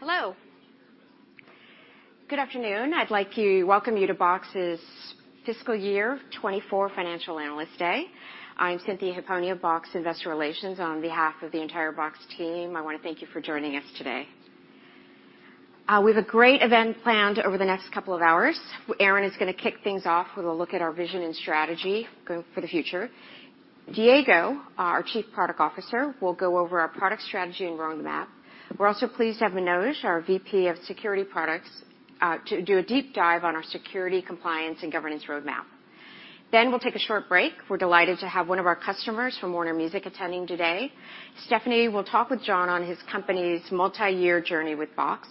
Hello. Good afternoon. I'd like to welcome you to Box's fiscal year 24 financial analyst day. I'm Cynthia Hiponia, Box investor relations. On behalf of the entire Box team, I wanna thank you for joining us today. We have a great event planned over the next couple of hours. Aaron is gonna kick things off with a look at our vision and strategy for the future. Diego, our Chief Product Officer, will go over our product strategy and roadmap. We're also pleased to have Manoj, our VP of Security Products, to do a deep dive on our security, compliance, and governance roadmap. We'll take a short break. We're delighted to have one of our customers from Warner Music attending today. Stephanie will talk with John on his company's multi-year journey with Box.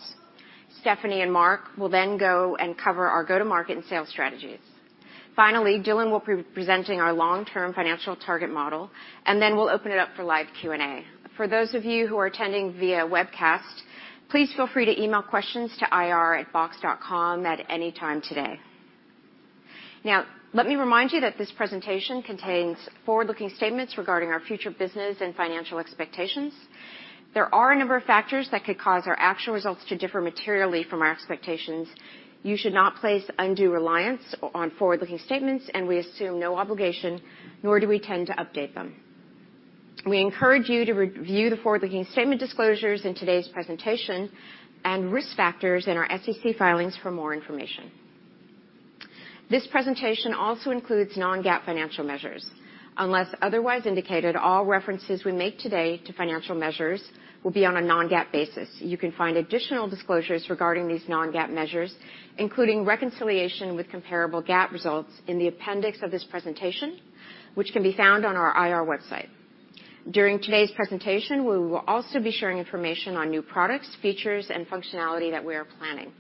Stephanie and Mark will go and cover our go-to-market and sales strategies. Dylan will pre-presenting our long-term financial target model, and then we'll open it up for live Q&A. For those of you who are attending via webcast, please feel free to email questions to ir@box.com at any time today. Let me remind you that this presentation contains forward-looking statements regarding our future business and financial expectations. There are a number of factors that could cause our actual results to differ materially from our expectations. You should not place undue reliance on forward-looking statements, and we assume no obligation, nor do we tend to update them. We encourage you to review the forward-looking statement disclosures in today's presentation and risk factors in our SEC filings for more information. This presentation also includes non-GAAP financial measures. Unless otherwise indicated, all references we make today to financial measures will be on a non-GAAP basis. You can find additional disclosures regarding these non-GAAP measures, including reconciliation with comparable GAAP results, in the appendix of this presentation, which can be found on our IR website. During today's presentation, we will also be sharing information on new products, features, and functionality that we are planning.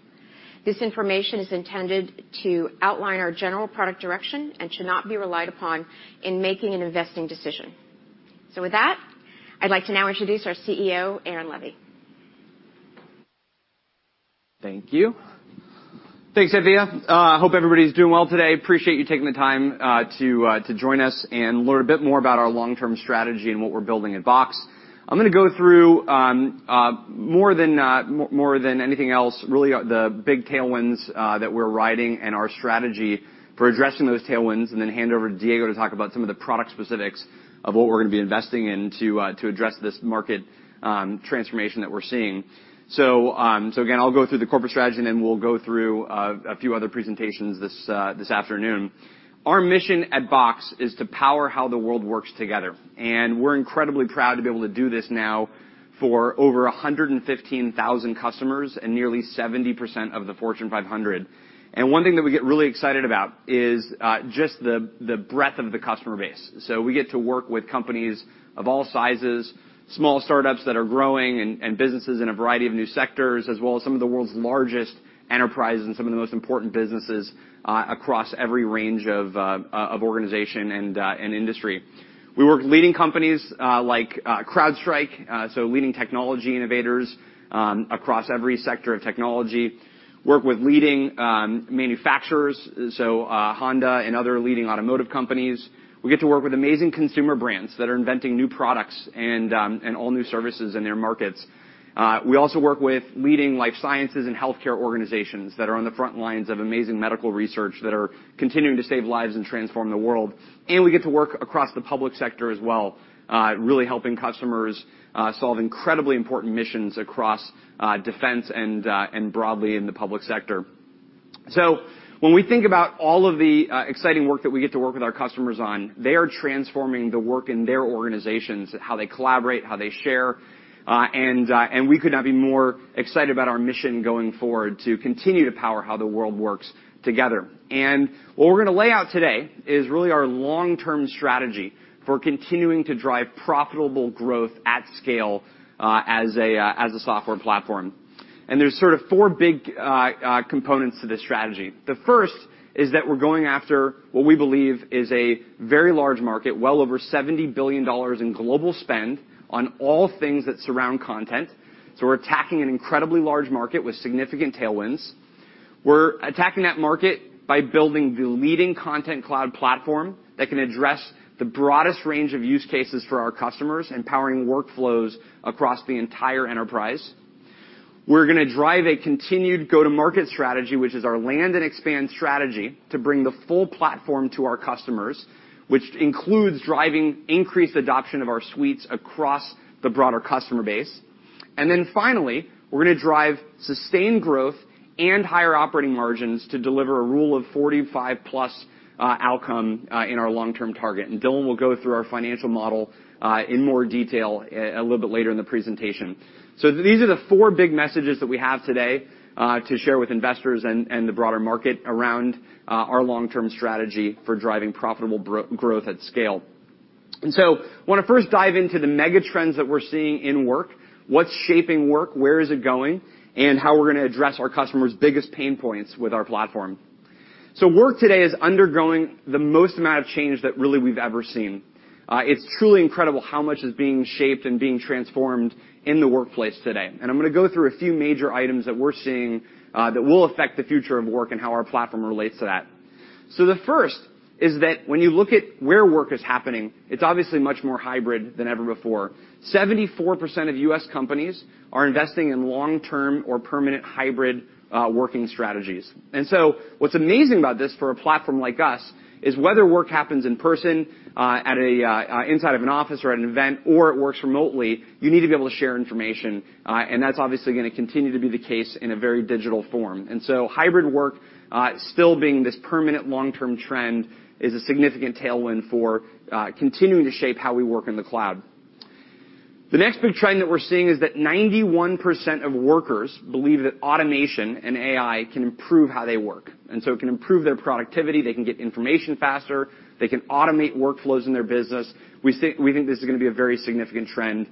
This information is intended to outline our general product direction and should not be relied upon in making an investing decision. With that, I'd like to now introduce our CEO, Aaron Levie. Thank you. Thanks, Cynthia. I hope everybody's doing well today. Appreciate you taking the time to join us and learn a bit more about our long-term strategy and what we're building at Box. I'm gonna go through more than anything else, really, the big tailwinds that we're riding and our strategy for addressing those tailwinds, and then hand over to Diego to talk about some of the product specifics of what we're gonna be investing in to address this market transformation that we're seeing. Again, I'll go through the corporate strategy, and then we'll go through a few other presentations this afternoon. Our mission at Box is to power how the world works together, we're incredibly proud to be able to do this now for over 115,000 customers and nearly 70% of the Fortune 500. One thing that we get really excited about is the breadth of the customer base. We get to work with companies of all sizes, small startups that are growing and businesses in a variety of new sectors, as well as some of the world's largest enterprises and some of the most important businesses across every range of organization and industry. We work with leading companies like CrowdStrike, leading technology innovators across every sector of technology. Work with leading manufacturers, Honda and other leading automotive companies. We get to work with amazing consumer brands that are inventing new products and all-new services in their markets. We also work with leading life sciences and healthcare organizations that are on the front lines of amazing medical research that are continuing to save lives and transform the world. We get to work across the public sector as well, really helping customers solve incredibly important missions across defense and broadly in the public sector. When we think about all of the exciting work that we get to work with our customers on, they are transforming the work in their organizations, how they collaborate, how they share, and we could not be more excited about our mission going forward to continue to power how the world works together. What we're gonna lay out today is really our long-term strategy for continuing to drive profitable growth at scale as a software platform. There's sort of four big components to this strategy. The first is that we're going after what we believe is a very large market, well over $70 billion in global spend on all things that surround content. We're attacking an incredibly large market with significant tailwinds. We're attacking that market by building the leading Content Cloud platform that can address the broadest range of use cases for our customers and powering workflows across the entire enterprise. We're gonna drive a continued go-to-market strategy, which is our land and expand strategy, to bring the full platform to our customers, which includes driving increased adoption of our Suites across the broader customer base. Finally, we're gonna drive sustained growth and higher operating margins to deliver a Rule of 45-plus outcome in our long-term target. Dylan will go through our financial model in more detail a little bit later in the presentation. These are the four big messages that we have today to share with investors and the broader market around our long-term strategy for driving profitable growth at scale. I wanna first dive into the mega trends that we're seeing in work, what's shaping work, where is it going, and how we're gonna address our customers' biggest pain points with our platform. Work today is undergoing the most amount of change that really we've ever seen. It's truly incredible how much is being shaped and being transformed in the workplace today. I'm gonna go through a few major items that we're seeing that will affect the future of work and how our platform relates to that. The first is that when you look at where work is happening, it's obviously much more hybrid than ever before. 74% of US companies are investing in long-term or permanent hybrid working strategies. What's amazing about this for a platform like us, is whether work happens in person, at a inside of an office or at an event, or it works remotely, you need to be able to share information, and that's obviously gonna continue to be the case in a very digital form. Hybrid work still being this permanent long-term trend is a significant tailwind for continuing to shape how we work in the cloud. The next big trend that we're seeing is that 91% of workers believe that automation and AI can improve how they work. It can improve their productivity, they can get information faster, they can automate workflows in their business. We think this is gonna be a very significant trend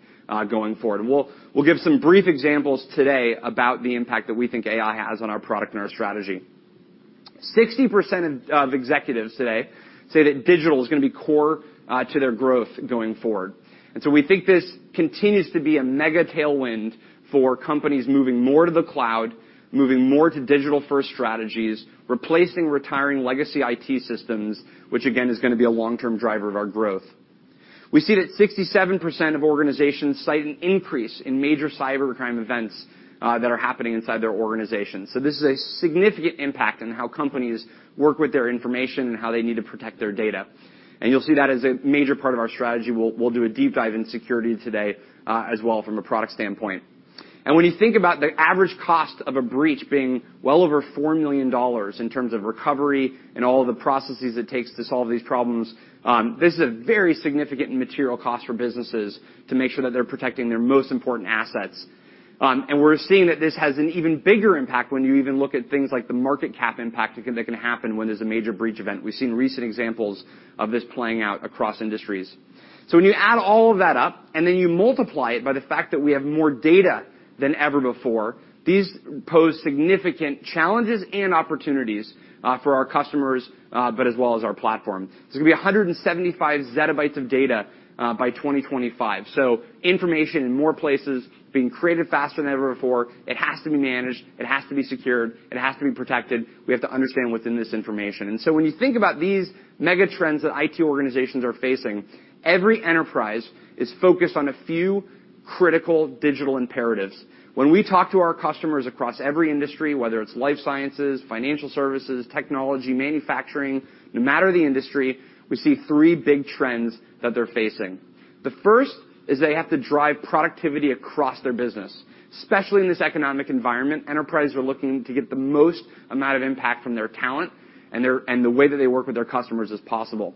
going forward. We'll give some brief examples today about the impact that we think AI has on our product and our strategy. 60% of executives today say that digital is gonna be core to their growth going forward. We think this continues to be a mega tailwind for companies moving more to the cloud, moving more to digital-first strategies, replacing retiring legacy IT systems, which again is gonna be a long-term driver of our growth. We see that 67% of organizations cite an increase in major cybercrime events that are happening inside their organization. This is a significant impact on how companies work with their information and how they need to protect their data. You'll see that as a major part of our strategy. We'll do a deep dive in security today as well from a product standpoint. When you think about the average cost of a breach being well over $4 million in terms of recovery and all of the processes it takes to solve these problems, this is a very significant and material cost for businesses to make sure that they're protecting their most important assets. We're seeing that this has an even bigger impact when you even look at things like the market cap impact that can happen when there's a major breach event. We've seen recent examples of this playing out across industries. When you add all of that up and then you multiply it by the fact that we have more data than ever before, these pose significant challenges and opportunities for our customers, but as well as our platform. There's gonna be 175 ZB of data by 2025. Information in more places being created faster than ever before. It has to be managed, it has to be secured, it has to be protected. We have to understand what's in this information. When you think about these mega trends that IT organizations are facing, every enterprise is focused on a few critical digital imperatives. When we talk to our customers across every industry, whether it's life sciences, financial services, technology, manufacturing, no matter the industry, we see three big trends that they're facing. The first is they have to drive productivity across their business, especially in this economic environment, enterprises are looking to get the most amount of impact from their talent and the way that they work with their customers as possible.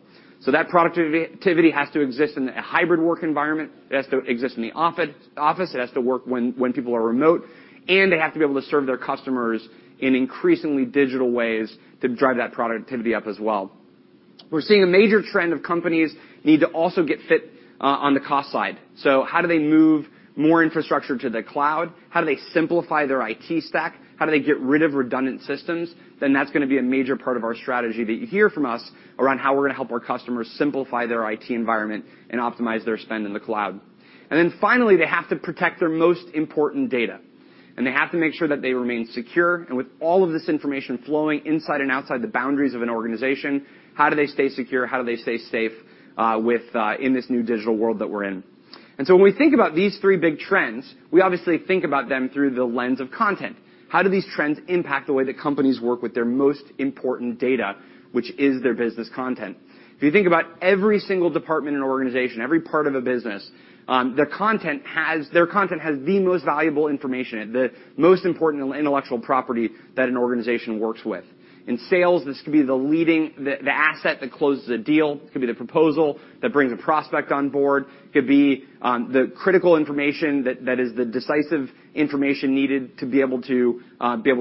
That productivity has to exist in a hybrid work environment. It has to exist in the office, it has to work when people are remote, and they have to be able to serve their customers in increasingly digital ways to drive that productivity up as well. We're seeing a major trend of companies need to also get fit on the cost side. How do they move more infrastructure to the cloud? How do they simplify their IT stack? How do they get rid of redundant systems? That's gonna be a major part of our strategy that you hear from us around how we're gonna help our customers simplify their IT environment and optimize their spend in the cloud. Finally, they have to protect their most important data, and they have to make sure that they remain secure. With all of this information flowing inside and outside the boundaries of an organization, how do they stay secure? How do they stay safe with in this new digital world that we're in? When we think about these three big trends, we obviously think about them through the lens of content. How do these trends impact the way that companies work with their most important data, which is their business content? If you think about every single department and organization, every part of a business, their content has the most valuable information, the most important intellectual property that an organization works with. In sales, this could be the asset that closes a deal. It could be the proposal that brings a prospect on board. It could be the critical information that is the decisive information needed to be able to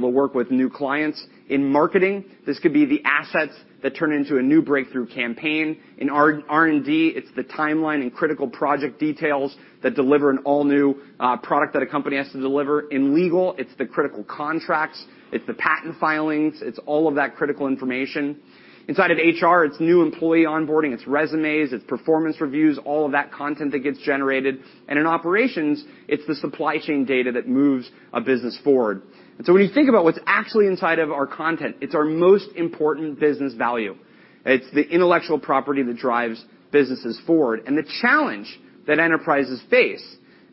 work with new clients. In marketing, this could be the assets that turn into a new breakthrough campaign. In R&D, it's the timeline and critical project details that deliver an all-new product that a company has to deliver. In legal, it's the critical contracts, it's the patent filings, it's all of that critical information. Inside of HR, it's new employee onboarding, its resumes, its performance reviews, all of that content that gets generated. In operations, it's the supply chain data that moves a business forward. When you think about what's actually inside of our content, it's our most important business value. It's the intellectual property that drives businesses forward. The challenge that enterprises face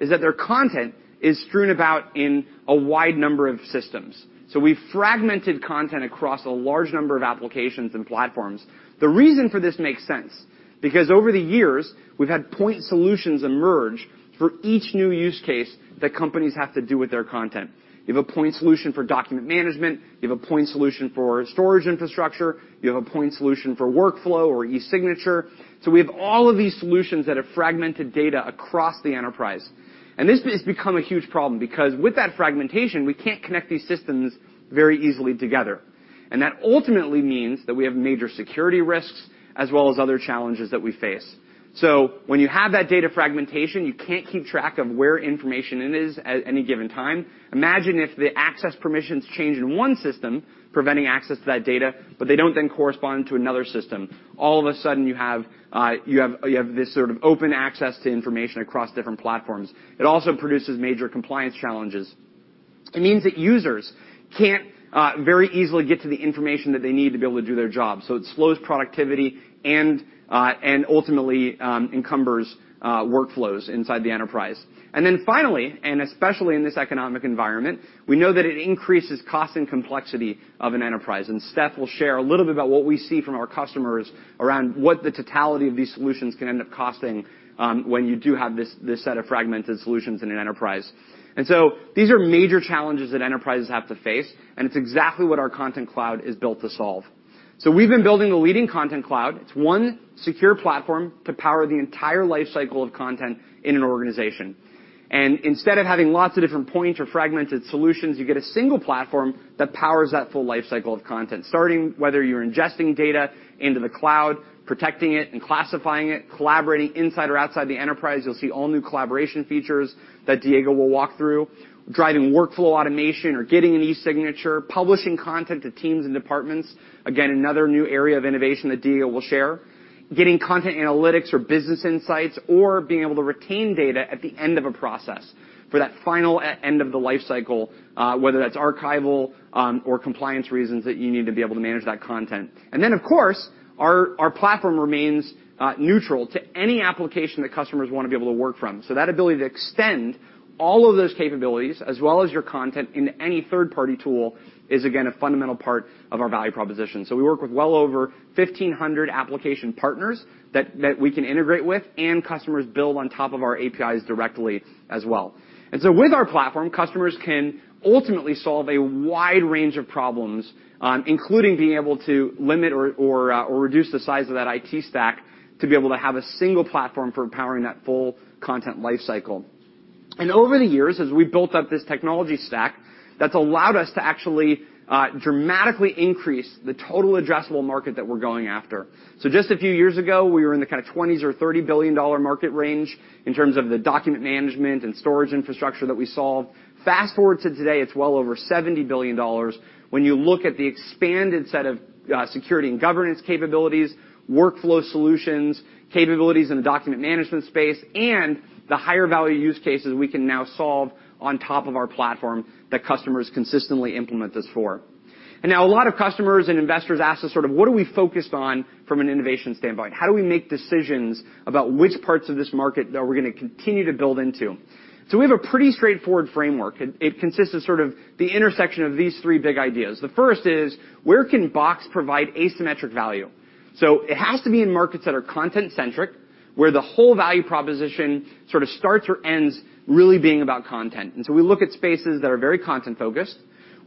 is that their content is strewn about in a wide number of systems. We've fragmented content across a large number of applications and platforms. The reason for this makes sense, because over the years, we've had point solutions emerge for each new use case that companies have to do with their content. You have a point solution for document management. You have a point solution for storage infrastructure. You have a point solution for workflow or e-signature. We have all of these solutions that have fragmented data across the enterprise. This has become a huge problem because with that fragmentation, we can't connect these systems very easily together. That ultimately means that we have major security risks as well as other challenges that we face. When you have that data fragmentation, you can't keep track of where information it is at any given time. Imagine if the access permissions change in one system preventing access to that data, but they don't then correspond to another system. All of a sudden, you have this sort of open access to information across different platforms. It also produces major compliance challenges. It means that users can't very easily get to the information that they need to be able to do their job. It slows productivity and ultimately encumbers workflows inside the enterprise. Finally, and especially in this economic environment, we know that it increases cost and complexity of an enterprise. Steph will share a little bit about what we see from our customers around what the totality of these solutions can end up costing when you do have this set of fragmented solutions in an enterprise. These are major challenges that enterprises have to face, and it's exactly what our Content Cloud is built to solve. We've been building a leading content cloud. It's one secure platform to power the entire life cycle of content in an organization. Instead of having lots of different points or fragmented solutions, you get a single platform that powers that full life cycle of content, starting whether you're ingesting data into the cloud, protecting it and classifying it, collaborating inside or outside the enterprise. You'll see all new collaboration features that Diego will walk through. Driving workflow automation or getting an e-signature, publishing content to teams and departments, again, another new area of innovation that Diego will share. Getting content analytics or business insights or being able to retain data at the end of a process for that final end of the life cycle, whether that's archival, or compliance reasons that you need to be able to manage that content. Of course, our platform remains neutral to any application that customers wanna be able to work from. That ability to extend all of those capabilities as well as your content into any third-party tool is, again, a fundamental part of our value proposition. We work with well over 1,500 application partners that we can integrate with, and customers build on top of our APIs directly as well. With our platform, customers can ultimately solve a wide range of problems, including being able to limit or reduce the size of that IT stack to be able to have a single platform for powering that full content life cycle. Over the years, as we built up this technology stack, that's allowed us to actually dramatically increase the total addressable market that we're going after. Just a few years ago, we were in the kind of $20s or $30 billion market range in terms of the document management and storage infrastructure that we solve. Fast-forward to today, it's well over $70 billion when you look at the expanded set of security and governance capabilities, workflow solutions, capabilities in the document management space, and the higher value use cases we can now solve on top of our platform that customers consistently implement this for. Now a lot of customers and investors ask us sort of, what are we focused on from an innovation standpoint? How do we make decisions about which parts of this market are we going to continue to build into? We have a pretty straightforward framework. It consists of sort of the intersection of these three big ideas. The first is, where can Box provide asymmetric value? It has to be in markets that are content-centric, where the whole value proposition sort of starts or ends really being about content. We look at spaces that are very content-focused.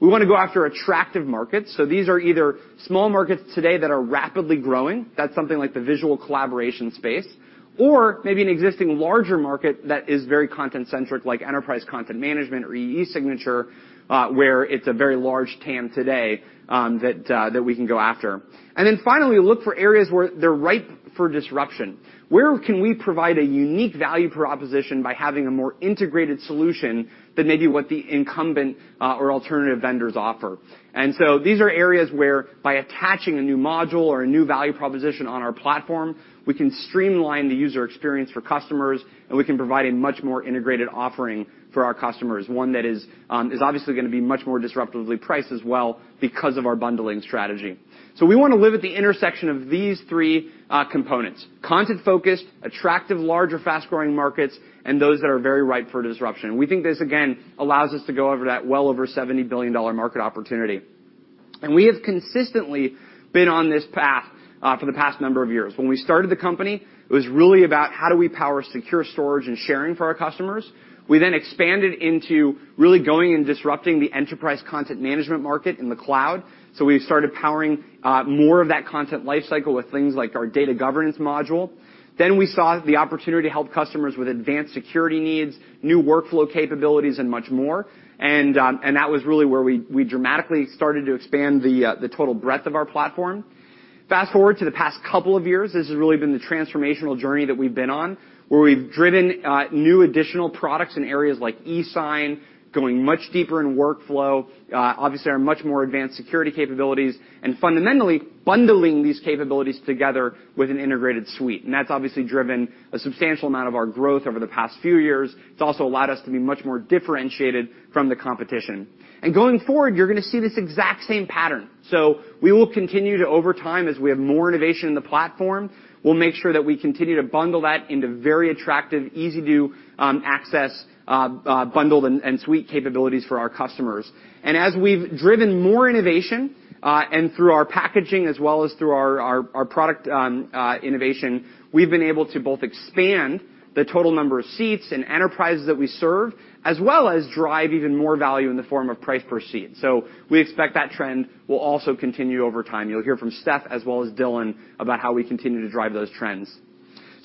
We wanna go after attractive markets, so these are either small markets today that are rapidly growing, that's something like the visual collaboration space, or maybe an existing larger market that is very content-centric, like enterprise content management or e-signature, where it's a very large TAM today, that we can go after. Finally, look for areas where they're ripe for disruption. Where can we provide a unique value proposition by having a more integrated solution than maybe what the incumbent or alternative vendors offer? These are areas where by attaching a new module or a new value proposition on our platform, we can streamline the user experience for customers, and we can provide a much more integrated offering for our customers, one that is obviously gonna be much more disruptively priced as well because of our bundling strategy. We wanna live at the intersection of these three components, content-focused, attractive, larger, fast-growing markets, and those that are very ripe for disruption. We think this, again, allows us to go over that well over $70 billion market opportunity. We have consistently been on this path for the past number of years. When we started the company, it was really about how do we power secure storage and sharing for our customers. We then expanded into really going and disrupting the enterprise content management market in the cloud. We started powering more of that content life cycle with things like our data governance module. We saw the opportunity to help customers with advanced security needs, new workflow capabilities, and much more. That was really where we dramatically started to expand the total breadth of our platform. Fast-forward to the past couple of years, this has really been the transformational journey that we've been on, where we've driven new additional products in areas like e-sign, going much deeper in workflow, obviously our much more advanced security capabilities, and fundamentally bundling these capabilities together with an integrated suite. That's obviously driven a substantial amount of our growth over the past few years. It's also allowed us to be much more differentiated from the competition. Going forward, you're gonna see this exact same pattern. We will continue to, over time, as we have more innovation in the platform, we'll make sure that we continue to bundle that into very attractive, easy to access, bundled and suite capabilities for our customers. As we've driven more innovation, and through our packaging as well as through our product innovation, we've been able to both expand the total number of seats and enterprises that we serve, as well as drive even more value in the form of price per seat. We expect that trend will also continue over time. You'll hear from Steph as well as Dylan about how we continue to drive those trends.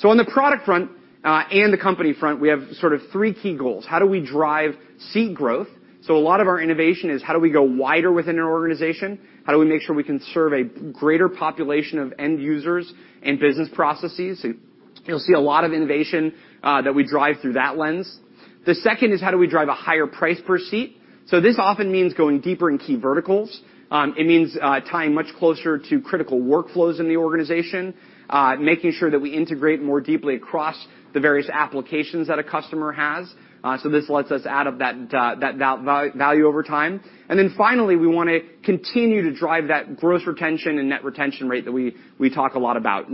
On the product front, and the company front, we have sort of three key goals. How do we drive seat growth? A lot of our innovation is how do we go wider within an organization? How do we make sure we can serve a greater population of end users and business processes? You'll see a lot of innovation that we drive through that lens. The second is how do we drive a higher price per seat? This often means going deeper in key verticals. It means tying much closer to critical workflows in the organization, making sure that we integrate more deeply across the various applications that a customer has. This lets us add up that value over time. Finally, we wanna continue to drive that gross retention and net retention rate that we talk a lot about.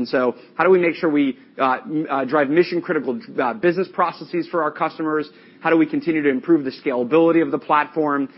How do we make sure we drive mission-critical business processes for our customers? How do we continue to improve the scalability of the platform?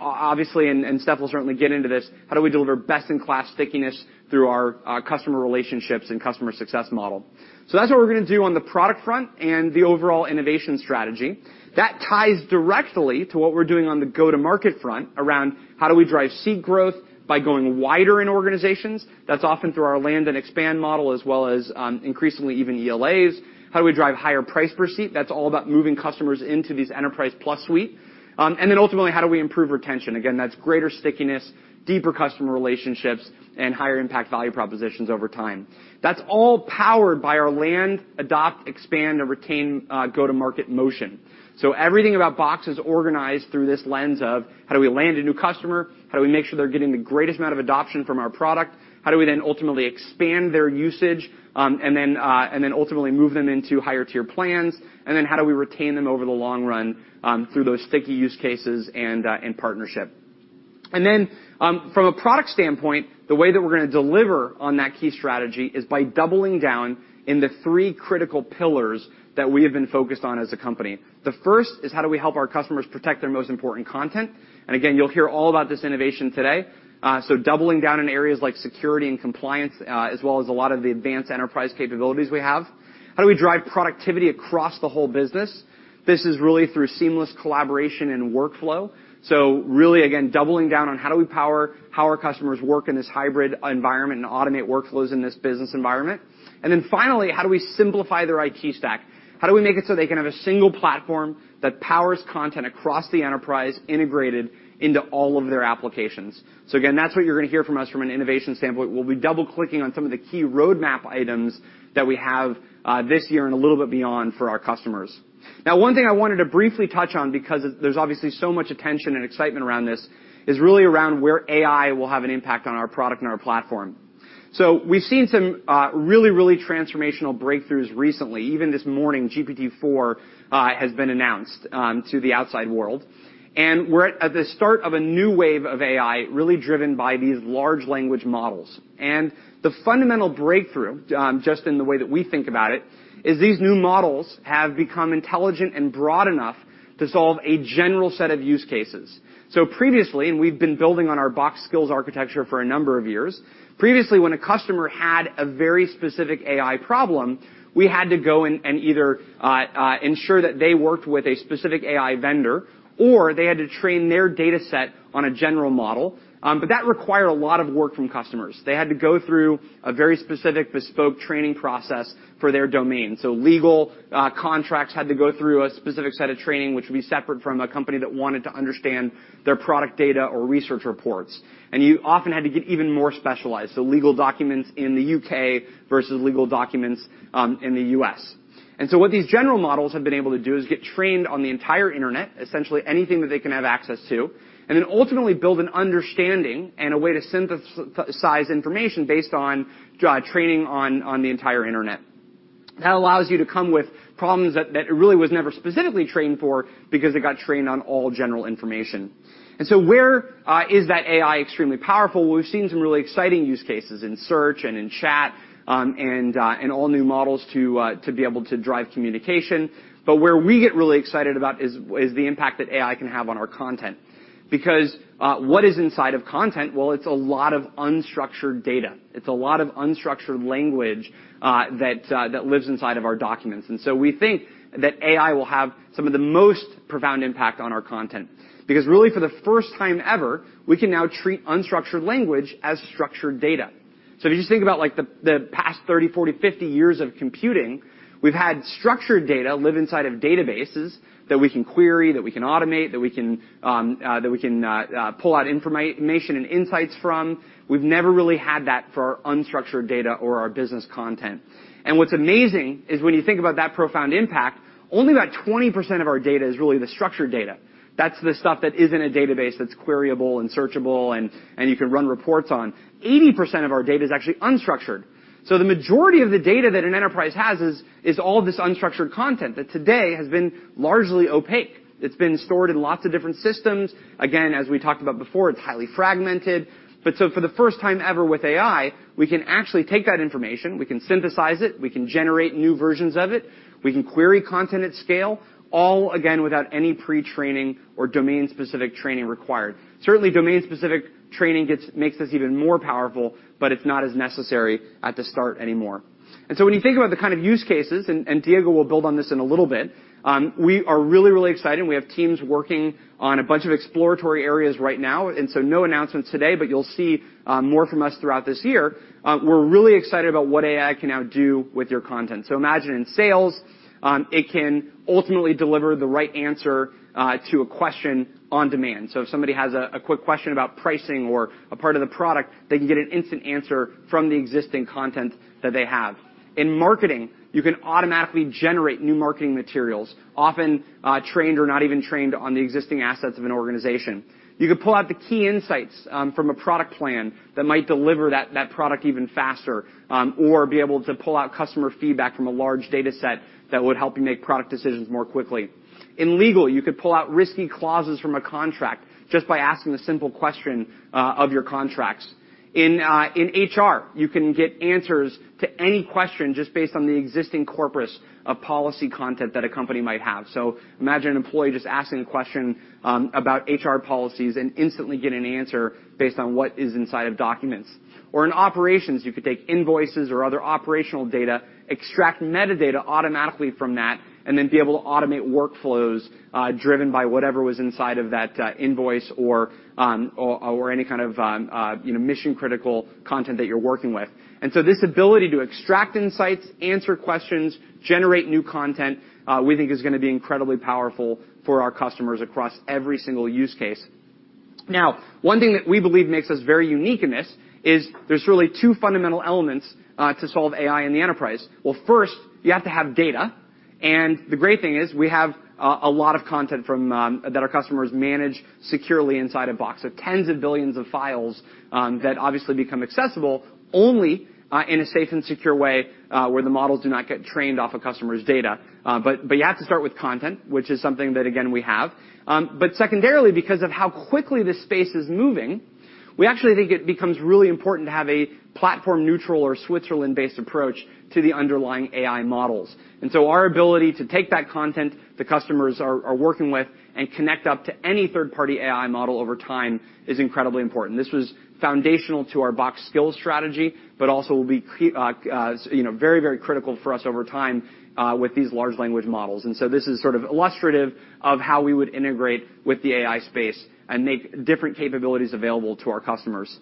Obviously, and Steph will certainly get into this, how do we deliver best-in-class stickiness through our customer relationships and customer success model? That's what we're gonna do on the product front and the overall innovation strategy. That ties directly to what we're doing on the go-to-market front, around how do we drive seat growth by going wider in organizations. That's often through our land and expand model as well as increasingly even ELAs. How do we drive higher price per seat? That's all about moving customers into these Enterprise Plus suite. Ultimately, how do we improve retention? Again, that's greater stickiness, deeper customer relationships, and higher impact value propositions over time. That's all powered by our land, adopt, expand, and retain go-to-market motion. Everything about Box is organized through this lens of how do we land a new customer, how do we make sure they're getting the greatest amount of adoption from our product, how do we then ultimately expand their usage, and then, and then ultimately move them into higher tier plans, and then how do we retain them over the long run, through those sticky use cases and partnership. From a product standpoint, the way that we're gonna deliver on that key strategy is by doubling down in the three critical pillars that we have been focused on as a company. The first is how do we help our customers protect their most important content? Again, you'll hear all about this innovation today. Doubling down in areas like security and compliance, as well as a lot of the advanced enterprise capabilities we have. How do we drive productivity across the whole business? This is really through seamless collaboration and workflow. Really, again, doubling down on how do we power how our customers work in this hybrid environment and automate workflows in this business environment. Finally, how do we simplify their IT stack? How do we make it so they can have a single platform that powers content across the enterprise integrated into all of their applications? Again, that's what you're gonna hear from us from an innovation standpoint. We'll be double-clicking on some of the key roadmap items that we have this year and a little bit beyond for our customers. One thing I wanted to briefly touch on, because there's obviously so much attention and excitement around this, is really around where AI will have an impact on our product and our platform. We've seen some really transformational breakthroughs recently. Even this morning, GPT-4 has been announced to the outside world. We're at the start of a new wave of AI really driven by these large language models. The fundamental breakthrough just in the way that we think about it, is these new models have become intelligent and broad enough to solve a general set of use cases. Previously, and we've been building on our Box Skills architecture for a number of years. Previously, when a customer had a very specific AI problem, we had to go and either ensure that they worked with a specific AI vendor or they had to train their dataset on a general model. That required a lot of work from customers. They had to go through a very specific bespoke training process for their domain. Legal contracts had to go through a specific set of training, which would be separate from a company that wanted to understand their product data or research reports. You often had to get even more specialized, so legal documents in The U.K. versus legal documents in The U.S. What these general models have been able to do is get trained on the entire internet, essentially anything that they can have access to, and then ultimately build an understanding and a way to synthesize information based on training on the entire internet. That allows you to come with problems that it really was never specifically trained for because it got trained on all general information. Where is that AI extremely powerful? We've seen some really exciting use cases in search and in chat, and in all new models to be able to drive communication. Where we get really excited about is the impact that AI can have on our content. What is inside of content? Well, it's a lot of unstructured data. It's a lot of unstructured language that lives inside of our documents. We think that AI will have some of the most profound impact on our content. Really, for the first time ever, we can now treat unstructured language as structured data. If you just think about, like, the past 30, 40, 50 years of computing, we've had structured data live inside of databases that we can query, that we can automate, that we can pull out information and insights from. We've never really had that for our unstructured data or our business content. What's amazing is when you think about that profound impact, only about 20% of our data is really the structured data. That's the stuff that is in a database that's queryable and searchable and you can run reports on. 80% of our data is actually unstructured. The majority of the data that an enterprise has is all this unstructured content that today has been largely opaque. It's been stored in lots of different systems. Again, as we talked about before, it's highly fragmented. For the first time ever with AI, we can actually take that information, we can synthesize it, we can generate new versions of it, we can query content at scale, all again without any pre-training or domain-specific training required. Certainly, domain-specific training makes us even more powerful, but it's not as necessary at the start anymore. When you think about the kind of use cases, and Diego will build on this in a little bit, we are really, really excited, and we have teams working on a bunch of exploratory areas right now, no announcements today, but you'll see more from us throughout this year. We're really excited about what AI can now do with your content. Imagine in sales, it can ultimately deliver the right answer to a question on demand. If somebody has a quick question about pricing or a part of the product, they can get an instant answer from the existing content that they have. In marketing, you can automatically generate new marketing materials, often trained or not even trained on the existing assets of an organization. You can pull out the key insights from a product plan that might deliver that product even faster or be able to pull out customer feedback from a large data set that would help you make product decisions more quickly. In legal, you could pull out risky clauses from a contract just by asking a simple question of your contracts. In HR, you can get answers to any question just based on the existing corpus of policy content that a company might have. Imagine an employee just asking a question about HR policies and instantly get an answer based on what is inside of documents. In operations, you could take invoices or other operational data, extract metadata automatically from that, and then be able to automate workflows, driven by whatever was inside of that invoice or any kind of, you know, mission-critical content that you're working with. This ability to extract insights, answer questions, generate new content, we think is gonna be incredibly powerful for our customers across every single use case. One thing that we believe makes us very unique in this is there's really two fundamental elements to solve AI in the enterprise. Well, first, you have to have data, and the great thing is we have a lot of content from that our customers manage securely inside of Box. Tens of billions of files, that obviously become accessible only in a safe and secure way, where the models do not get trained off a customer's data. You have to start with content, which is something that, again, we have. Secondarily, because of how quickly this space is moving, we actually think it becomes really important to have a platform-neutral or Switzerland-based approach to the underlying AI models. Our ability to take that content the customers are working with and connect up to any third-party AI model over time is incredibly important. This was foundational to our Box Skills strategy, but also will be you know, very critical for us over time with these large language models. This is sort of illustrative of how we would integrate with the AI space and make different capabilities available to our customers.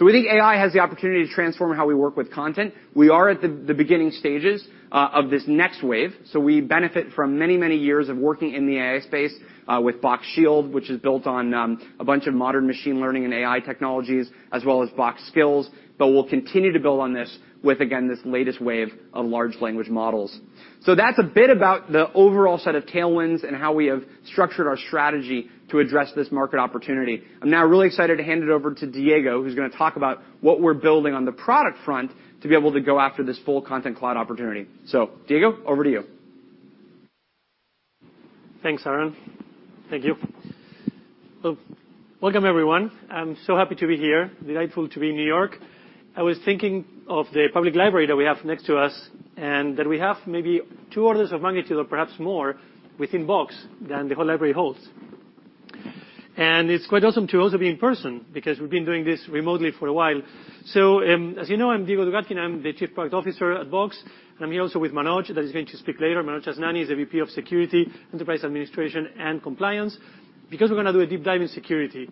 We think AI has the opportunity to transform how we work with content. We are at the beginning stages of this next wave. We benefit from many years of working in the AI space with Box Shield, which is built on a bunch of modern machine learning and AI technologies, as well as Box Skills. We'll continue to build on this with, again, this latest wave of large language models. That's a bit about the overall set of tailwinds and how we have structured our strategy to address this market opportunity. I'm now really excited to hand it over to Diego, who's gonna talk about what we're building on the product front to be able to go after this full Content Cloud opportunity. Diego, over to you. Thanks, Aaron. Thank you. Well, welcome everyone. I'm so happy to be here. Delightful to be in New York. I was thinking of the public library that we have next to us, and that we have maybe 2 orders of magnitude or perhaps more within Box than the whole library holds. It's quite awesome to also be in person because we've been doing this remotely for a while. As you know, I'm Diego Dugatkin. I'm the Chief Product Officer at Box, and I'm here also with Manoj, that is going to speak later. Manoj Jasani is the VP of Security, Enterprise Administration, and Compliance. We're gonna do a deep dive in security.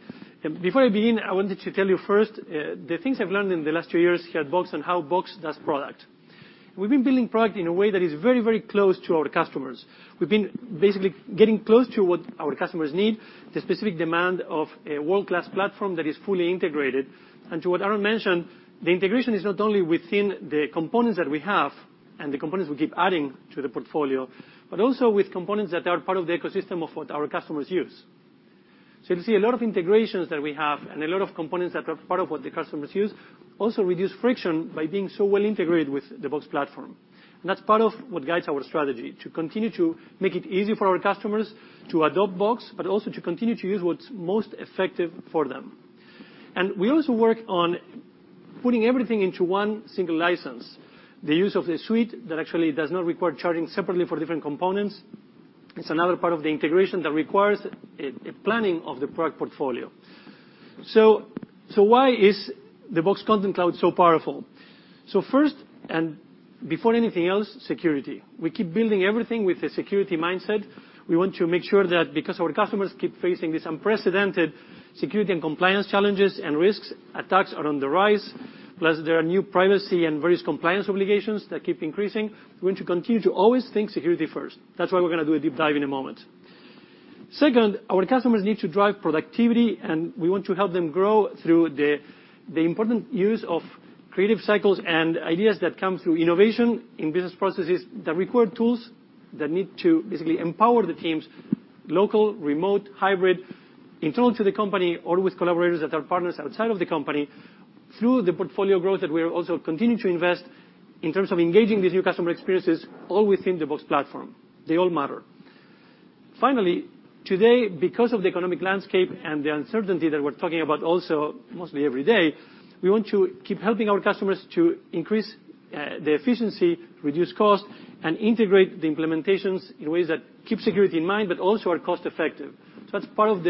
Before I begin, I wanted to tell you first, the things I've learned in the last 2 years here at Box and how Box does product. We've been building product in a way that is very, very close to our customers. We've been basically getting close to what our customers need, the specific demand of a world-class platform that is fully integrated. To what Aaron mentioned, the integration is not only within the components that we have and the components we keep adding to the portfolio, but also with components that are part of the ecosystem of what our customers use. You'll see a lot of integrations that we have and a lot of components that are part of what the customers use also reduce friction by being so well integrated with the Box platform. That's part of what guides our strategy, to continue to make it easy for our customers to adopt Box, but also to continue to use what's most effective for them. We also work on putting everything into one single license. The use of the suite that actually does not require charging separately for different components, it's another part of the integration that requires a planning of the product portfolio. Why is the Box Content Cloud so powerful? First, and before anything else, security. We keep building everything with a security mindset. We want to make sure that because our customers keep facing these unprecedented security and compliance challenges and risks, attacks are on the rise. Plus, there are new privacy and various compliance obligations that keep increasing. We want to continue to always think security first. That's why we're gonna do a deep dive in a moment. Our customers need to drive productivity, and we want to help them grow through the important use of creative cycles and ideas that come through innovation in business processes that require tools that need to basically empower the teams, local, remote, hybrid, internal to the company, or with collaborators that are partners outside of the company, through the portfolio growth that we're also continuing to invest in terms of engaging these new customer experiences all within the Box platform. They all matter. Today, because of the economic landscape and the uncertainty that we're talking about also, mostly every day, we want to keep helping our customers to increase the efficiency, reduce cost, and integrate the implementations in ways that keep security in mind, but also are cost-effective. That's part of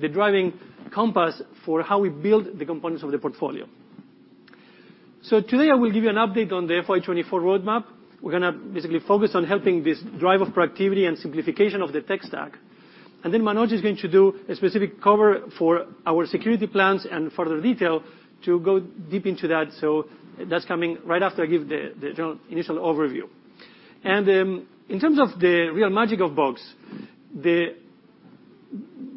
the driving compass for how we build the components of the portfolio. Today, I will give you an update on the FY24 roadmap. We're gonna basically focus on helping this drive of productivity and simplification of the tech stack. Manoj is going to do a specific cover for our security plans and further detail to go deep into that, so that's coming right after I give the general initial overview. In terms of the real magic of Box,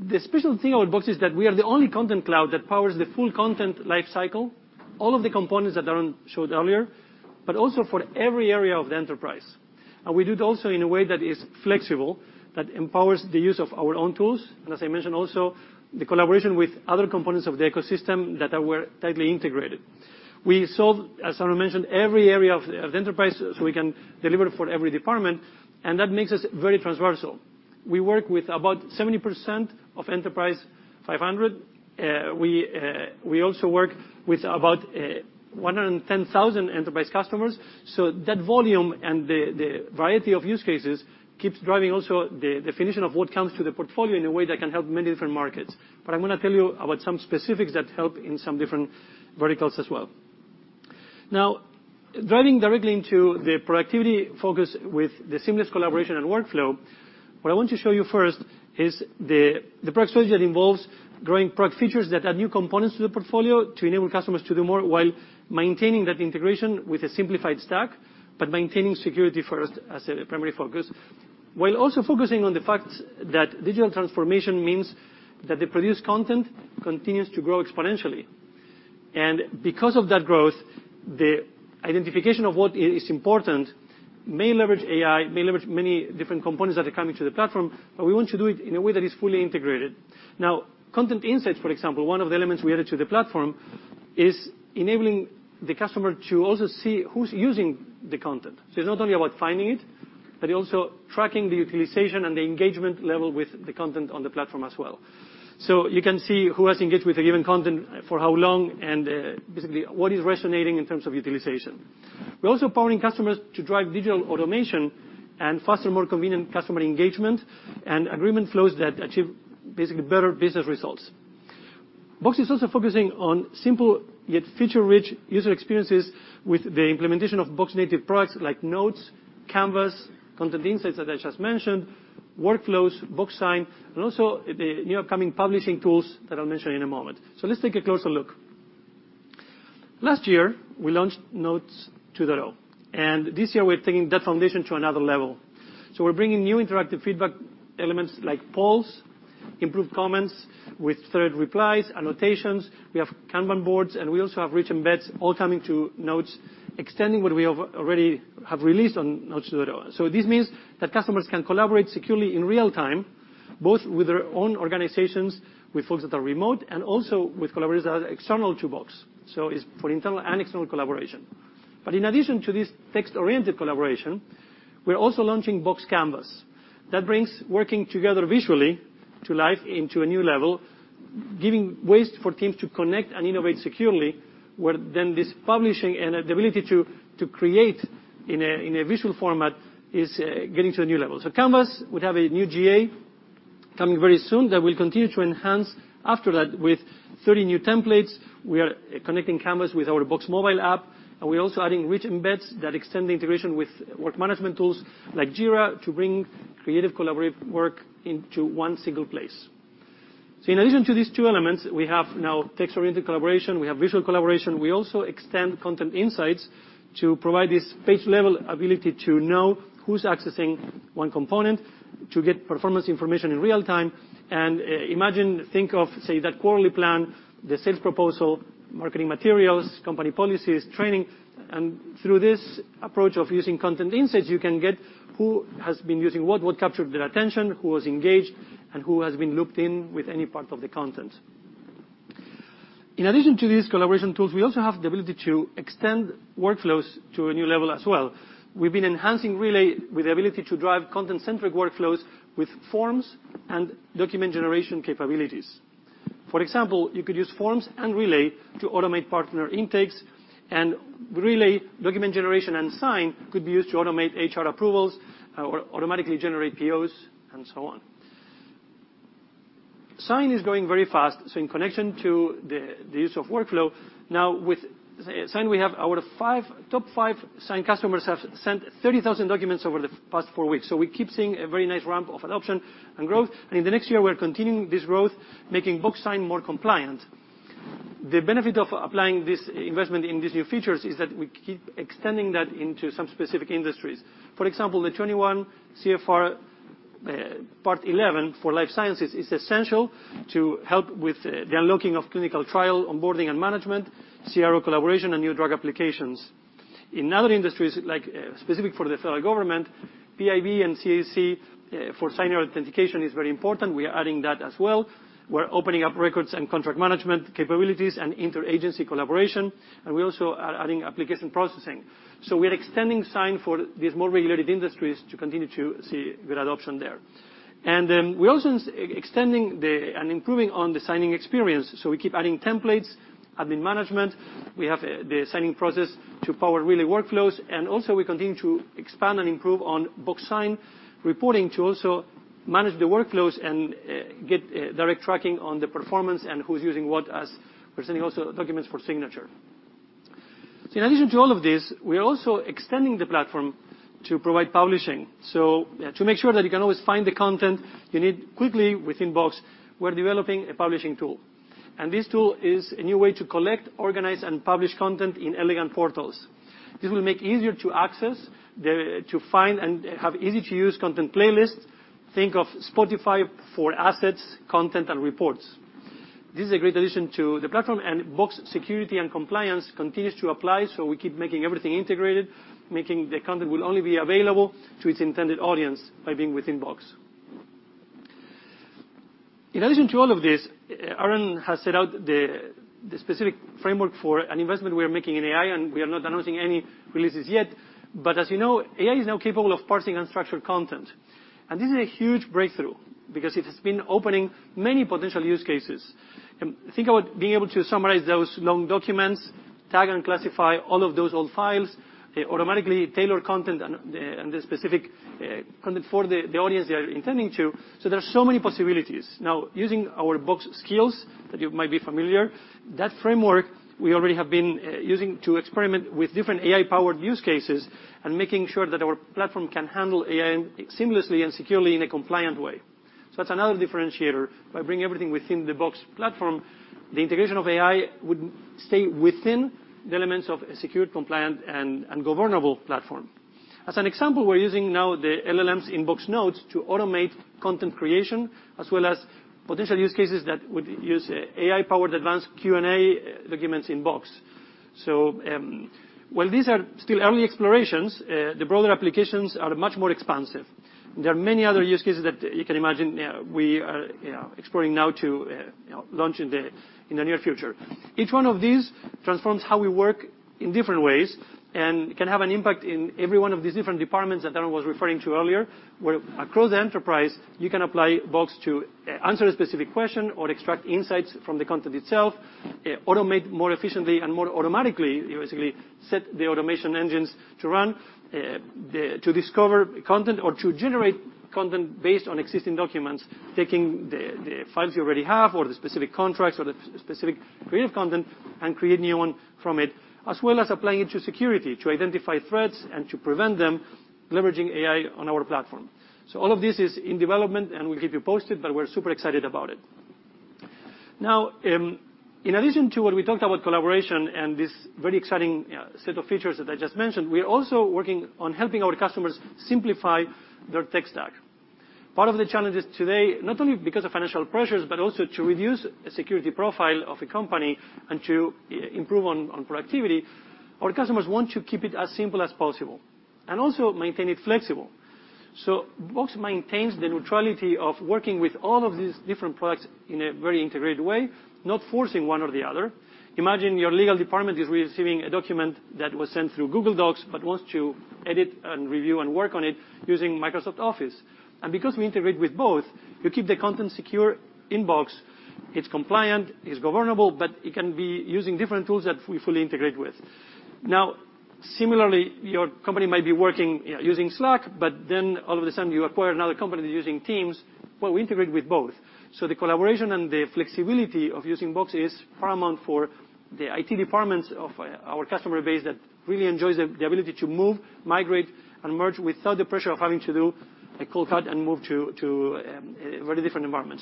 the special thing about Box is that we are the only Content Cloud that powers the full content life cycle, all of the components that Aaron showed earlier, but also for every area of the enterprise. We do it also in a way that is flexible, that empowers the use of our own tools, and as I mentioned also, the collaboration with other components of the ecosystem that were tightly integrated. We solve, as Aaron mentioned, every area of the enterprise, so we can deliver for every department, and that makes us very transversal. We work with about 70% of Fortune 500. We also work with about 110,000 enterprise customers, so that volume and the variety of use cases keeps driving also the definition of what comes to the portfolio in a way that can help many different markets. I'm gonna tell you about some specifics that help in some different verticals as well. Diving directly into the productivity focus with the seamless collaboration and workflow, what I want to show you first is the product strategy that involves growing product features that add new components to the portfolio to enable customers to do more while maintaining that integration with a simplified stack, but maintaining security first as a primary focus. Also focusing on the fact that digital transformation means that the produced content continues to grow exponentially. Because of that growth, the identification of what is important may leverage AI, may leverage many different components that are coming to the platform, but we want to do it in a way that is fully integrated. Content Insights, for example, one of the elements we added to the platform, is enabling the customer to also see who's using the content. It's not only about finding it, but also tracking the utilization and the engagement level with the content on the platform as well. You can see who has engaged with a given content, for how long, and basically what is resonating in terms of utilization. We're also empowering customers to drive digital automation and faster, more convenient customer engagement and agreement flows that achieve basically better business results. Box is also focusing on simple yet feature-rich user experiences with the implementation of Box native products like Notes, Canvas, Content Insights that I just mentioned, Workflows, Box Sign, and also the new upcoming publishing tools that I'll mention in a moment. Let's take a closer look. Last year, we launched Notes to the row, and this year we're taking that foundation to another level. We're bringing new interactive feedback elements like polls, improved comments with thread replies, annotations, we have Kanban boards, and we also have rich embeds all coming to Box Notes, extending what we have, already have released on Box Notes to the row. This means that customers can collaborate securely in real time, both with their own organizations, with folks that are remote, and also with collaborators that are external to Box. It's for internal and external collaboration. In addition to this text-oriented collaboration, we're also launching Box Canvas. That brings working together visually to life into a new level, giving ways for teams to connect and innovate securely, where then this publishing and the ability to create in a visual format is getting to a new level. Canvas would have a new GA coming very soon that we'll continue to enhance after that with 30 new templates. We are connecting Canvas with our Box mobile app, and we're also adding rich embeds that extend the integration with work management tools like Jira to bring creative collaborative work into one single place. In addition to these two elements, we have now text-oriented collaboration, we have visual collaboration, we also extend Content Insights to provide this page-level ability to know who's accessing one component, to get performance information in real time, think of, say, that quarterly plan, the sales proposal, marketing materials, company policies, training. Through this approach of using Content Insights, you can get who has been using what captured their attention, who was engaged, and who has been looped in with any part of the content. In addition to these collaboration tools, we also have the ability to extend workflows to a new level as well. We've been enhancing Relay with the ability to drive content-centric workflows with forms and document generation capabilities. For example, you could use forms and Relay to automate partner intakes, and Relay document generation and Sign could be used to automate HR approvals or automatically generate POs, and so on. Sign is growing very fast. In connection to the use of workflow, now with Sign we have our top five Sign customers have sent 30,000 documents over the past four weeks. We keep seeing a very nice ramp of adoption and growth. In the next year, we're continuing this growth, making Box Sign more compliant. The benefit of applying this investment in these new features is that we keep extending that into some specific industries. For example, the 21 CFR Part 11 for life sciences is essential to help with the unlocking of clinical trial, onboarding and management, CRO collaboration, and new drug applications. In other industries, like specific for the federal government, PIV and CAC for signer authentication is very important. We are adding that as well. We're opening up records and contract management capabilities and inter-agency collaboration, and we also are adding application processing. We are extending Sign for these more regulated industries to continue to see good adoption there. We're also extending and improving on the signing experience. We keep adding templates, admin management. We have the signing process to power really workflows. We continue to expand and improve on Box Sign reporting to also manage the workflows and get direct tracking on the performance and who's using what as we're sending also documents for signature. In addition to all of this, we are also extending the platform to provide publishing. To make sure that you can always find the content you need quickly within Box, we're developing a publishing tool. This tool is a new way to collect, organize, and publish content in elegant portals. This will make easier to access, to find, and have easy-to-use content playlist. Think of Spotify for assets, content, and reports. This is a great addition to the platform. Box Security and Compliance continues to apply. We keep making everything integrated, making the content will only be available to its intended audience by being within Box. In addition to all of this, Aaron has set out the specific framework for an investment we are making in AI. We are not announcing any releases yet. As you know, AI is now capable of parsing unstructured content. This is a huge breakthrough because it has been opening many potential use cases. Think about being able to summarize those long documents, tag and classify all of those old files, automatically tailor content and the specific content for the audience they are intending to. There are so many possibilities. Now, using our Box Skills that you might be familiar, that framework we already have been using to experiment with different AI-powered use cases and making sure that our platform can handle AI seamlessly and securely in a compliant way. That's another differentiator. By bringing everything within the Box platform, the integration of AI would stay within the elements of a secured, compliant, and governable platform. As an example, we're using now the LLMs in Box Notes to automate content creation, as well as potential use cases that would use AI-powered advanced Q&A documents in Box. While these are still early explorations, the broader applications are much more expansive. There are many other use cases that you can imagine, we are exploring now to launch in the near future. Each one of these transforms how we work in different ways and can have an impact in every one of these different departments that Aaron was referring to earlier, where across the enterprise, you can apply Box to answer a specific question or extract insights from the content itself, automate more efficiently and more automatically. You basically set the automation engines to run, to discover content or to generate content based on existing documents, taking the files you already have, or the specific contracts or the specific creative content and create new one from it. As well as applying it to security, to identify threats and to prevent them leveraging AI on our platform. All of this is in development, and we'll keep you posted, but we're super excited about it. In addition to what we talked about collaboration and this very exciting set of features that I just mentioned, we are also working on helping our customers simplify their tech stack. Part of the challenges today, not only because of financial pressures, but also to reduce security profile of a company and to improve on productivity, our customers want to keep it as simple as possible and also maintain it flexible. Box maintains the neutrality of working with all of these different products in a very integrated way, not forcing one or the other. Imagine your legal department is receiving a document that was sent through Google Docs but wants to edit and review and work on it using Microsoft Office. Because we integrate with both, you keep the content secure in Box. It's compliant, it's governable, but it can be using different tools that we fully integrate with. Similarly, your company might be working, using Slack, but then all of a sudden, you acquire another company that's using Teams, well, we integrate with both. The collaboration and the flexibility of using Box is paramount for the IT departments of our customer base that really enjoys the ability to move, migrate, and merge without the pressure of having to do a cold cut and move to a very different environment.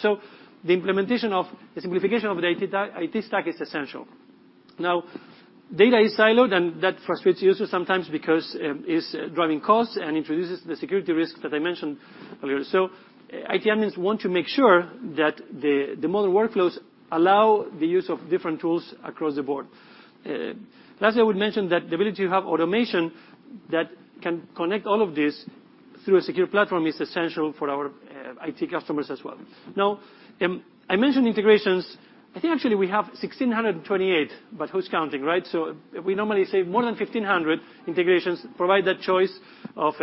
The implementation of the simplification of the IT stack is essential. Data is siloed, and that frustrates users sometimes because it's driving costs and introduces the security risk that I mentioned earlier. IT admins want to make sure that the modern workflows allow the use of different tools across the board. Lastly, I would mention that the ability to have automation that can connect all of this through a secure platform is essential for our IT customers as well. Now, I mentioned integrations. I think actually we have 1,628, but who's counting, right? We normally say more than 1,500 integrations provide that choice of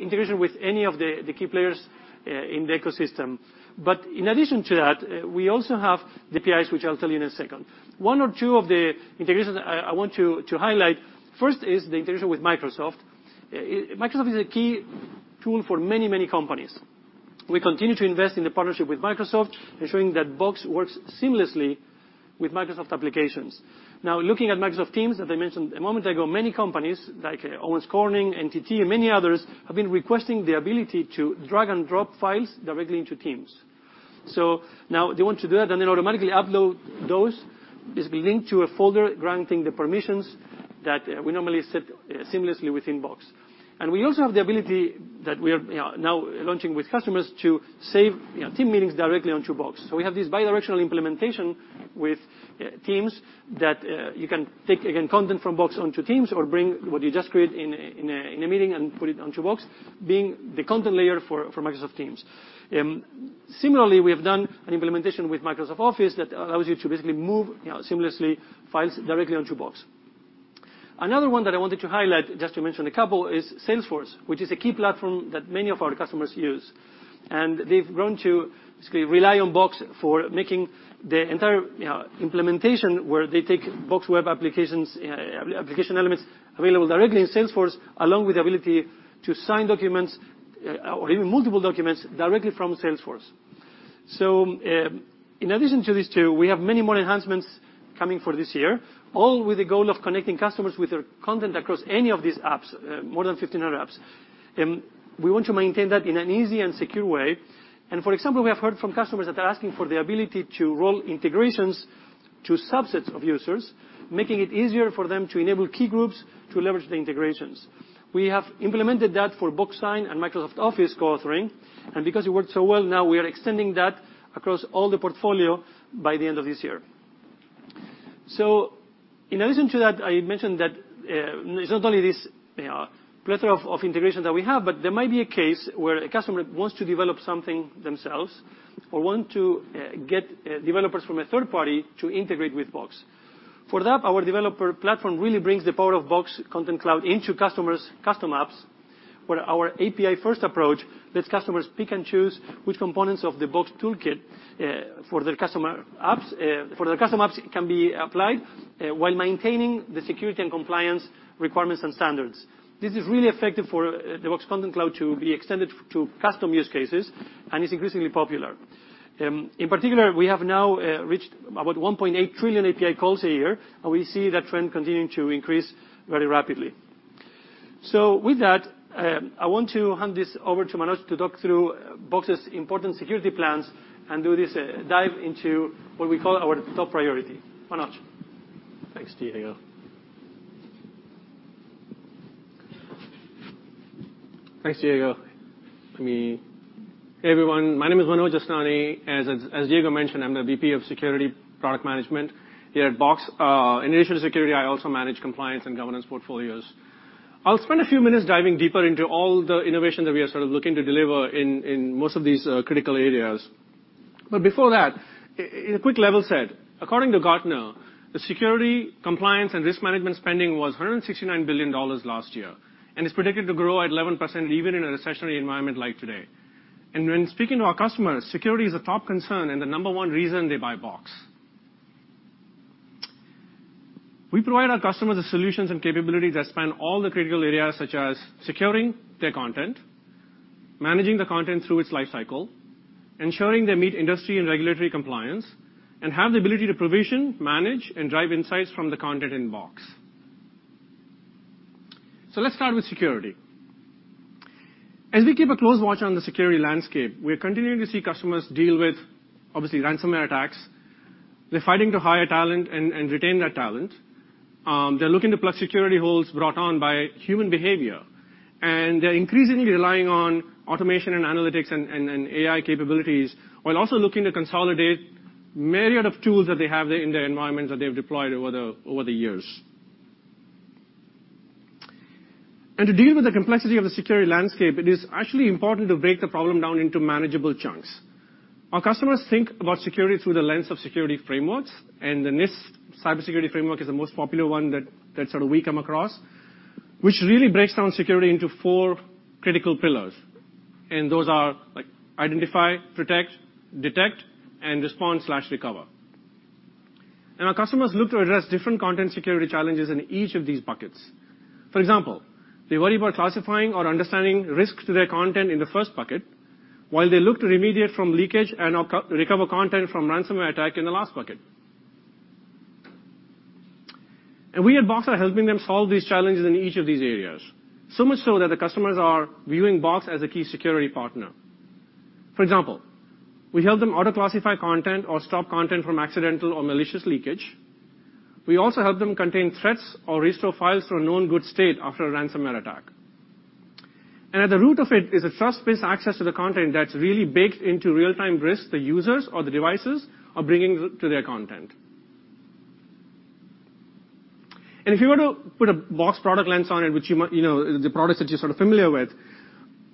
integration with any of the key players in the ecosystem. In addition to that, we also have the APIs, which I'll tell you in a second. One or two of the integrations I want to highlight. First is the integration with Microsoft. Microsoft is a key tool for many companies. We continue to invest in the partnership with Microsoft and showing that Box works seamlessly with Microsoft applications. Now, looking at Microsoft Teams, as I mentioned a moment ago, many companies like Owens Corning, NTT, and many others, have been requesting the ability to drag and drop files directly into Teams. Now they want to do that, and then automatically upload those, is linked to a folder granting the permissions that we normally set seamlessly within Box. We also have the ability that we are, you know, now launching with customers to save, you know, team meetings directly onto Box. We have this bi-directional implementation with Teams that you can take, again, content from Box onto Teams or bring what you just created in a, in a, in a meeting and put it onto Box, being the content layer for Microsoft Teams. Similarly, we have done an implementation with Microsoft Office that allows you to basically move, you know, seamlessly files directly onto Box. Another one that I wanted to highlight, just to mention a couple, is Salesforce, which is a key platform that many of our customers use. They've grown to basically rely on Box for making the entire, you know, implementation, where they take Box web applications, application elements available directly in Salesforce, along with the ability to sign documents or even multiple documents directly from Salesforce. In addition to these two, we have many more enhancements coming for this year, all with the goal of connecting customers with their content across any of these apps, more than 1,500 apps. We want to maintain that in an easy and secure way. For example, we have heard from customers that are asking for the ability to roll integrations to subsets of users, making it easier for them to enable key groups to leverage the integrations. We have implemented that for Box Sign and Microsoft Office co-authoring, and because it worked so well, now we are extending that across all the portfolio by the end of this year. In addition to that, I mentioned that it's not only this, you know, plethora of integration that we have, but there might be a case where a customer wants to develop something themselves or want to get developers from a third party to integrate with Box. For that, our developer platform really brings the power of Box Content Cloud into customers' custom apps, where our API-first approach lets customers pick and choose which components of the Box toolkit for their custom apps can be applied while maintaining the security and compliance requirements and standards. This is really effective for the Box Content Cloud to be extended to custom use cases and is increasingly popular. In particular, we have now reached about 1.8 trillion API calls a year, we see that trend continuing to increase very rapidly. With that, I want to hand this over to Manoj to talk through Box's important security plans and do this dive into what we call our top priority. Manoj. Thanks, Diego. Hey, everyone. My name is Manoj Jasani. As Diego mentioned, I'm the VP of Security Product Management here at Box. In addition to security, I also manage compliance and governance portfolios. I'll spend a few minutes diving deeper into all the innovation that we are sort of looking to deliver in most of these critical areas. Before that, a quick level set. According to Gartner, the security compliance and risk management spending was $169 billion last year, and it's predicted to grow at 11% even in a recessionary environment like today. When speaking to our customers, security is a top concern and the number one reason they buy Box. We provide our customers the solutions and capabilities that span all the critical areas, such as securing their content, managing the content through its lifecycle, ensuring they meet industry and regulatory compliance, and have the ability to provision, manage, and drive insights from the content in Box. Let's start with security. As we keep a close watch on the security landscape, we're continuing to see customers deal with, obviously, ransomware attacks. They're fighting to hire talent and retain that talent. They're looking to plug security holes brought on by human behavior, and they're increasingly relying on automation and analytics and AI capabilities, while also looking to consolidate myriad of tools that they have in their environments that they've deployed over the years. To deal with the complexity of the security landscape, it is actually important to break the problem down into manageable chunks. Our customers think about security through the lens of security frameworks. The NIST Cybersecurity Framework is the most popular one that sort of we come across, which really breaks down security into four critical pillars. Those are, like, identify, protect, detect, and respond/recover. Our customers look to address different content security challenges in each of these buckets. For example, they worry about classifying or understanding risks to their content in the first bucket, while they look to remediate from leakage and recover content from ransomware attack in the last bucket. We at Box are helping them solve these challenges in each of these areas, so much so that the customers are viewing Box as a key security partner. For example, we help them auto-classify content or stop content from accidental or malicious leakage. We also help them contain threats or restore files to a known good state after a ransomware attack. At the root of it is a trust-based access to the content that's really baked into real-time risks the users or the devices are bringing to their content. If you were to put a Box product lens on it, which you might, you know, the products that you're sort of familiar with,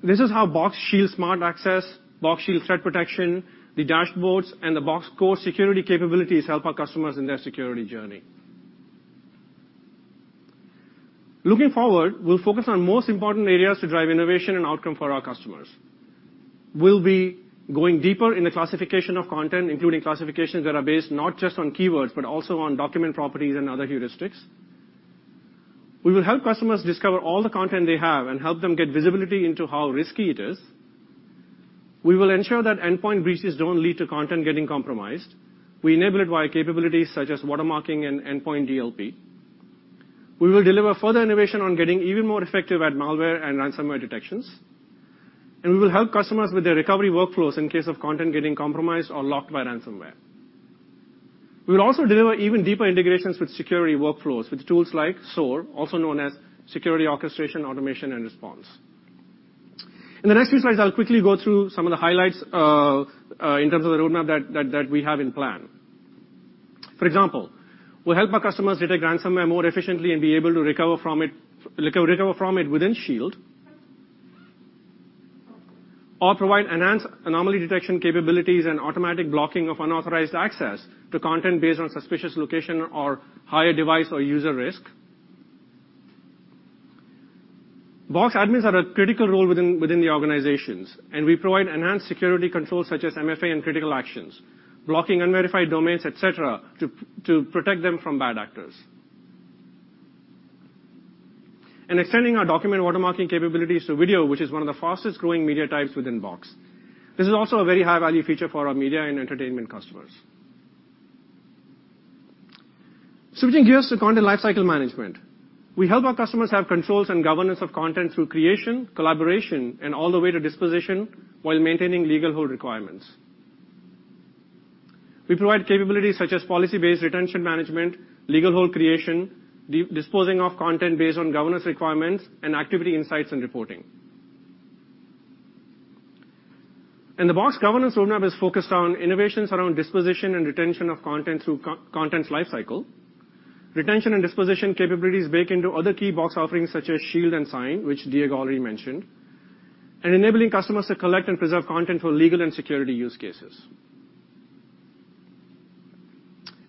this is how Box Shield Smart Access, Box Shield Threat Protection, the dashboards, and the Box Core security capabilities help our customers in their security journey. Looking forward, we'll focus on most important areas to drive innovation and outcome for our customers. We'll be going deeper in the classification of content, including classifications that are based not just on keywords, but also on document properties and other heuristics. We will help customers discover all the content they have and help them get visibility into how risky it is. We will ensure that endpoint breaches don't lead to content getting compromised. We enable it via capabilities such as watermarking and endpoint DLP. We will deliver further innovation on getting even more effective at malware and ransomware detections. We will help customers with their recovery workflows in case of content getting compromised or locked by ransomware. We'll also deliver even deeper integrations with security workflows, with tools like SOAR, also known as Security Orchestration, Automation, and Response. In the next few slides, I'll quickly go through some of the highlights in terms of the roadmap that we have in plan. For example, we'll help our customers detect ransomware more efficiently and be able to recover from it within Box Shield. Provide enhanced anomaly detection capabilities and automatic blocking of unauthorized access to content based on suspicious location or higher device or user risk. Box admins have a critical role within the organizations, we provide enhanced security controls such as MFA and critical actions, blocking unverified domains, et cetera, to protect them from bad actors. Extending our document watermarking capabilities to video, which is one of the fastest-growing media types within Box. This is also a very high-value feature for our media and entertainment customers. Switching gears to content lifecycle management. We help our customers have controls and governance of content through creation, collaboration, and all the way to disposition, while maintaining legal hold requirements. We provide capabilities such as policy-based retention management, legal hold creation, de-disposing off content based on Governance requirements, and activity insights and reporting. The Box Governance roadmap is focused on innovations around disposition and retention of content through content's life cycle. Retention and disposition capabilities bake into other key Box offerings such as Shield and Sign, which Diego already mentioned, enabling customers to collect and preserve content for legal and security use cases.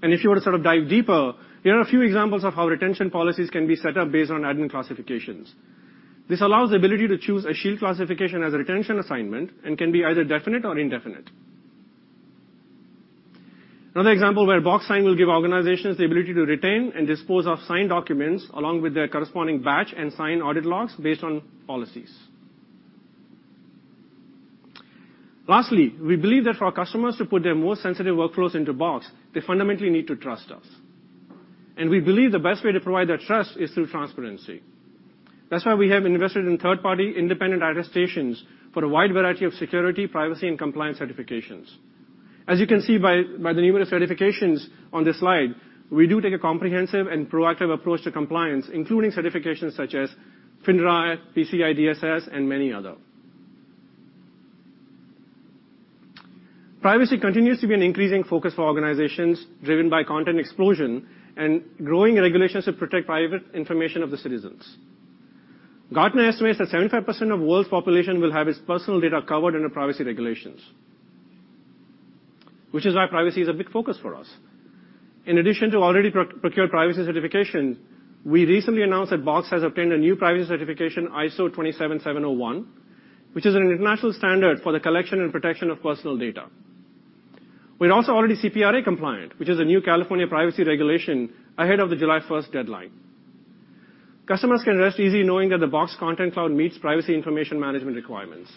If you were to sort of dive deeper, here are a few examples of how retention policies can be set up based on admin classifications. This allows the ability to choose a Shield classification as a retention assignment and can be either definite or indefinite. Another example where Box Sign will give organizations the ability to retain and dispose of signed documents, along with their corresponding batch and Sign audit logs based on policies. We believe that for our customers to put their most sensitive workflows into Box, they fundamentally need to trust us, and we believe the best way to provide that trust is through transparency. That's why we have invested in third-party independent attestations for a wide variety of security, privacy, and compliance certifications. As you can see by the numerous certifications on this slide, we do take a comprehensive and proactive approach to compliance, including certifications such as FINRA, PCI DSS, and many other. Privacy continues to be an increasing focus for organizations driven by content explosion and growing regulations to protect private information of the citizens. Gartner estimates that 75% of world population will have its personal data covered under privacy regulations, which is why privacy is a big focus for us. In addition to already procured privacy certification, we recently announced that Box has obtained a new privacy certification, ISO 27701, which is an international standard for the collection and protection of personal data. We're also already CPRA compliant, which is a new California privacy regulation ahead of the July 1st deadline. Customers can rest easy knowing that the Box Content Cloud meets privacy information management requirements.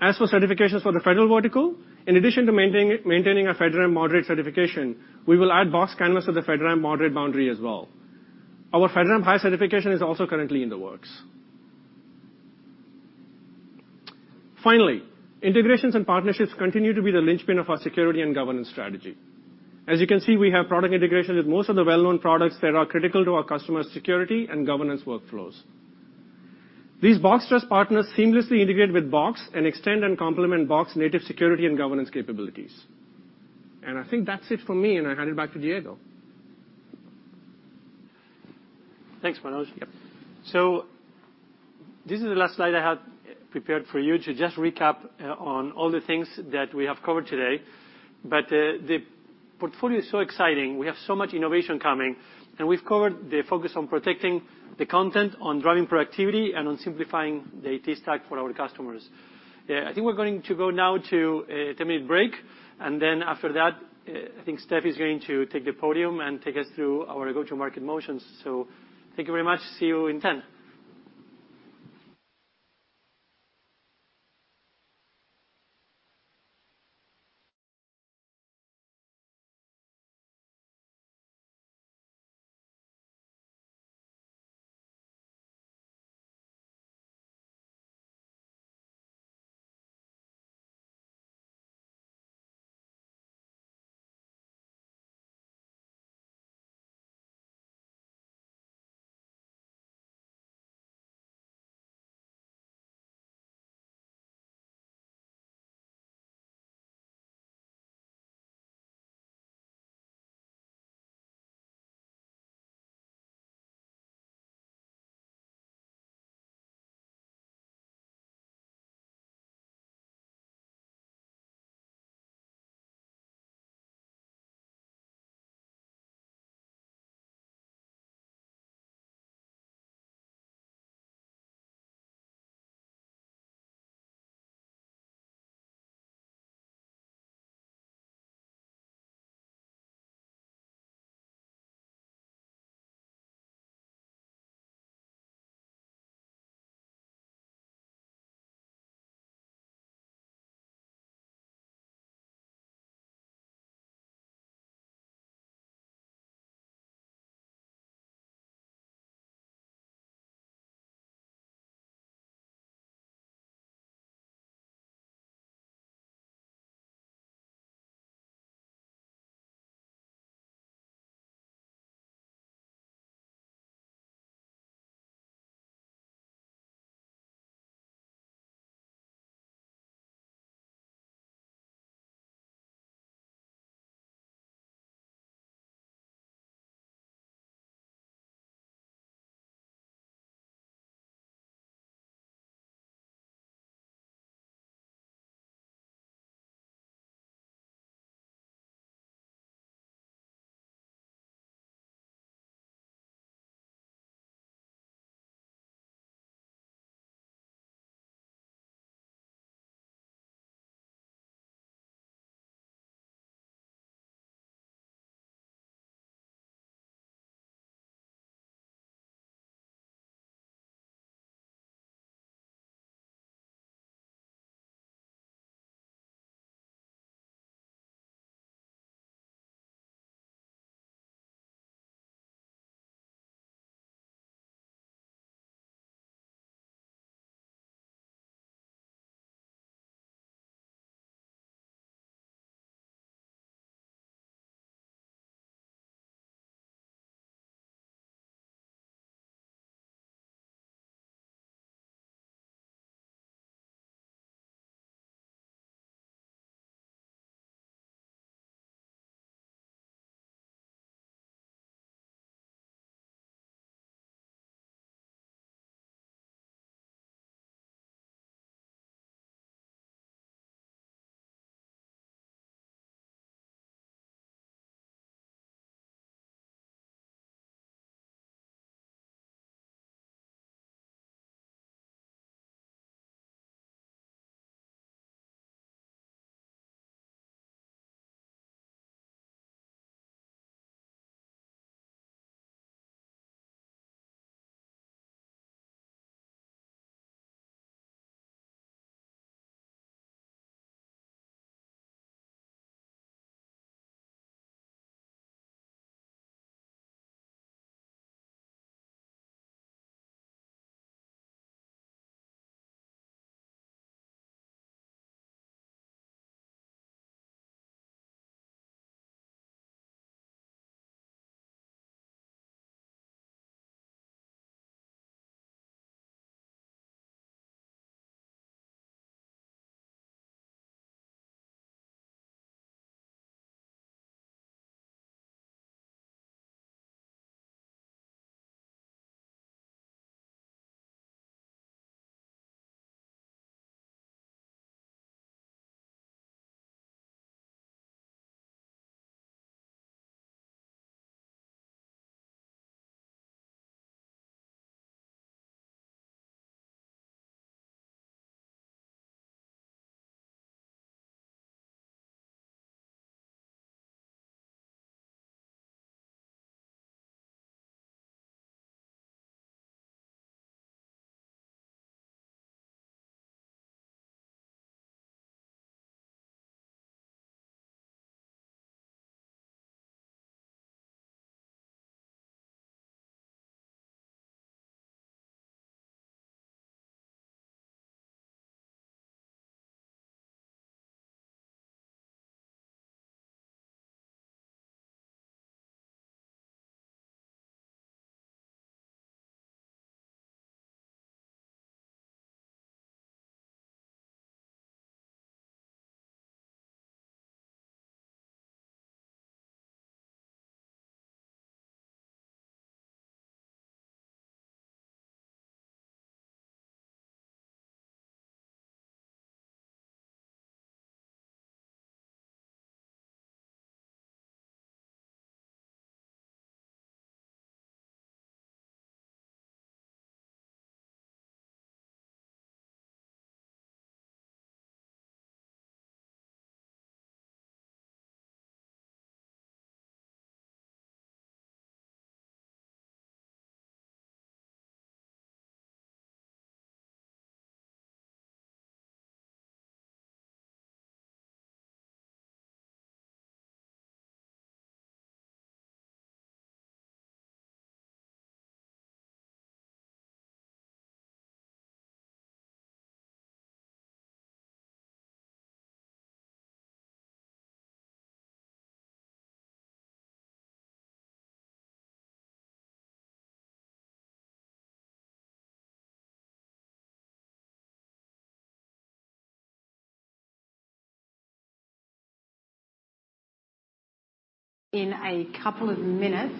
As for certifications for the federal vertical, in addition to maintaining our FedRAMP Moderate certification, we will add Box Canvas to the FedRAMP Moderate boundary as well. Our FedRAMP High certification is also currently in the works. Integrations and partnerships continue to be the linchpin of our security and governance strategy. As you can see, we have product integration with most of the well-known products that are critical to our customers' security and governance workflows. These Box Trust partners seamlessly integrate with Box and extend and complement Box native security and governance capabilities. I think that's it for me, and I hand it back to Diego. Thanks, Manoj. Yep. This is the last slide I had prepared for you to just recap on all the things that we have covered today. The portfolio is so exciting. We have so much innovation coming, and we've covered the focus on protecting the content, on driving productivity, and on simplifying the IT stack for our customers. I think we're going to go now to a 10-minute break, and then after that, I think Steph is going to take the podium and take us through our go-to-market motions. Thank you very much. See you in 10. In a couple of minutes.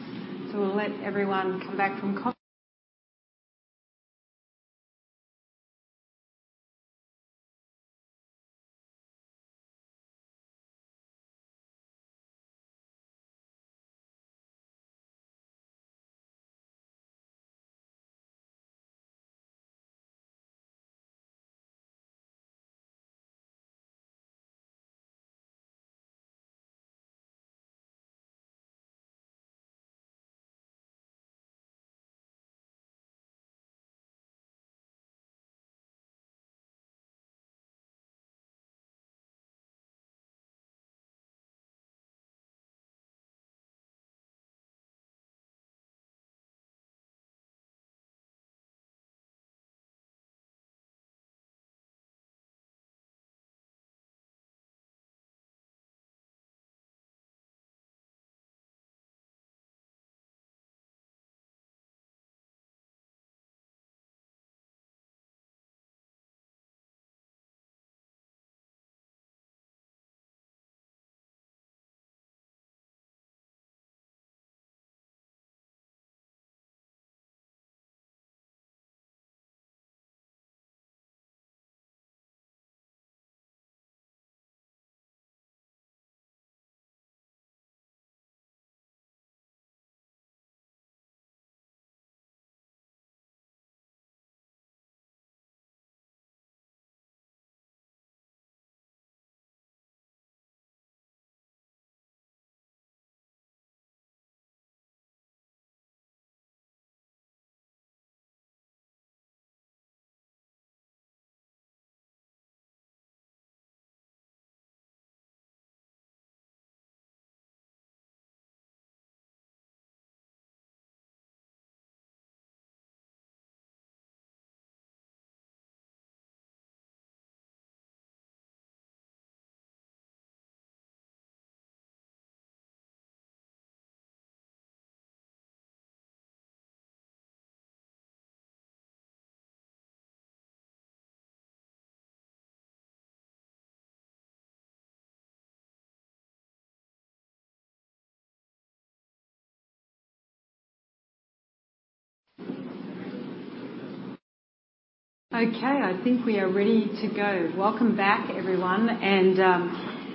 We'll let everyone come back from. Okay, I think we are ready to go. Welcome back, everyone.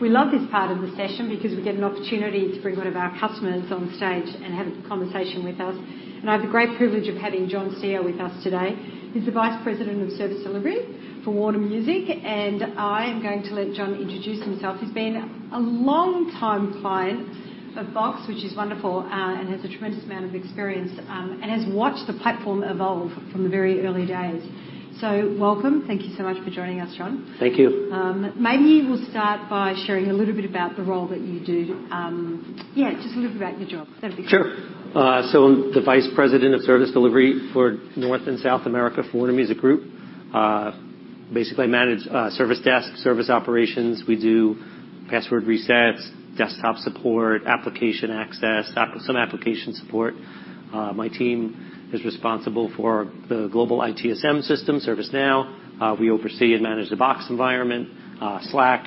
We love this part of the session because we get an opportunity to bring one of our customers on stage and have a conversation with us. I have the great privilege of having John Stier with us today. He's the Vice President of Service Delivery for Warner Music, and I am going to let John introduce himself. He's been a longtime client of Box, which is wonderful, and has a tremendous amount of experience, and has watched the platform evolve from the very early days. Welcome. Thank you so much for joining us, John. Thank you. Maybe we'll start by sharing a little bit about the role that you do. Just a little bit about your job. That'd be great. Sure. I'm the Vice President of Service Delivery for North and South America for Warner Music Group. Basically I manage service desk, service operations. We do password resets, desktop support, application access, some application support. My team is responsible for the global ITSM system, ServiceNow. We oversee and manage the Box environment, Slack.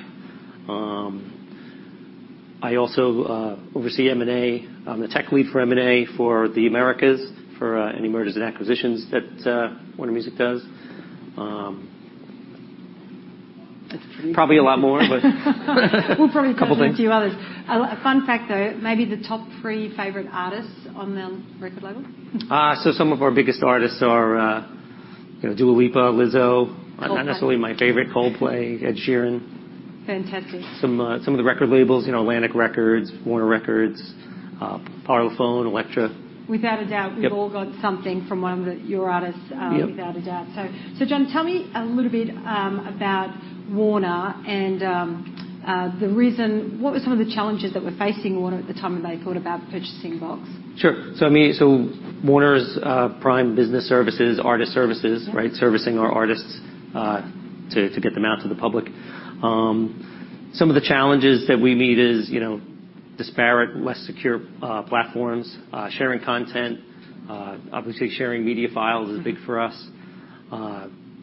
I also oversee M&A. I'm the tech lead for M&A for the Americas for any mergers and acquisitions that Warner Music does. That's great. Probably a lot more, but- We'll probably come to a few others. Couple things. A fun fact though, maybe the top three favorite artists on the record label. Some of our biggest artists are, you know, Dua Lipa, Lizzo. Coldplay. Not necessarily my favorite. Coldplay, Ed Sheeran. Fantastic. Some of the record labels, you know, Atlantic Records, Warner Records, Parlophone, Elektra. Without a doubt. Yep. we've all got something from one of the... your artists. Yep. without a doubt. John, tell me a little bit about Warner and what were some of the challenges that were facing Warner at the time when they thought about purchasing Box? Sure. I mean, Warner's prime business service is artist services, right? Yeah. Servicing our artists, to get them out to the public. Some of the challenges that we meet is, you know, disparate, less secure, platforms, sharing content, obviously sharing media files is big for us.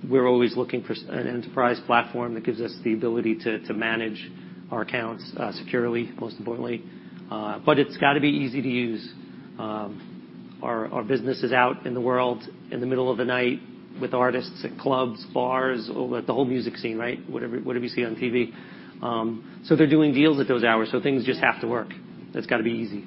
We're always looking for an enterprise platform that gives us the ability to manage our accounts, securely, most importantly. It's got to be easy to use. Our business is out in the world in the middle of the night with artists at clubs, bars, all the whole music scene, right? What you see on TV. They're doing deals at those hours, so things just have to work. It's got to be easy.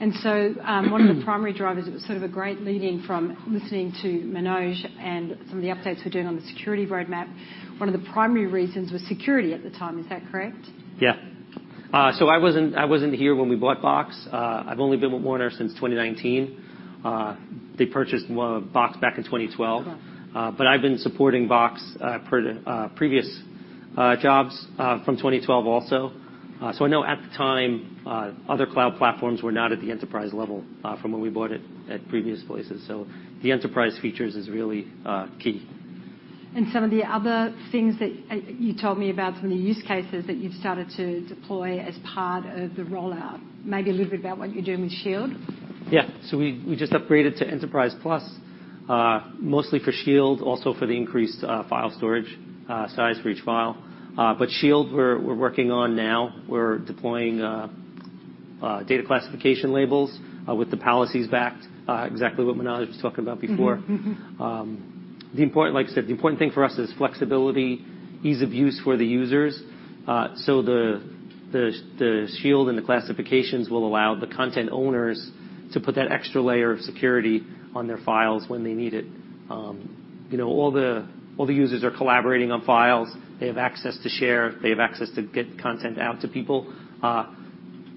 One of the primary drivers, it was sort of a great lead in from listening to Manoj and some of the updates we're doing on the security roadmap. One of the primary reasons was security at the time. Is that correct? Yeah. I wasn't here when we bought Box. I've only been with Warner since 2019. They purchased Box back in 2012. Okay. I've been supporting Box per previous jobs from 2012 also. I know at the time other cloud platforms were not at the enterprise level from when we bought it at previous places. The enterprise features is really key. Some of the other things that, you told me about, some of the use cases that you've started to deploy as part of the rollout. Maybe a little bit about what you're doing with Shield. Yeah. We just upgraded to Enterprise Plus, mostly for Shield, also for the increased file storage, size for each file. Shield we're working on now. We're deploying data classification labels, with the policies backed exactly what Manoj was talking about before. Mm-hmm. Mm-hmm. The important... like you said, the important thing for us is flexibility, ease of use for the users. The, the Shield and the classifications will allow the content owners to put that extra layer of security on their files when they need it. You know, all the, all the users are collaborating on files. They have access to share, they have access to get content out to people.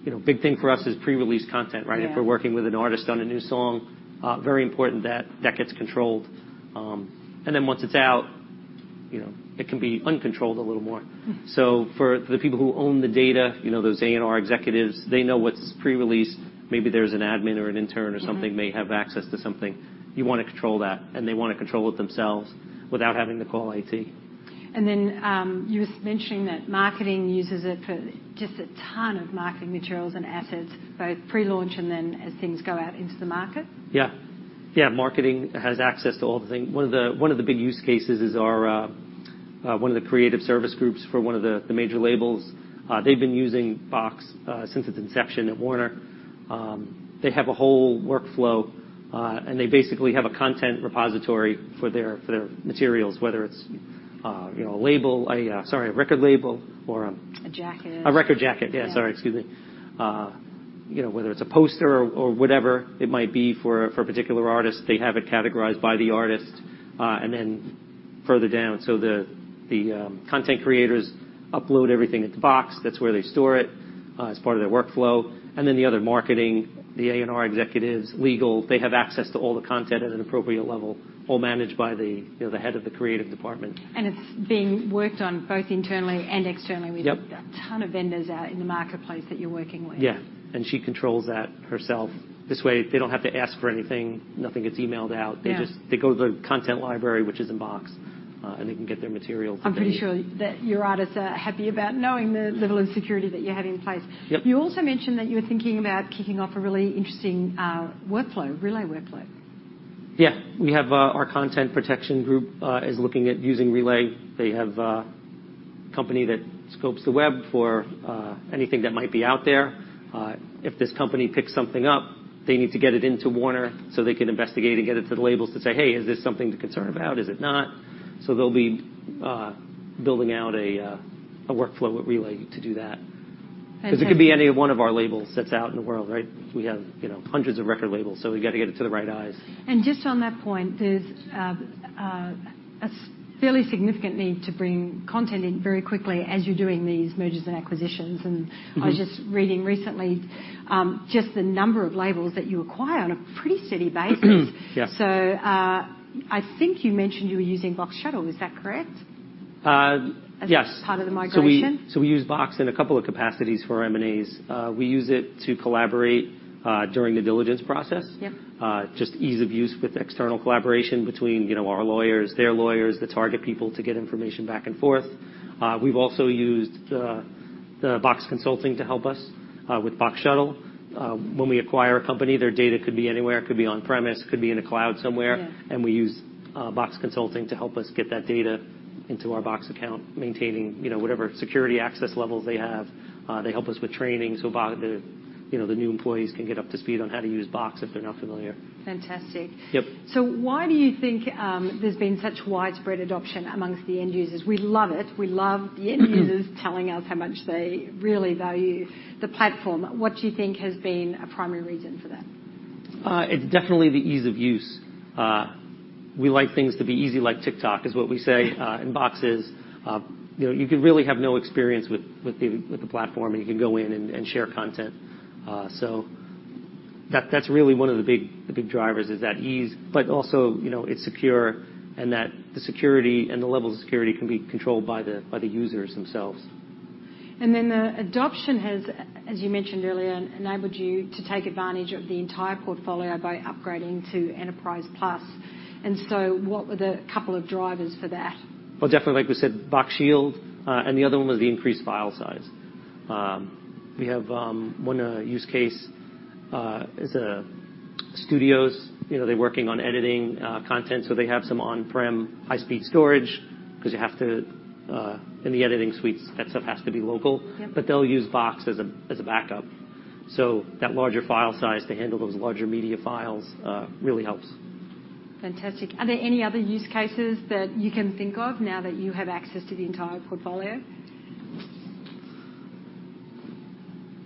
You know, big thing for us is pre-release content, right? Yeah. If we're working with an artist on a new song, very important that that gets controlled. Once it's out, you know, it can be uncontrolled a little more. Mm. For the people who own the data, you know, those A&R executives, they know what's pre-released. Maybe there's an admin or an intern or something. Mm-hmm ...may have access to something, you wanna control that, and they wanna control it themselves without having to call IT. You were mentioning that marketing uses it for just a ton of marketing materials and assets, both pre-launch and then as things go out into the market. Yeah. Marketing has access to all the thing. One of the big use cases is our one of the creative service groups for one of the major labels, they've been using Box since its inception at Warner. They have a whole workflow, and they basically have a content repository for their materials, whether it's, you know, a label, sorry, a record label or A jacket a record jacket. Yeah. Yeah. Sorry, excuse me. You know, whether it's a poster or whatever it might be for a particular artist. They have it categorized by the artist, further down. The content creators upload everything into Box. That's where they store it as part of their workflow. The other marketing, the A&R executives, legal, they have access to all the content at an appropriate level, all managed by the, you know, the head of the creative department. It's being worked on both internally and externally with... Yep ...a ton of vendors out in the marketplace that you're working with. Yeah. She controls that herself. This way, they don't have to ask for anything. Nothing gets emailed out. Yeah. They go to the content library, which is in Box, and they can get their materials. I'm pretty sure that your artists are happy about knowing. Yeah level of security that you have in place. Yep. You also mentioned that you were thinking about kicking off a really interesting workflow, Relay workflow. Yeah. We have, our content protection group, is looking at using Relay. They have a company that scopes the web for, anything that might be out there. If this company picks something up, they need to get it into Warner so they can investigate and get it to the labels to say, "Hey, is this something to concern about? Is it not?" They'll be, building out a workflow at Relay to do that. And- It could be any one of our labels that's out in the world, right? We have, you know, hundreds of record labels, so we gotta get it to the right eyes. Just on that point, there's a fairly significant need to bring content in very quickly as you're doing these mergers and acquisitions. Mm-hmm ...I was just reading recently, just the number of labels that you acquire on a pretty steady basis. Yeah. I think you mentioned you were using Box Shuttle, is that correct? Yes. As part of the migration. We use Box in a couple of capacities for M&As. We use it to collaborate during the diligence process. Yep. Just ease of use with external collaboration between, you know, our lawyers, their lawyers, the target people to get information back and forth. We've also used the Box Consulting to help us with Box Shuttle. When we acquire a company, their data could be anywhere. It could be on-premise, could be in the cloud somewhere. Yeah. We use Box Consulting to help us get that data into our Box account, maintaining, you know, whatever security access levels they have. They help us with training, so you know, the new employees can get up to speed on how to use Box if they're not familiar. Fantastic. Yep. Why do you think there's been such widespread adoption amongst the end users? We love it. Telling us how much they really value the platform. What do you think has been a primary reason for that? It's definitely the ease of use. We like things to be easy like TikTok, is what we say. Box is, you know, you can really have no experience with the platform, and you can go in and share content. That's really one of the big drivers is that ease. Also, you know, it's secure and that the security and the level of security can be controlled by the users themselves. The adoption has, as you mentioned earlier, enabled you to take advantage of the entire portfolio by upgrading to Enterprise Plus. What were the couple of drivers for that? Well, definitely, like we said, Box Shield, the other one was the increased file size. We have one use case is studios, you know, they're working on editing content. They have some on-prem high-speed storage 'cause you have to in the editing suites, that stuff has to be local. Yep. They'll use Box as a, as a backup. That larger file size to handle those larger media files really helps. Fantastic. Are there any other use cases that you can think of now that you have access to the entire portfolio?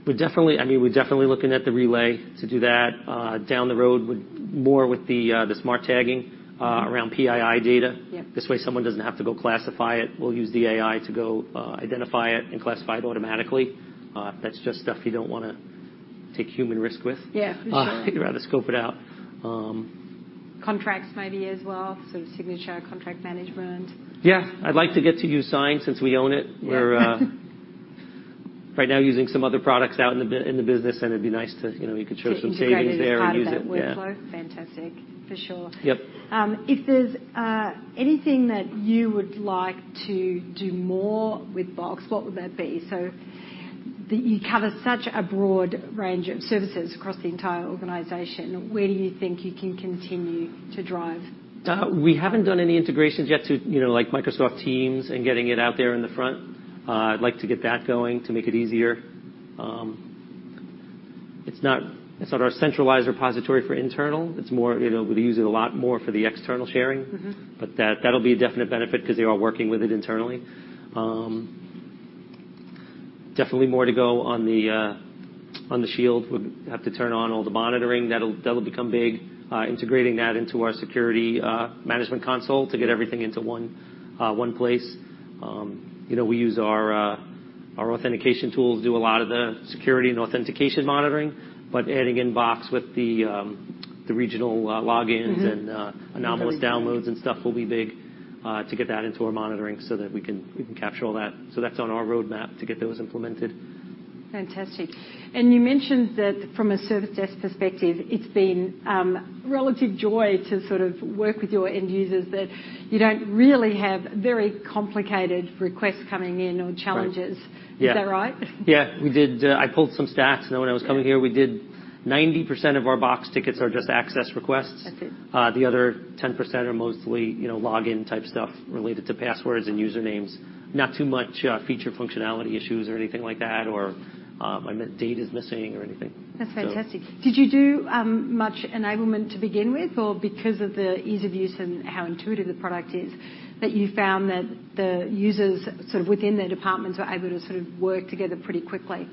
I mean, we're definitely looking at the Relay to do that, down the road with more with the smart tagging, around PII data. Yep. This way, someone doesn't have to go classify it. We'll use the AI to go identify it and classify it automatically. That's just stuff you don't wanna take human risk with. Yeah, for sure. You'd rather scope it out. Contracts maybe as well, so signature contract management. Yeah, I'd like to get to use Sign since we own it. We're. Yeah. ...right now using some other products out in the in the business, and it'd be nice to, you know, you could show some savings there and use it. To integrate it as part of that workflow. Yeah. Fantastic. For sure. Yep. If there's anything that you would like to do more with Box, what would that be? You cover such a broad range of services across the entire organization. Where do you think you can continue to drive? We haven't done any integrations yet to, you know, like Microsoft Teams and getting it out there in the front. I'd like to get that going to make it easier. It's not, it's not our centralized repository for internal. It's more, you know, we use it a lot more for the external sharing. Mm-hmm. That'll be a definite benefit 'cause they are working with it internally. Definitely more to go on the Shield. We have to turn on all the monitoring. That'll become big, integrating that into our security management console to get everything into one place. You know, we use our authentication tools do a lot of the security and authentication monitoring, but adding in Box with the regional logins and. Mm-hmm... anomalous downloads and stuff will be big, to get that into our monitoring so that we can capture all that. That's on our roadmap to get those implemented. Fantastic. You mentioned that from a service desk perspective, it's been relative joy to sort of work with your end users, that you don't really have very complicated requests coming in or challenges. Right. Yeah. Is that right? Yeah, we did. I pulled some stats, you know, when I was coming here. We did 90% of our Box tickets are just access requests. That's it. The other 10% are mostly, you know, login type stuff related to passwords and usernames. Not too much, feature functionality issues or anything like that, or, my data's missing or anything. That's fantastic. Did you do much enablement to begin with? Because of the ease of use and how intuitive the product is that you found that the users sort of within their departments are able to sort of work together pretty quickly?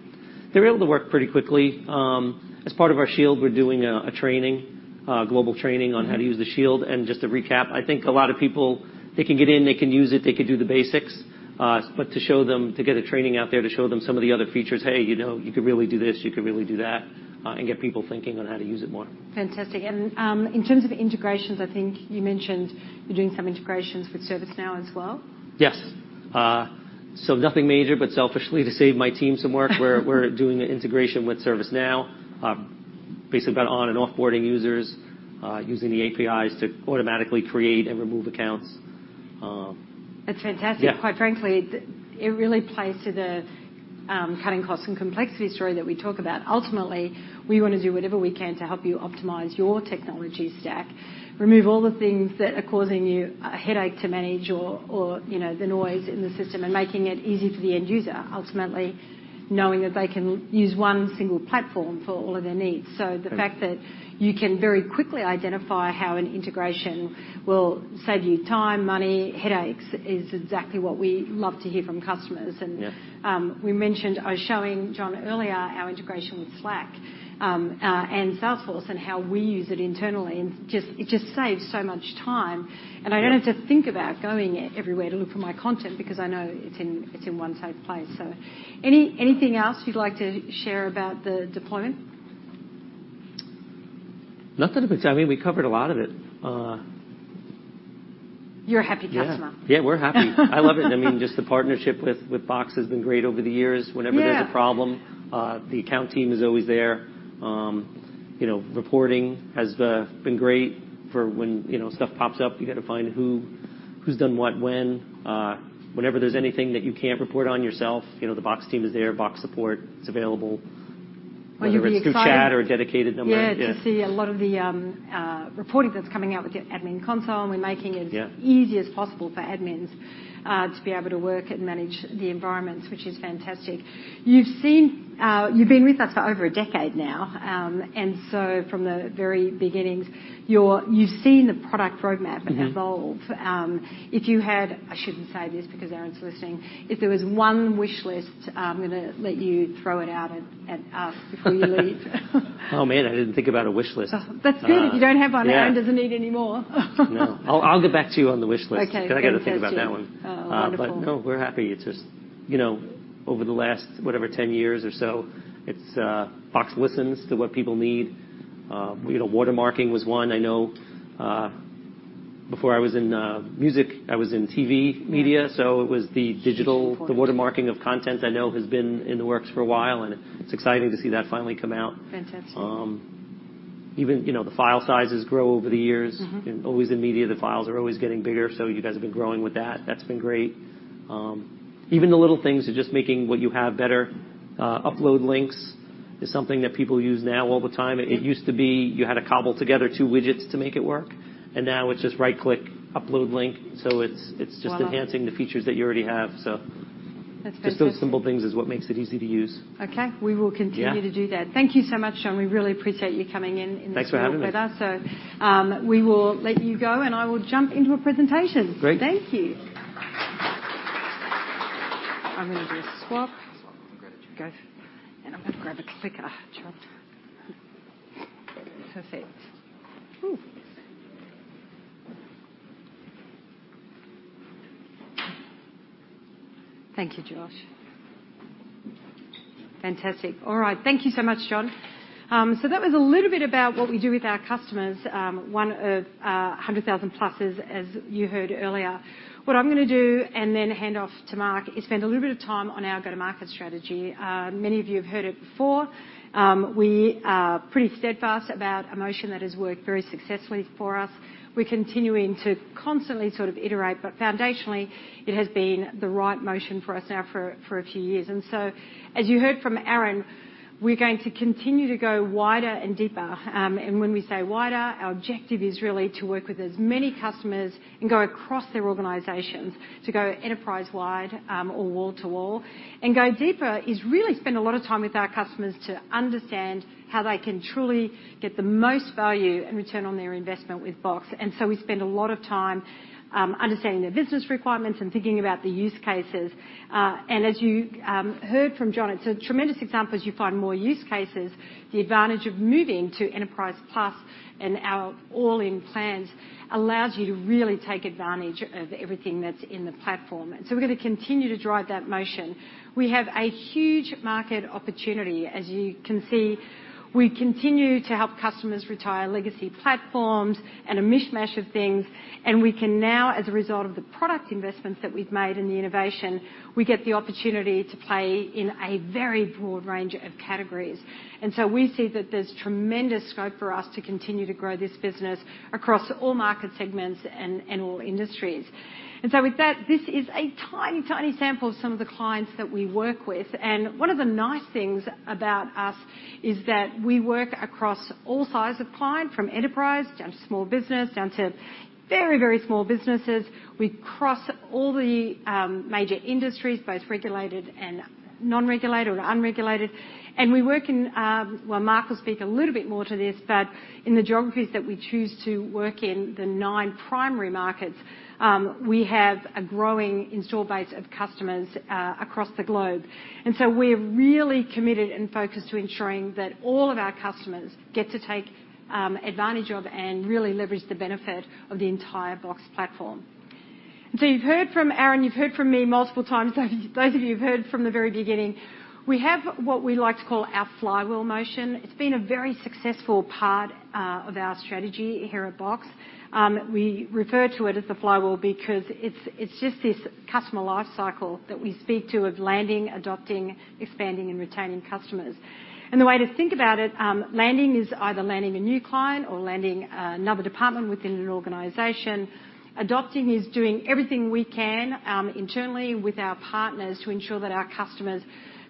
They're able to work pretty quickly. As part of our Shield, we're doing a training, a global training on how to use the Shield. Just to recap, I think a lot of people, they can get in, they can use it, they can do the basics. To show them, to get a training out there to show them some of the other features, "Hey, you know, you could really do this. You could really do that," and get people thinking on how to use it more. Fantastic. In terms of integrations, I think you mentioned you're doing some integrations with ServiceNow as well? Yes. Nothing major, but selfishly to save my team some work, we're doing an integration with ServiceNow. Basically about on and offboarding users, using the APIs to automatically create and remove accounts. That's fantastic. Yeah. Quite frankly, it really plays to the cutting costs and complexity story that we talk about. Ultimately, we wanna do whatever we can to help you optimize your technology stack, remove all the things that are causing you a headache to manage or, you know, the noise in the system and making it easy for the end user, ultimately knowing that they can use one single platform for all of their needs. Right. The fact that you can very quickly identify how an integration will save you time, money, headaches is exactly what we love to hear from customers. Yeah I was showing John earlier our integration with Slack and Salesforce and how we use it internally, and it just saves so much time. Yeah. I don't have to think about going everywhere to look for my content because I know it's in one safe place. Anything else you'd like to share about the deployment? Not that I can... I mean, we covered a lot of it. You're a happy customer. Yeah. Yeah, we're happy. I love it. I mean, just the partnership with Box has been great over the years. Yeah. Whenever there's a problem, the account team is always there. You know, reporting has been great for when, you know, stuff pops up. You gotta find who's done what when. Whenever there's anything that you can't report on yourself, you know, the Box team is there. Box support is available- Well, you'll be excited. whether it's through chat or a dedicated number. Yeah. Yeah. To see a lot of the reporting that's coming out with the admin console. Yeah... as easy as possible for admins to be able to work and manage the environments, which is fantastic. You've been with us for over a decade now, from the very beginnings, you've seen the product roadmap evolve. Mm-hmm. I shouldn't say this because Aaron's listening, if there was one wish list, I'm gonna let you throw it out at us before you leave. Oh, man, I didn't think about a wish list. Oh, that's good. If you don't have one- Yeah Aaron doesn't need any more. No. I'll get back to you on the wish list. Okay. Fantastic. 'cause I gotta think about that one. Oh, wonderful. No, we're happy. It's just, you know, over the last, whatever, 10 years or so, it's, Box listens to what people need. You know, watermarking was one. I know, before I was in, music, I was in TV media. Yeah. It was the. It's important.... the watermarking of content I know has been in the works for a while, and it's exciting to see that finally come out. Fantastic. Even, you know, the file sizes grow over the years. Mm-hmm. You know, always in media, the files are always getting bigger, so you guys have been growing with that. That's been great. Even the little things are just making what you have better. Upload links is something that people use now all the time. Mm-hmm. It used to be you had to cobble together two widgets to make it work, and now it's just right click, upload link. It's just. Voila... enhancing the features that you already have. That's fantastic. just those simple things is what makes it easy to use. Okay. We will continue. Yeah to do that. Thank you so much, John. We really appreciate you coming in this weather. Thanks for having me. We will let you go, and I will jump into a presentation. Great. Thank you. I'm gonna do a swap. Go. I'm gonna grab a clicker. Thank you, Josh. Fantastic. All right. Thank you so much, John. That was a little bit about what we do with our customers, one of 100,000 pluses as you heard earlier. What I'm gonna do and then hand off to Mark is spend a little bit of time on our go-to-market strategy. Many of you have heard it before. We are pretty steadfast about a motion that has worked very successfully for us. We're continuing to constantly sort of iterate, but foundationally it has been the right motion for us now for a few years. As you heard from Aaron, we're going to continue to go wider and deeper. When we say wider, our objective is really to work with as many customers and go across their organizations to go enterprise-wide, or wall-to-wall. Go deeper is really spend a lot of time with our customers to understand how they can truly get the most value and return on their investment with Box. We spend a lot of time, understanding their business requirements and thinking about the use cases. As you heard from John, it's a tremendous example, as you find more use cases, the advantage of moving to Enterprise Plus and our all-in plans allows you to really take advantage of everything that's in the platform. We're gonna continue to drive that motion. We have a huge market opportunity. As you can see, we continue to help customers retire legacy platforms and a mishmash of things, and we can now, as a result of the product investments that we've made and the innovation, we get the opportunity to play in a very broad range of categories. We see that there's tremendous scope for us to continue to grow this business across all market segments and all industries. With that, this is a tiny sample of some of the clients that we work with. One of the nice things about us is that we work across all size of client, from enterprise down to small business, down to very small businesses. We cross all the major industries, both regulated and non-regulated or unregulated. We work in, well, Mark will speak a little bit more to this, but in the geographies that we choose to work in, the nine primary markets, we have a growing install base of customers across the globe. We're really committed and focused to ensuring that all of our customers get to take advantage of and really leverage the benefit of the entire Box platform. You've heard from Aaron, you've heard from me multiple times. Those of you who've heard from the very beginning, we have what we like to call our flywheel motion. It's been a very successful part of our strategy here at Box. We refer to it as the flywheel because it's just this customer life cycle that we speak to of landing, adopting, expanding, and retaining customers. The way to think about it, landing is either landing a new client or landing another department within an organization. Adopting is doing everything we can, internally with our partners to ensure that our customers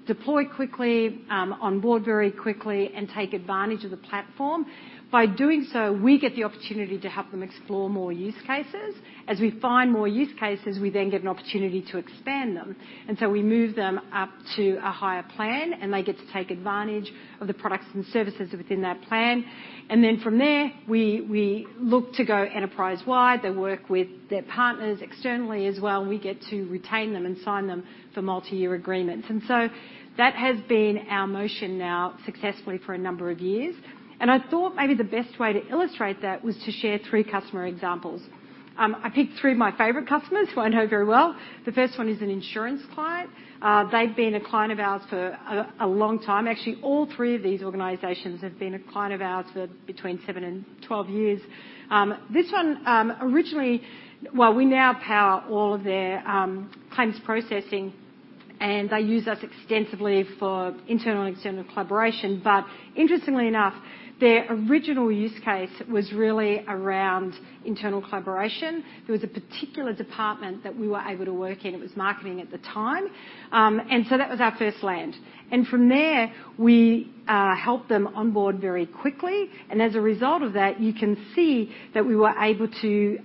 deploy quickly, on board very quickly, and take advantage of the platform. By doing so, we get the opportunity to help them explore more use cases. As we find more use cases, we then get an opportunity to expand them, we move them up to a higher plan, and they get to take advantage of the products and services within that plan. From there, we look to go enterprise-wide. They work with their partners externally as well. We get to retain them and sign them for multi-year agreements. That has been our motion now successfully for a number of years. I thought maybe the best way to illustrate that was to share three customer examples. I picked three of my favorite customers who I know very well. The first one is an insurance client. They've been a client of ours for a long time. Actually, all three of these organizations have been a client of ours for between seven and 12 years. This one, well, we now power all of their claims processing, and they use us extensively for internal and external collaboration. Interestingly enough, their original use case was really around internal collaboration. There was a particular department that we were able to work in. It was marketing at the time. That was our first land. From there, we helped them onboard very quickly, and as a result of that, you can see that we were able to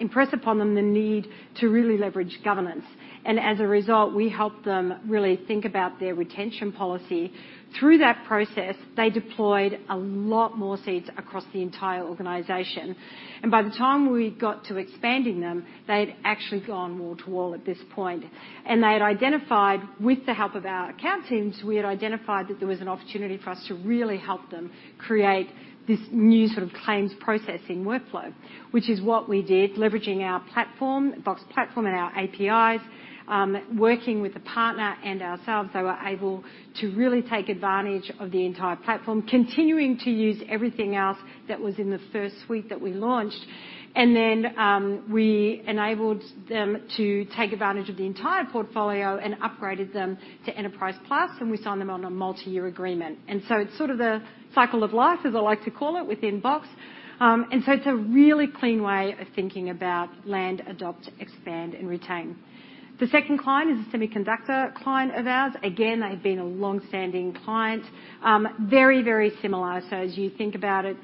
impress upon them the need to really leverage governance. As a result, we helped them really think about their retention policy. Through that process, they deployed a lot more seats across the entire organization, and by the time we got to expanding them, they had actually gone wall to wall at this point. They had identified with the help of our account teams, we had identified that there was an opportunity for us to really help them create this new sort of claims processing workflow, which is what we did, leveraging our platform, Box platform, and our APIs. Working with a partner and ourselves, they were able to really take advantage of the entire platform, continuing to use everything else that was in the first suite that we launched. We enabled them to take advantage of the entire portfolio and upgraded them to Enterprise Plus, and we signed them on a multi-year agreement. It's sort of the cycle of life, as I like to call it, within Box. It's a really clean way of thinking about land, adopt, expand, and retain. The second client is a semiconductor client of ours. Again, they've been a long-standing client. Very, very similar, so as you think about it,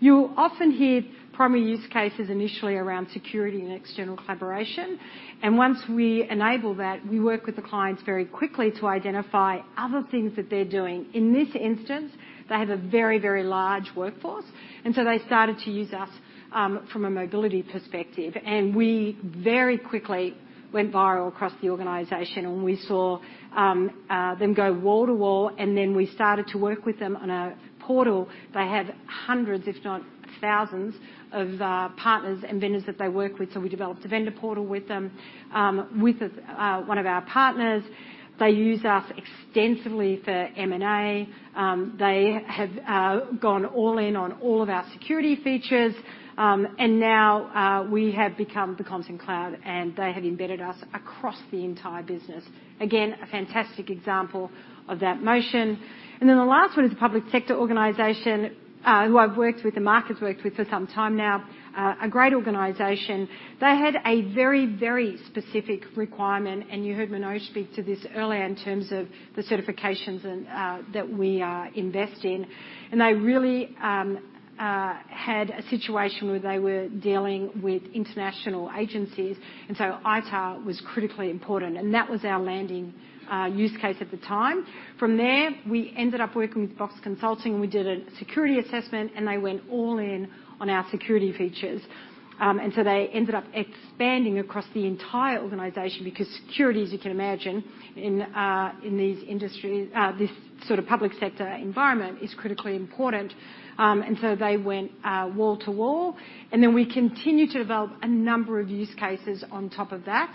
you'll often hear primary use cases initially around security and external collaboration. Once we enable that, we work with the clients very quickly to identify other things that they're doing. In this instance, they have a very, very large workforce. They started to use us from a mobility perspective, and we very quickly went viral across the organization and we saw them go wall to wall. We started to work with them on a portal. They had hundreds, if not thousands, of partners and vendors that they work with, so we developed a vendor portal with them. With one of our partners, they use us extensively for M&A. They have gone all in on all of our security features. Now we have become the Content Cloud, and they have embedded us across the entire business. Again, a fantastic example of that motion. The last one is a public sector organization who I've worked with and Mark has worked with for some time now. A great organization. They had a very, very specific requirement, and you heard Manoj speak to this earlier in terms of the certifications and that we invest in. They really had a situation where they were dealing with international agencies, and so ITAR was critically important, and that was our landing use case at the time. From there, we ended up working with Box Consulting, and we did a security assessment, and they went all in on our security features. They ended up expanding across the entire organization because security, as you can imagine, in these industries, this sort of public sector environment, is critically important. They went wall to wall. We continued to develop a number of use cases on top of that,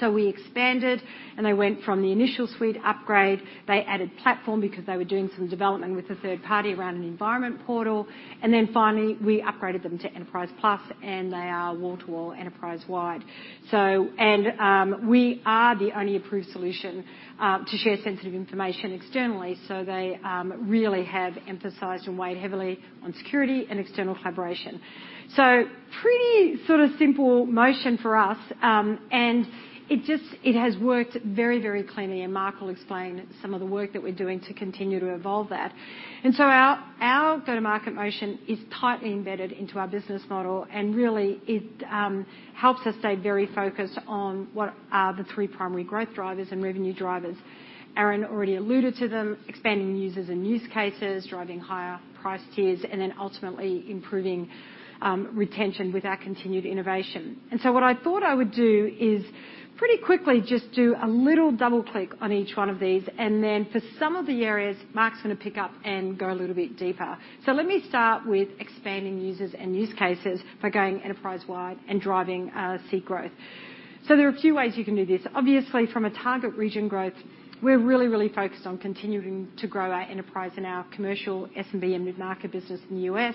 so we expanded. They went from the initial Suite upgrade. They added platform because they were doing some development with a third party around an environment portal. Finally, we upgraded them to Enterprise Plus, and they are wall-to-wall enterprise-wide. We are the only approved solution to share sensitive information externally, so they really have emphasized and weighed heavily on security and external collaboration. Pretty sort of simple motion for us. It has worked very, very cleanly, and Mark will explain some of the work that we're doing to continue to evolve that. Our go-to-market motion is tightly embedded into our business model, and really, it helps us stay very focused on what are the three primary growth drivers and revenue drivers. Aaron already alluded to them, expanding users and use cases, driving higher price tiers, and then ultimately improving retention with our continued innovation. What I thought I would do is pretty quickly just do a little double click on each one of these, and then for some of the areas, Mark's gonna pick up and go a little bit deeper. Let me start with expanding users and use cases for going enterprise-wide and driving seat growth. There are a few ways you can do this. Obviously, from a target region growth, we're really focused on continuing to grow our enterprise and our commercial SMB and mid-market business in the US.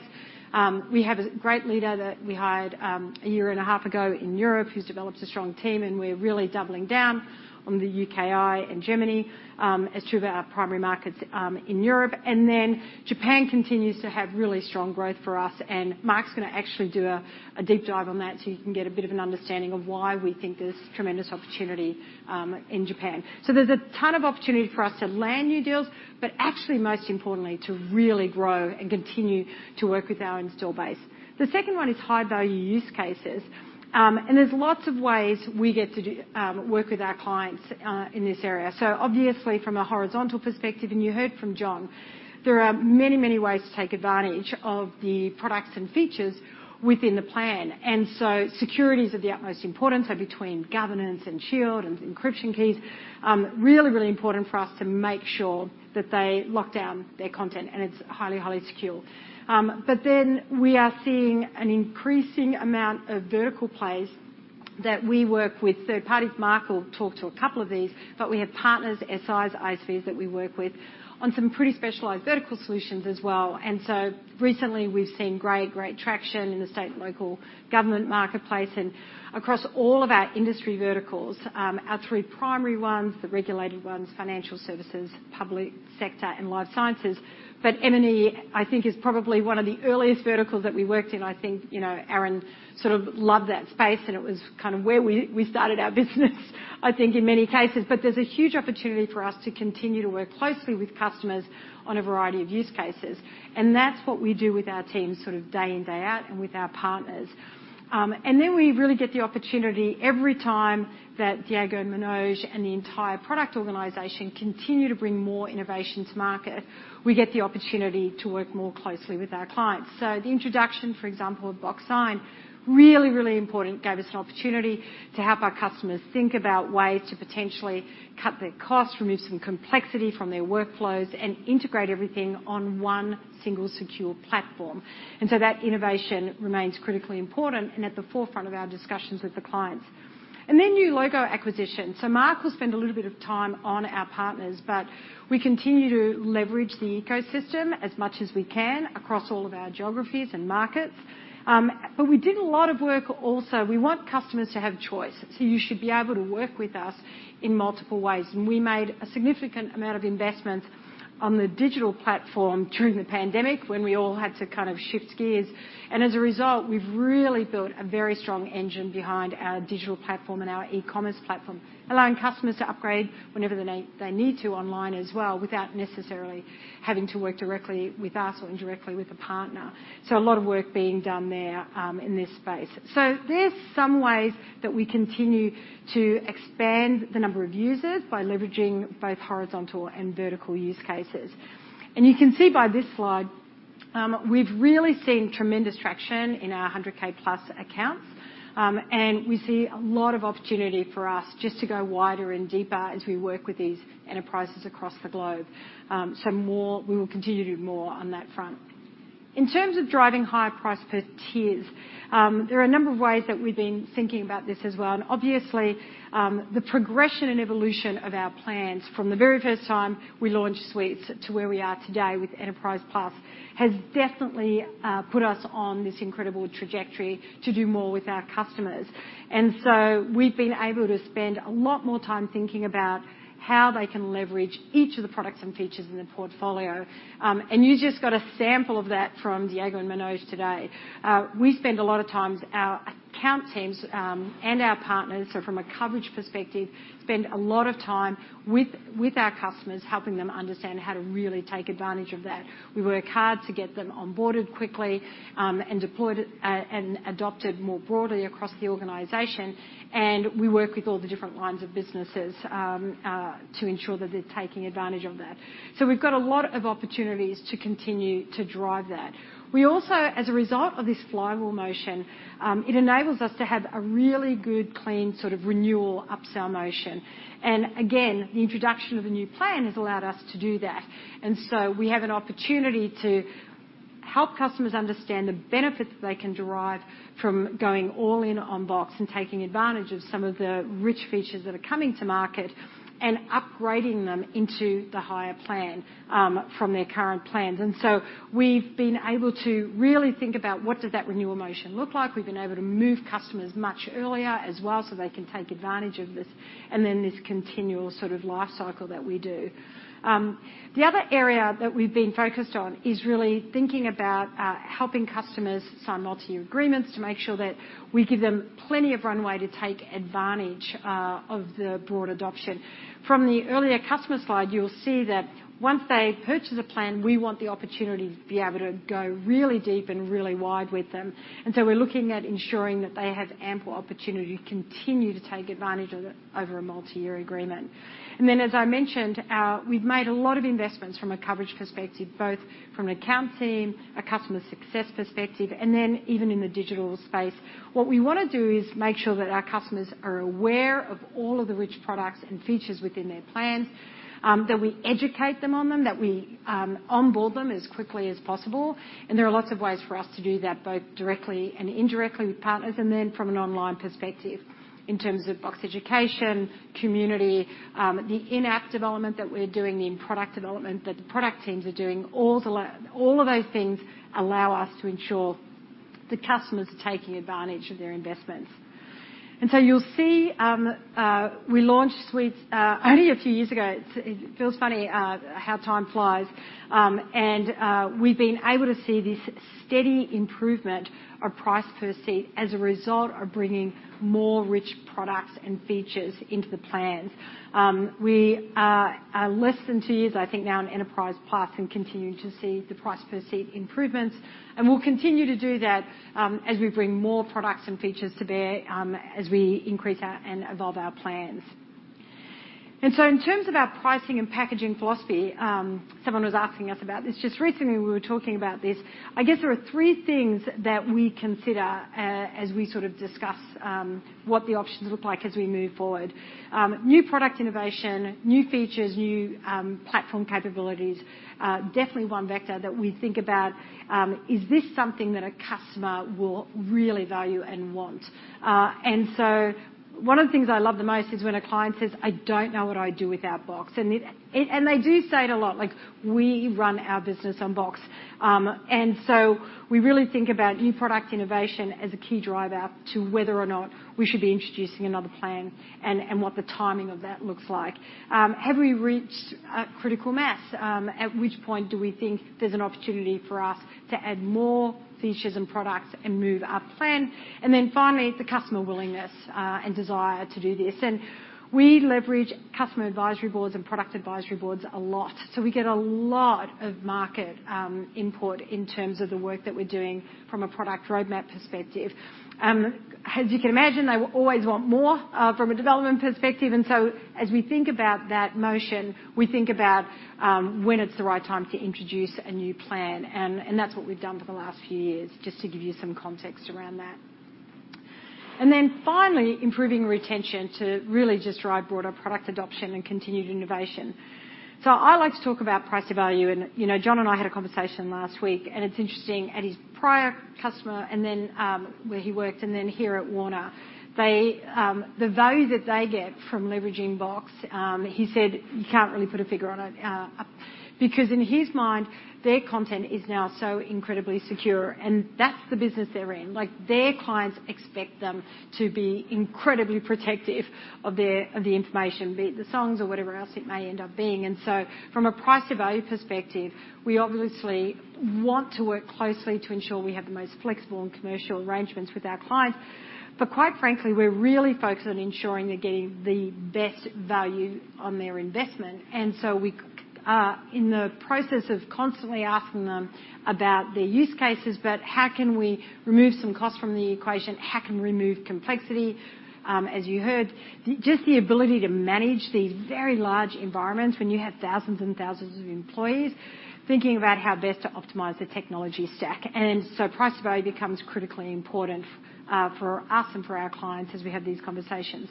We have a great leader that we hired a year and a half ago in Europe, who's developed a strong team, and we're really doubling down on the UKI and Germany as two of our primary markets in Europe. Japan continues to have really strong growth for us, and Mark's gonna actually do a deep dive on that so you can get a bit of an understanding of why we think there's tremendous opportunity in Japan. There's a ton of opportunity for us to land new deals, but actually, most importantly, to really grow and continue to work with our installed base. The second one is high-value use cases. There's lots of ways we get to do work with our clients in this area. Obviously, from a horizontal perspective, and you heard from John, there are many ways to take advantage of the products and features within the plan. Securities of the utmost importance are between governance and shield and encryption keys. Really important for us to make sure that they lock down their content and it's highly secure. We are seeing an increasing amount of vertical plays that we work with third parties. Mark will talk to a couple of these, but we have partners, SIs, ISVs that we work with on some pretty specialized vertical solutions as well. Recently, we've seen great traction in the state and local government marketplace and across all of our industry verticals. Our three primary ones, the regulated ones, financial services, public sector, and life sciences. M&E, I think, is probably one of the earliest verticals that we worked in. I think, you know, Aaron sort of loved that space, and it was kind of where we started our business I think in many cases. There's a huge opportunity for us to continue to work closely with customers on a variety of use cases. That's what we do with our teams sort of day in, day out, and with our partners. We really get the opportunity every time that Diego and Manoj and the entire product organization continue to bring more innovation to market, we get the opportunity to work more closely with our clients. The introduction, for example, of Box Sign, really important. Gave us an opportunity to help our customers think about ways to potentially cut their costs, remove some complexity from their workflows, and integrate everything on one single secure platform. That innovation remains critically important and at the forefront of our discussions with the clients. New logo acquisition. Mark will spend a little bit of time on our partners, but we continue to leverage the ecosystem as much as we can across all of our geographies and markets. We did a lot of work also. We want customers to have choice, so you should be able to work with us in multiple ways. We made a significant amount of investment on the digital platform during the pandemic when we all had to kind of shift gears. As a result, we've really built a very strong engine behind our digital platform and our e-commerce platform, allowing customers to upgrade whenever they need to online as well, without necessarily having to work directly with us or indirectly with a partner. A lot of work being done there in this space. There's some ways that we continue to expand the number of users by leveraging both horizontal and vertical use cases. You can see by this slide, we've really seen tremendous traction in our 100K+ accounts. We see a lot of opportunity for us just to go wider and deeper as we work with these enterprises across the globe. We will continue to do more on that front. In terms of driving higher price per tiers, there are a number of ways that we've been thinking about this as well, and obviously, the progression and evolution of our plans from the very first time we launched Suites to where we are today with Enterprise Plus has definitely put us on this incredible trajectory to do more with our customers. So we've been able to spend a lot more time thinking about how they can leverage each of the products and features in the portfolio. You just got a sample of that from Diego and Manoj today. We spend a lot of times, our account teams, and our partners from a coverage perspective, spend a lot of time with our customers, helping them understand how to really take advantage of that. We work hard to get them onboarded quickly, and deployed, and adopted more broadly across the organization, and we work with all the different lines of businesses to ensure that they're taking advantage of that. We've got a lot of opportunities to continue to drive that. We also, as a result of this flywheel motion, it enables us to have a really good, clean, sort of renewal upsell motion. Again, the introduction of the new plan has allowed us to do that. We have an opportunity to help customers understand the benefits they can derive from going all in on Box and taking advantage of some of the rich features that are coming to market and upgrading them into the higher plan from their current plans. We've been able to really think about what does that renewal motion look like. We've been able to move customers much earlier as well so they can take advantage of this, and then this continual sort of life cycle that we do. The other area that we've been focused on is really thinking about helping customers sign multi-year agreements to make sure that we give them plenty of runway to take advantage of the broad adoption. From the earlier customer slide, you'll see that once they purchase a plan, we want the opportunity to be able to go really deep and really wide with them. We're looking at ensuring that they have ample opportunity to continue to take advantage of it over a multi-year agreement. As I mentioned, we've made a lot of investments from a coverage perspective, both from an account team, a customer success perspective, and even in the digital space. What we wanna do is make sure that our customers are aware of all of the rich products and features within their plans, that we educate them on them, that we onboard them as quickly as possible. There are lots of ways for us to do that, both directly and indirectly with partners, and from an online perspective, in terms of Box education, community, the in-app development that we're doing, the product development that the product teams are doing. All of those things allow us to ensure the customers are taking advantage of their investments. You'll see, we launched Suites only a few years ago. It feels funny how time flies. We've been able to see this steady improvement of price per seat as a result of bringing more rich products and features into the plans. We are less than two years, I think now, in Enterprise Plus and continue to see the price per seat improvements, and we'll continue to do that as we bring more products and features to bear as we increase our and evolve our plans. In terms of our pricing and packaging philosophy, someone was asking us about this just recently when we were talking about this. I guess there are three things that we consider as we sort of discuss what the options look like as we move forward. New product innovation, new features, new platform capabilities are definitely one vector that we think about, is this something that a customer will really value and want? One of the things I love the most is when a client says, "I don't know what I'd do without Box." They do say it a lot, like, "We run our business on Box." We really think about new product innovation as a key driver to whether or not we should be introducing another plan and what the timing of that looks like. Have we reached a critical mass? At which point do we think there's an opportunity for us to add more features and products and move our plan? Finally, the customer willingness and desire to do this. We leverage customer advisory boards and product advisory boards a lot. We get a lot of market input in terms of the work that we're doing from a product roadmap perspective. As you can imagine, they always want more from a development perspective, as we think about that motion, we think about when it's the right time to introduce a new plan. That's what we've done for the last few years, just to give you some context around that. Finally, improving retention to really just drive broader product adoption and continued innovation. I like to talk about price to value and, you know, John and I had a conversation last week, and it's interesting, at his prior customer and then, where he worked and then here at Warner, they, the value that they get from leveraging Box, he said you can't really put a figure on it, because in his mind, their content is now so incredibly secure, and that's the business they're in. Like, their clients expect them to be incredibly protective of their, of the information, be it the songs or whatever else it may end up being. From a price to value perspective, we obviously want to work closely to ensure we have the most flexible and commercial arrangements with our clients, but quite frankly, we're really focused on ensuring they're getting the best value on their investment. We are in the process of constantly asking them about their use cases, but how can we remove some costs from the equation? How can we remove complexity? As you heard, just the ability to manage these very large environments when you have thousands and thousands of employees thinking about how best to optimize the technology stack. Price value becomes critically important for us and for our clients as we have these conversations.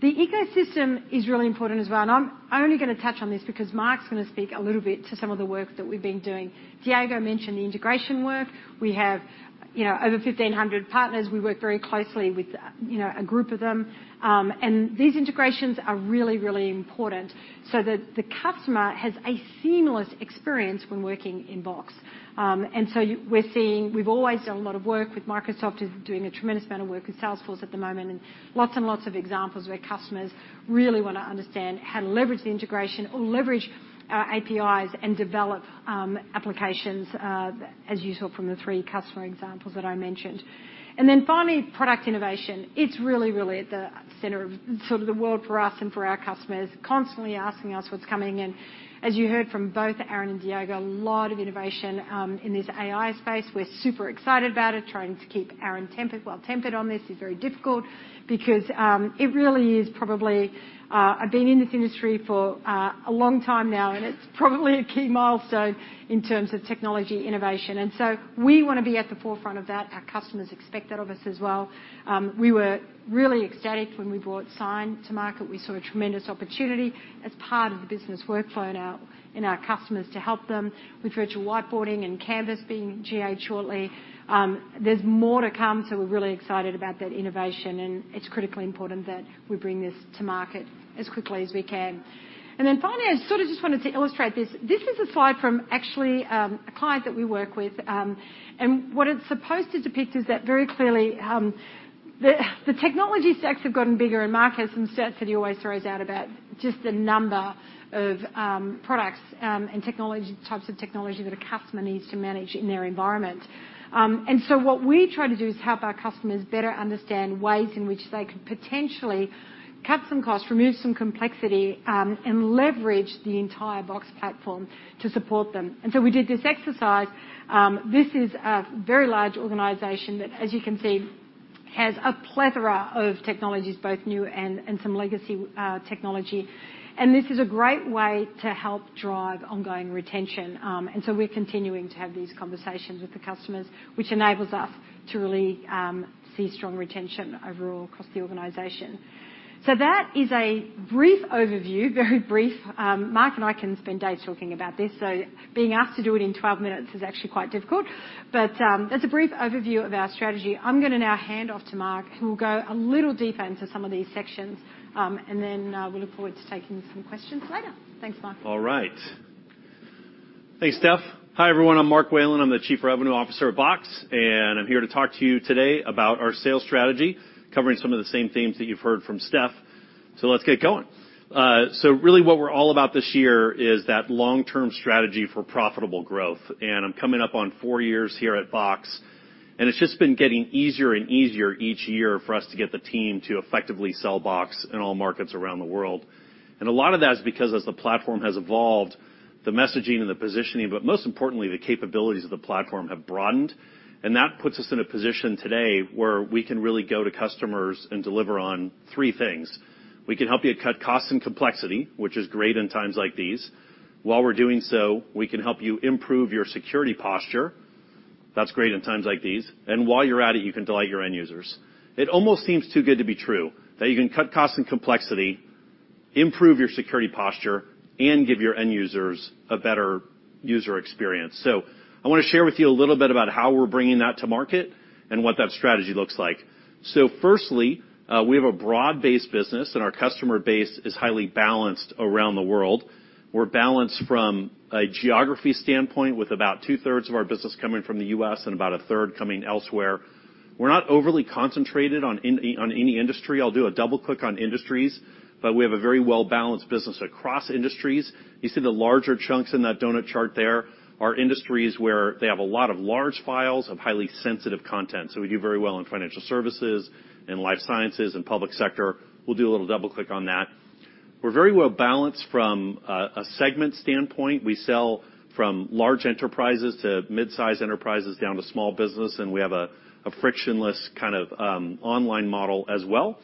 The ecosystem is really important as well, and I'm only gonna touch on this because Mark's gonna speak a little bit to some of the work that we've been doing. Diego mentioned the integration work. We have, you know, over 1,500 partners. We work very closely with, you know, a group of them. These integrations are really important so that the customer has a seamless experience when working in Box. We've always done a lot of work with Microsoft, doing a tremendous amount of work with Salesforce at the moment, and lots of examples where customers really wanna understand how to leverage the integration or leverage our APIs and develop applications, as you saw from the three customer examples that I mentioned. Finally, product innovation. It's really at the center of sort of the world for us and for our customers, constantly asking us what's coming. As you heard from both Aaron and Diego, a lot of innovation in this AI space. We're super excited about it. Trying to keep Aaron tempered, well tempered on this is very difficult because I've been in this industry for a long time now, and it's probably a key milestone in terms of technology innovation. We wanna be at the forefront of that. Our customers expect that of us as well. We were really ecstatic when we brought Sign to market. We saw a tremendous opportunity as part of the business workflow in our customers to help them with virtual whiteboarding and Canvas being GA'd shortly. There's more to come. We're really excited about that innovation. It's critically important that we bring this to market as quickly as we can. Finally, I sort of just wanted to illustrate this. This is a slide from actually a client that we work with. What it's supposed to depict is that very clearly, the technology stacks have gotten bigger, and Mark has some stats that he always throws out about just the number of products and technology, types of technology that a customer needs to manage in their environment. What we try to do is help our customers better understand ways in which they could potentially cut some costs, remove some complexity, and leverage the entire Box platform to support them. We did this exercise. This is a very large organization that, as you can see, has a plethora of technologies, both new and some legacy technology. This is a great way to help drive ongoing retention. We're continuing to have these conversations with the customers, which enables us to really, see strong retention overall across the organization. That is a brief overview, very brief. Mark and I can spend days talking about this, so being asked to do it in 12 minutes is actually quite difficult. That's a brief overview of our strategy. I'm gonna now hand off to Mark, who will go a little deeper into some of these sections. We look forward to taking some questions later. Thanks, Mark. All right. Thanks, Steph. Hi, everyone. I'm Mark Whalen. I'm the Chief Revenue Officer at Box, and I'm here to talk to you today about our sales strategy, covering some of the same themes that you've heard from Steph. Let's get going. Really what we're all about this year is that long-term strategy for profitable growth. I'm coming up on four years here at Box, and it's just been getting easier and easier each year for us to get the team to effectively sell Box in all markets around the world. A lot of that is because as the platform has evolved, the messaging and the positioning, but most importantly, the capabilities of the platform have broadened. That puts us in a position today where we can really go to customers and deliver on three things. We can help you cut costs and complexity, which is great in times like these. While we're doing so, we can help you improve your security posture. That's great in times like these. While you're at it, you can delight your end users. It almost seems too good to be true that you can cut costs and complexity, improve your security posture, and give your end users a better user experience. I want to share with you a little bit about how we're bringing that to market and what that strategy looks like. Firstly, we have a broad-based business, and our customer base is highly balanced around the world. We're balanced from a geography standpoint, with about 2/3 of our business coming from The U.S. and about 1/3 coming elsewhere. We're not overly concentrated on any industry. I'll do a double-click on industries. We have a very well-balanced business across industries. You see the larger chunks in that donut chart there are industries where they have a lot of large files of highly sensitive content. We do very well in financial services and life sciences and public sector. We'll do a little double-click on that. We're very well-balanced from a segment standpoint. We sell from large enterprises to midsize enterprises down to small business, and we have a frictionless kind of online model as well.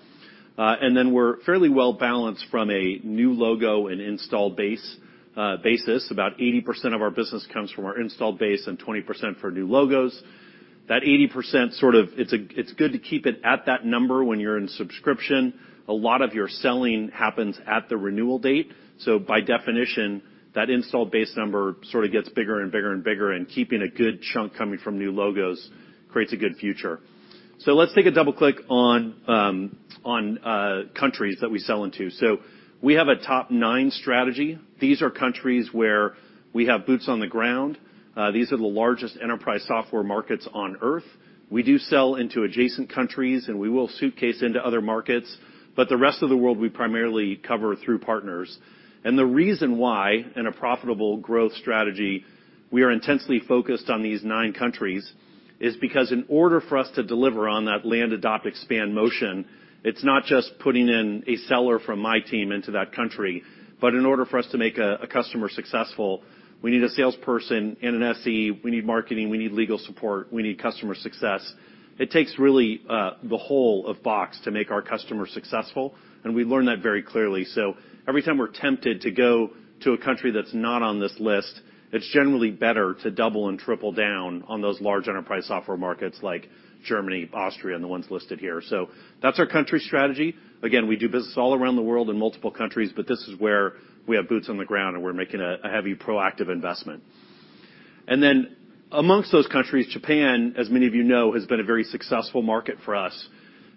We're fairly well-balanced from a new logo and install base basis. About 80% of our business comes from our installed base and 20% for new logos. That 80% sort of it's good to keep it at that number when you're in subscription. A lot of your selling happens at the renewal date. By definition, that install base number sort of gets bigger and bigger, and keeping a good chunk coming from new logos creates a good future. Let's take a double click on countries that we sell into. We have a top nine strategy. These are countries where we have boots on the ground. These are the largest enterprise software markets on Earth. We do sell into adjacent countries, and we will suitcase into other markets, but the rest of the world we primarily cover through partners. The reason why we are intensely focused on these nine countries is because in order for us to deliver on that land adopt expand motion, it's not just putting in a seller from my team into that country, but in order for us to make a customer successful, we need a salesperson and an SE. We need marketing, we need legal support, we need customer success. It takes really the whole of Box to make our customers successful, and we learn that very clearly. Every time we're tempted to go to a country that's not on this list, it's generally better to double and triple down on those large enterprise software markets like Germany, Austria, and the ones listed here. That's our country strategy. We do business all around the world in multiple countries, but this is where we have boots on the ground, and we're making a heavy proactive investment. Amongst those countries, Japan, as many of you know, has been a very successful market for us,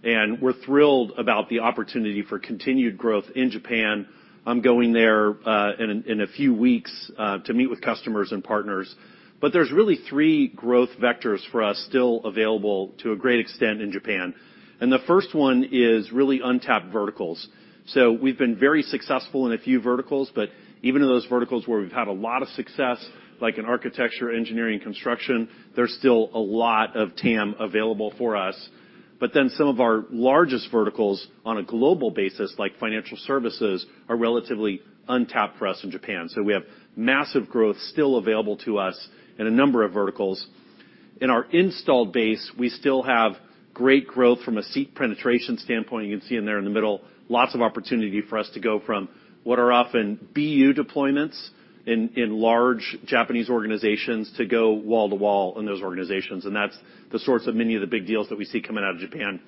and we're thrilled about the opportunity for continued growth in Japan. I'm going there in a few weeks to meet with customers and partners. There's really three growth vectors for us still available to a great extent in Japan, and the first one is really untapped verticals. We've been very successful in a few verticals, but even in those verticals where we've had a lot of success, like in architecture, engineering, construction, there's still a lot of TAM available for us. Some of our largest verticals on a global basis, like financial services, are relatively untapped for us in Japan. We have massive growth still available to us in a number of verticals. In our installed base, we still have great growth from a seat penetration standpoint. You can see in there in the middle, lots of opportunity for us to go from what are often BU deployments in large Japanese organizations to go wall to wall in those organizations. That's the source of many of the big deals that we see coming out of Japan.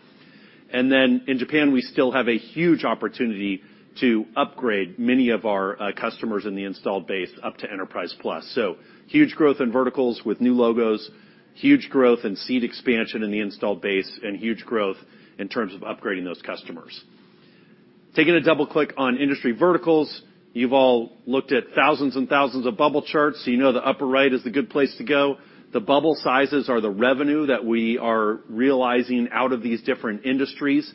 In Japan, we still have a huge opportunity to upgrade many of our customers in the installed base up to Enterprise Plus. Huge growth in verticals with new logos, huge growth and seat expansion in the installed base and huge growth in terms of upgrading those customers. Taking a double click on industry verticals, you've all looked at thousands and thousands of bubble charts, you know the upper right is the good place to go. The bubble sizes are the revenue that we are realizing out of these different industries.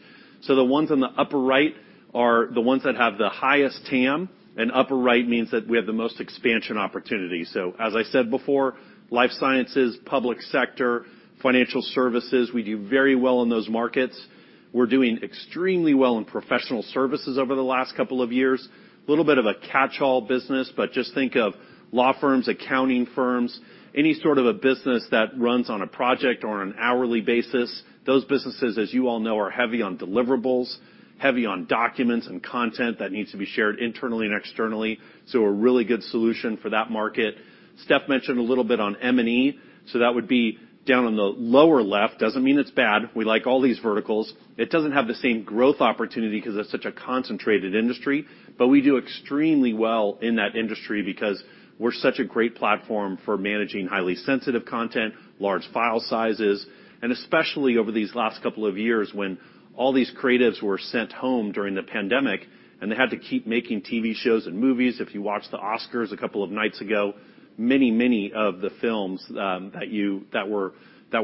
The ones on the upper right are the ones that have the highest TAM, upper right means that we have the most expansion opportunity. As I said before, life sciences, public sector, financial services, we do very well in those markets. We're doing extremely well in professional services over the last couple of years. Little bit of a catch-all business, just think of law firms, accounting firms, any sort of a business that runs on a project or on an hourly basis. Those businesses, as you all know, are heavy on deliverables, heavy on documents and content that needs to be shared internally and externally, a really good solution for that market. Steph mentioned a little bit on M&E. That would be down on the lower left. Doesn't mean it's bad. We like all these verticals. It doesn't have the same growth opportunity 'cause it's such a concentrated industry, we do extremely well in that industry because we're such a great platform for managing highly sensitive content, large file sizes and especially over these last couple of years, when all these creatives were sent home during the pandemic, and they had to keep making TV shows and movies. If you watched the Oscars 2 nights ago, many of the films that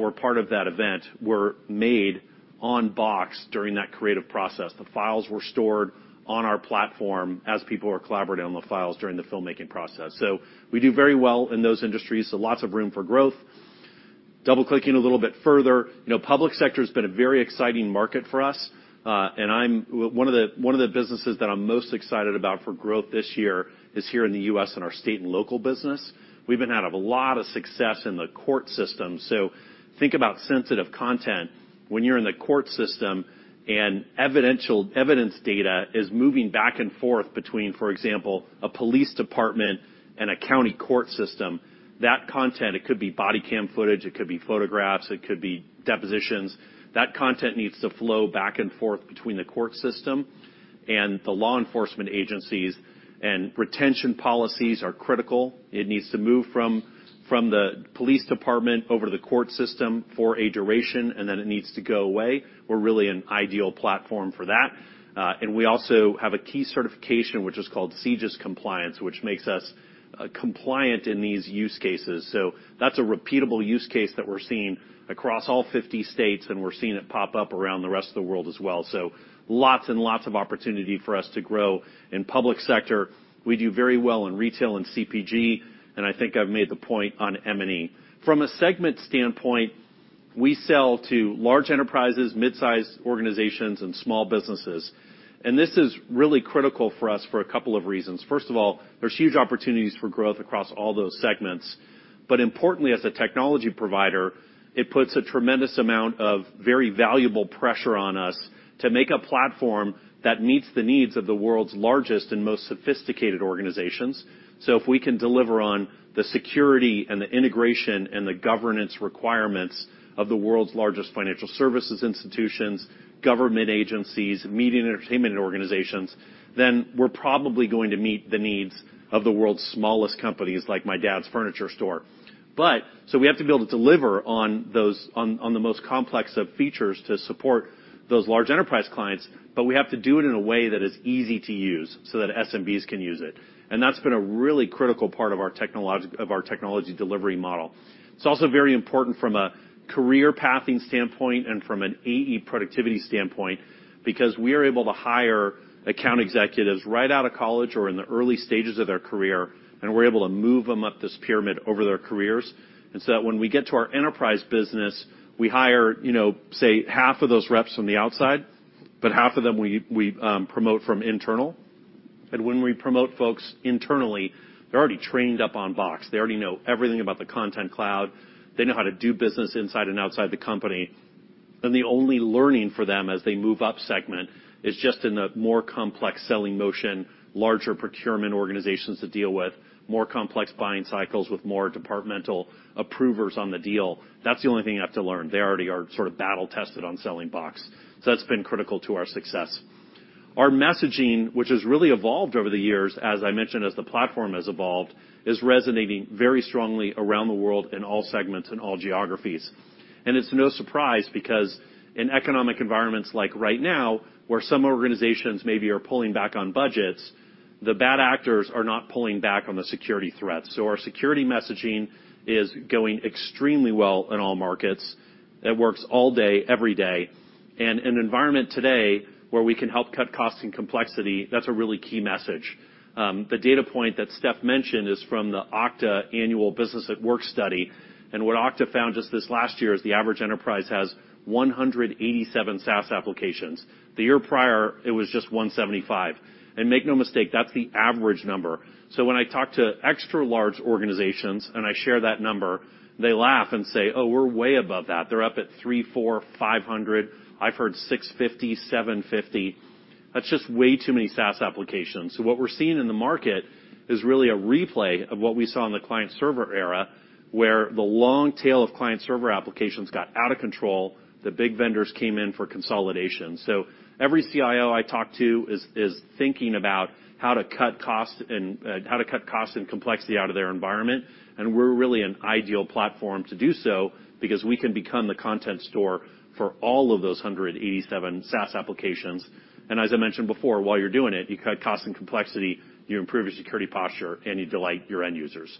were part of that event were made on Box during that creative process. The files were stored on our platform as people were collaborating on the files during the filmmaking process. We do very well in those industries, lots of room for growth. Double-clicking a little bit further, you know, public sector's been a very exciting market for us. One of the businesses that I'm most excited about for growth this year is here in the U.S. in our state and local business. We've been had a lot of success in the court system. Think about sensitive content. When you're in the court system and evidence data is moving back and forth between, for example, a police department and a county court system, that content, it could be body cam footage, it could be photographs, it could be depositions. That content needs to flow back and forth between the court system and the law enforcement agencies. Retention policies are critical. It needs to move from the police department over to the court system for a duration. Then it needs to go away. We're really an ideal platform for that. We also have a key certification which is called CJIS compliance, which makes us compliant in these use cases. That's a repeatable use case that we're seeing across all 50 states, and we're seeing it pop up around the rest of the world as well. Lots and lots of opportunity for us to grow in public sector. We do very well in retail and CPG, and I think I've made the point on M&E. From a segment standpoint, we sell to large enterprises, midsize organizations and small businesses, and this is really critical for us for a couple of reasons. First of all, there's huge opportunities for growth across all those segments. Importantly, as a technology provider, it puts a tremendous amount of very valuable pressure on us to make a platform that meets the needs of the world's largest and most sophisticated organizations. If we can deliver on the security and the integration and the governance requirements of the world's largest financial services institutions, government agencies, media and entertainment organizations, then we're probably going to meet the needs of the world's smallest companies, like my dad's furniture store. We have to be able to deliver on the most complex of features to support those large enterprise clients, but we have to do it in a way that is easy to use so that SMBs can use it. That's been a really critical part of our technology delivery model. It's also very important from a career pathing standpoint and from an AE productivity standpoint because we are able to hire account executives right out of college or in the early stages of their career, and we're able to move them up this pyramid over their careers. So that when we get to our enterprise business, we hire, you know, say, half of those reps from the outside, but half of them we promote from internal. When we promote folks internally, they're already trained up on Box. They already know everything about the Content Cloud. They know how to do business inside and outside the company, and the only learning for them as they move up segment is just in the more complex selling motion, larger procurement organizations to deal with, more complex buying cycles with more departmental approvers on the deal. That's the only thing you have to learn. They already are sort of battle tested on selling Box. That's been critical to our success. Our messaging, which has really evolved over the years, as I mentioned, as the platform has evolved, is resonating very strongly around the world in all segments and all geographies. It's no surprise because in economic environments like right now, where some organizations maybe are pulling back on budgets, the bad actors are not pulling back on the security threats. Our security messaging is going extremely well in all markets. It works all day, every day. In an environment today where we can help cut cost and complexity, that's a really key message. The data point that Steph mentioned is from the Okta Annual Businesses at Work study. What Okta found just this last year is the average enterprise has 187 SaaS applications. The year prior, it was just 175. Make no mistake, that's the average number. When I talk to extra large organizations and I share that number, they laugh and say, "Oh, we're way above that." They're up at 300, 400, 500. I've heard 650, 750. That's just way too many SaaS applications. What we're seeing in the market is really a replay of what we saw in the client server era, where the long tail of client server applications got out of control, the big vendors came in for consolidation. Every CIO I talk to is thinking about how to cut costs and how to cut cost and complexity out of their environment. We're really an ideal platform to do so because we can become the content store for all of those 187 SaaS applications. As I mentioned before, while you're doing it, you cut cost and complexity, you improve your security posture, and you delight your end users.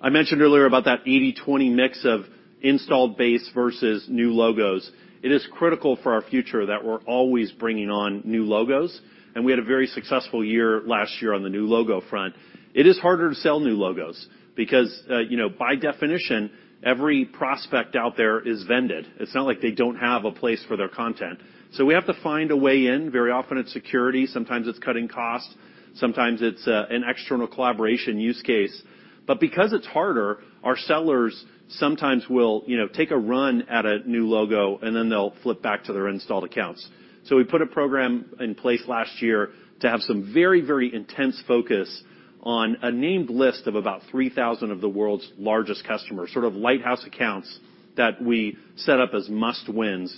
I mentioned earlier about that 80-20 mix of installed base versus new logos. It is critical for our future that we're always bringing on new logos, and we had a very successful year last year on the new logo front. It is harder to sell new logos because, you know, by definition, every prospect out there is vended. It's not like they don't have a place for their content. We have to find a way in. Very often, it's security, sometimes it's cutting costs, sometimes it's an external collaboration use case. Because it's harder, our sellers sometimes will, you know, take a run at a new logo, and then they'll flip back to their installed accounts. We put a program in place last year to have some very, very intense focus on a named list of about 3,000 of the world's largest customers, sort of lighthouse accounts that we set up as must-wins.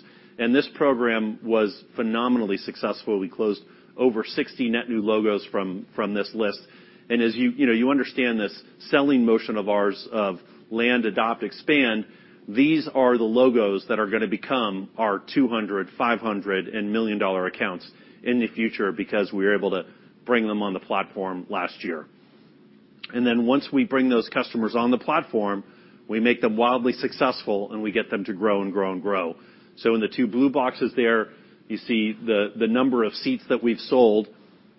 This program was phenomenally successful. We closed over 60 net new logos from this list. As you know, you understand this selling motion of ours of land, adopt, expand, these are the logos that are gonna become our 200, 500, and $1 million accounts in the future because we were able to bring them on the platform last year. Once we bring those customers on the platform, we make them wildly successful, and we get them to grow and grow and grow. In the two blue boxes there, you see the number of seats that we've sold,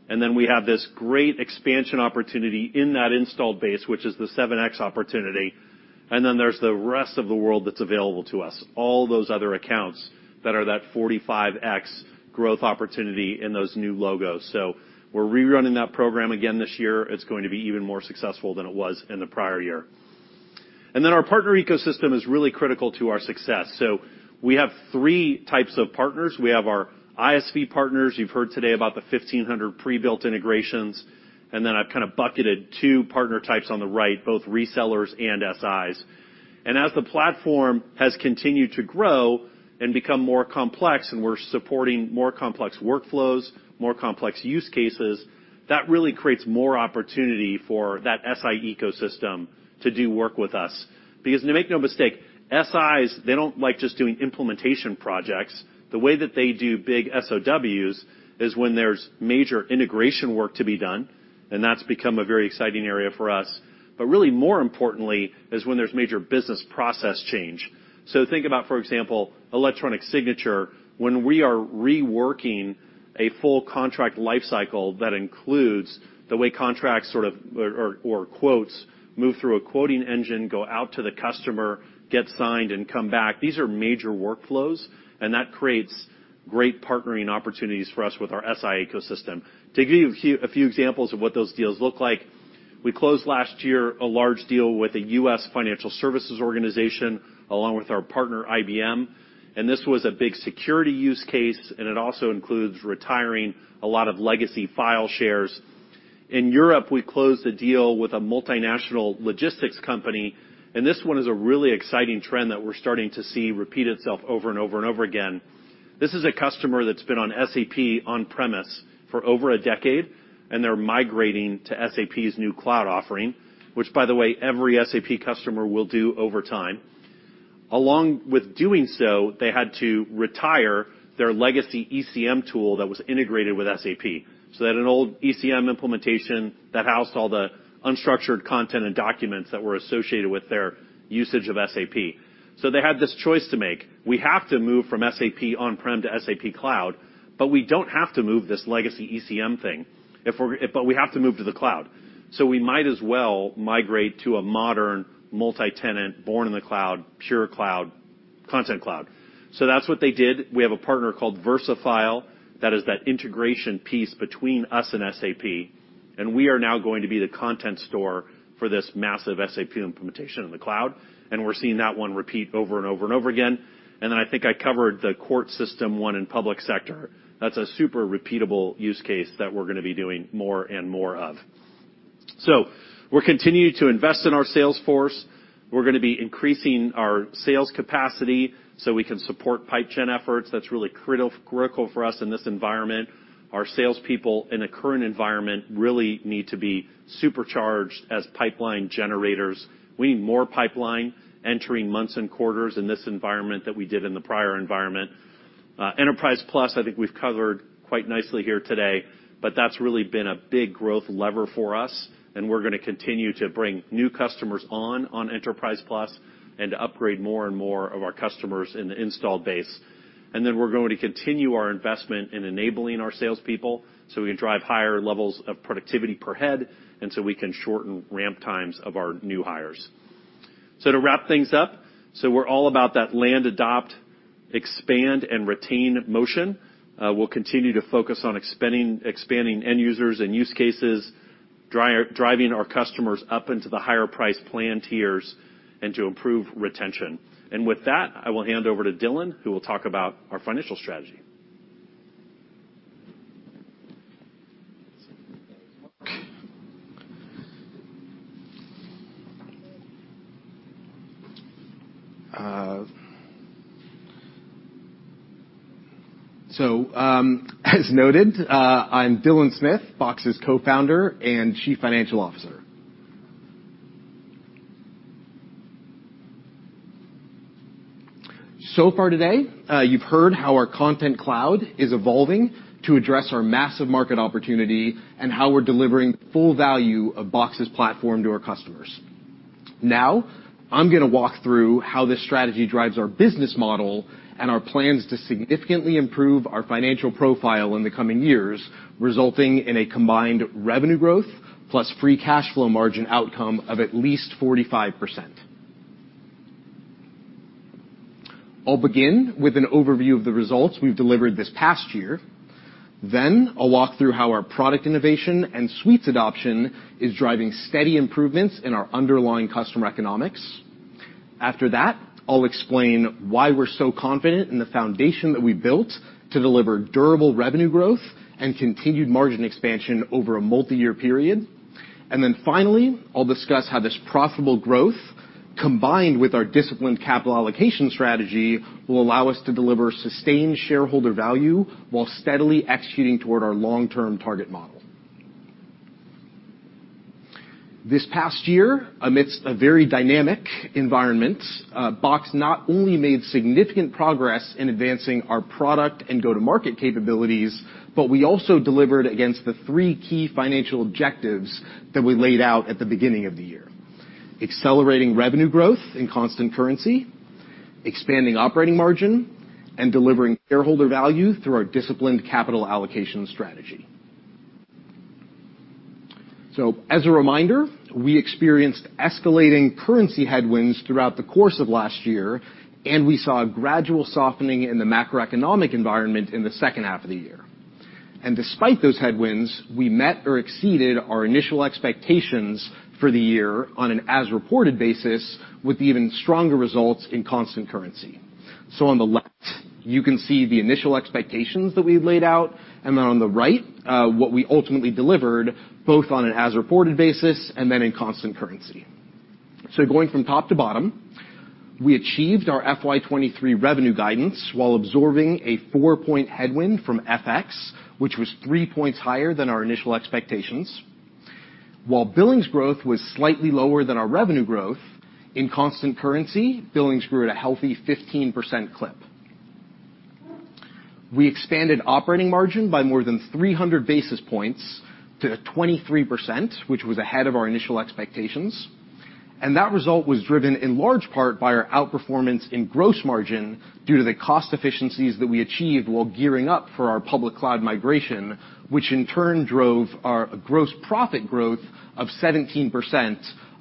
and then we have this great expansion opportunity in that installed base, which is the 7x opportunity. There's the rest of the world that's available to us, all those other accounts that are that 45x growth opportunity in those new logos. We're rerunning that program again this year. It's going to be even more successful than it was in the prior year. Our partner ecosystem is really critical to our success. We have three types of partners. We have our ISV partners. You've heard today about the 1,500 pre-built integrations. I've kind of bucketed two partner types on the right, both resellers and SIs. As the platform has continued to grow and become more complex and we're supporting more complex workflows, more complex use cases, that really creates more opportunity for that SI ecosystem to do work with us. Make no mistake, SIs, they don't like just doing implementation projects. The way that they do big SOWs is when there's major integration work to be done, and that's become a very exciting area for us. Really more importantly, is when there's major business process change. Think about, for example, electronic signature. When we are reworking a full contract life cycle that includes the way contracts sort of, or quotes move through a quoting engine, go out to the customer, get signed, and come back, these are major workflows, and that creates great partnering opportunities for us with our SI ecosystem. To give you a few examples of what those deals look like, we closed last year a large deal with a US financial services organization, along with our partner, IBM, and this was a big security use case, and it also includes retiring a lot of legacy file shares. In Europe, we closed a deal with a multinational logistics company, and this one is a really exciting trend that we're starting to see repeat itself over and over again. This is a customer that's been on SAP on-premise for over a decade, and they're migrating to SAP's new cloud offering, which, by the way, every SAP customer will do over time. Along with doing so, they had to retire their legacy ECM tool that was integrated with SAP. They had an old ECM implementation that housed all the unstructured content and documents that were associated with their usage of SAP. They had this choice to make. We have to move from SAP on-prem to SAP Cloud, but we don't have to move this legacy ECM thing. We have to move to the cloud. We might as well migrate to a modern multi-tenant, born in the cloud, pure cloud platform. Content Cloud. That's what they did. We have a partner called VersaFile that is that integration piece between us and SAP, and we are now going to be the content store for this massive SAP implementation in the cloud, and we're seeing that one repeat over and over and over again. I think I covered the court system one in public sector. That's a super repeatable use case that we're gonna be doing more and more of. We're continuing to invest in our sales force. We're gonna be increasing our sales capacity, so we can support pipe gen efforts. That's really critical for us in this environment. Our salespeople in the current environment really need to be supercharged as pipeline generators. We need more pipeline entering months and quarters in this environment than we did in the prior environment. Enterprise Plus, I think we've covered quite nicely here today, but that's really been a big growth lever for us, and we're gonna continue to bring new customers on Enterprise Plus and to upgrade more and more of our customers in the installed base. We're going to continue our investment in enabling our salespeople, so we can drive higher levels of productivity per head, and so we can shorten ramp times of our new hires. To wrap things up, so we're all about that land, adopt, expand, and retain motion. We'll continue to focus on expanding end users and use cases, driving our customers up into the higher price plan tiers and to improve retention. With that, I will hand over to Dylan, who will talk about our financial strategy. As noted, I'm Dylan Smith, Box's Co-founder and Chief Financial Officer. Far today, you've heard how our Content Cloud is evolving to address our massive market opportunity and how we're delivering full value of Box's platform to our customers. I'm gonna walk through how this strategy drives our business model and our plans to significantly improve our financial profile in the coming years, resulting in a combined revenue growth plus free cash flow margin outcome of at least 45%. I'll begin with an overview of the results we've delivered this past year. I'll walk through how our product innovation and Suites adoption is driving steady improvements in our underlying customer economics. After that, I'll explain why we're so confident in the foundation that we built to deliver durable revenue growth and continued margin expansion over a multiyear period. I'll discuss how this profitable growth, combined with our disciplined capital allocation strategy, will allow us to deliver sustained shareholder value while steadily executing toward our long-term target model. This past year, amidst a very dynamic environment, Box not only made significant progress in advancing our product and go-to-market capabilities, but we also delivered against the three key financial objectives that we laid out at the beginning of the year, accelerating revenue growth in constant currency, expanding operating margin, and delivering shareholder value through our disciplined capital allocation strategy. We experienced escalating currency headwinds throughout the course of last year, and we saw a gradual softening in the macroeconomic environment in the second half of the year. Despite those headwinds, we met or exceeded our initial expectations for the year on an as-reported basis with even stronger results in constant currency. On the left, you can see the initial expectations that we had laid out, and then on the right, what we ultimately delivered, both on an as-reported basis and then in constant currency. Going from top to bottom, we achieved our FY23 revenue guidance while absorbing a 4-point headwind from FX, which was three points higher than our initial expectations. While billings growth was slightly lower than our revenue growth, in constant currency, billings grew at a healthy 15% clip. We expanded operating margin by more than 300 basis points to 23%, which was ahead of our initial expectations. That result was driven in large part by our outperformance in gross margin due to the cost efficiencies that we achieved while gearing up for our public cloud migration, which in turn drove our gross profit growth of 17%,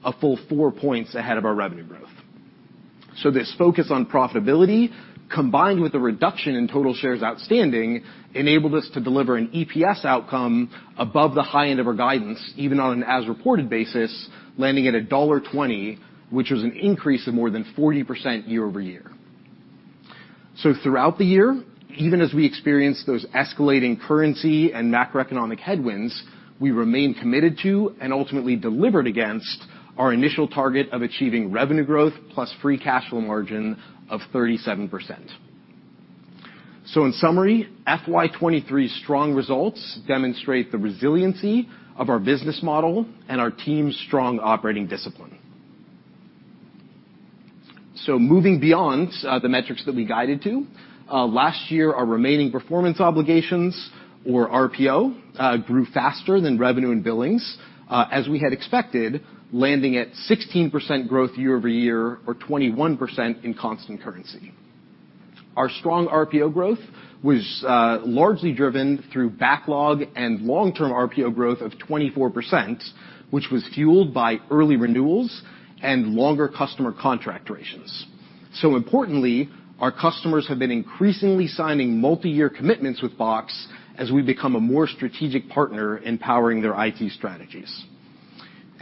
a full 4 points ahead of our revenue growth. This focus on profitability, combined with the reduction in total shares outstanding, enabled us to deliver an EPS outcome above the high end of our guidance, even on an as-reported basis, landing at $1.20, which was an increase of more than 40% year-over-year. Throughout the year, even as we experienced those escalating currency and macroeconomic headwinds, we remained committed to and ultimately delivered against our initial target of achieving revenue growth plus free cash flow margin of 37%. In summary, FY23's strong results demonstrate the resiliency of our business model and our team's strong operating discipline. Moving beyond the metrics that we guided to last year, our remaining performance obligations, or RPO, grew faster than revenue and billings as we had expected, landing at 16% growth year-over-year or 21% in constant currency. Our strong RPO growth was largely driven through backlog and long-term RPO growth of 24%, which was fueled by early renewals and longer customer contract durations. Importantly, our customers have been increasingly signing multi-year commitments with Box as we become a more strategic partner in powering their IT strategies.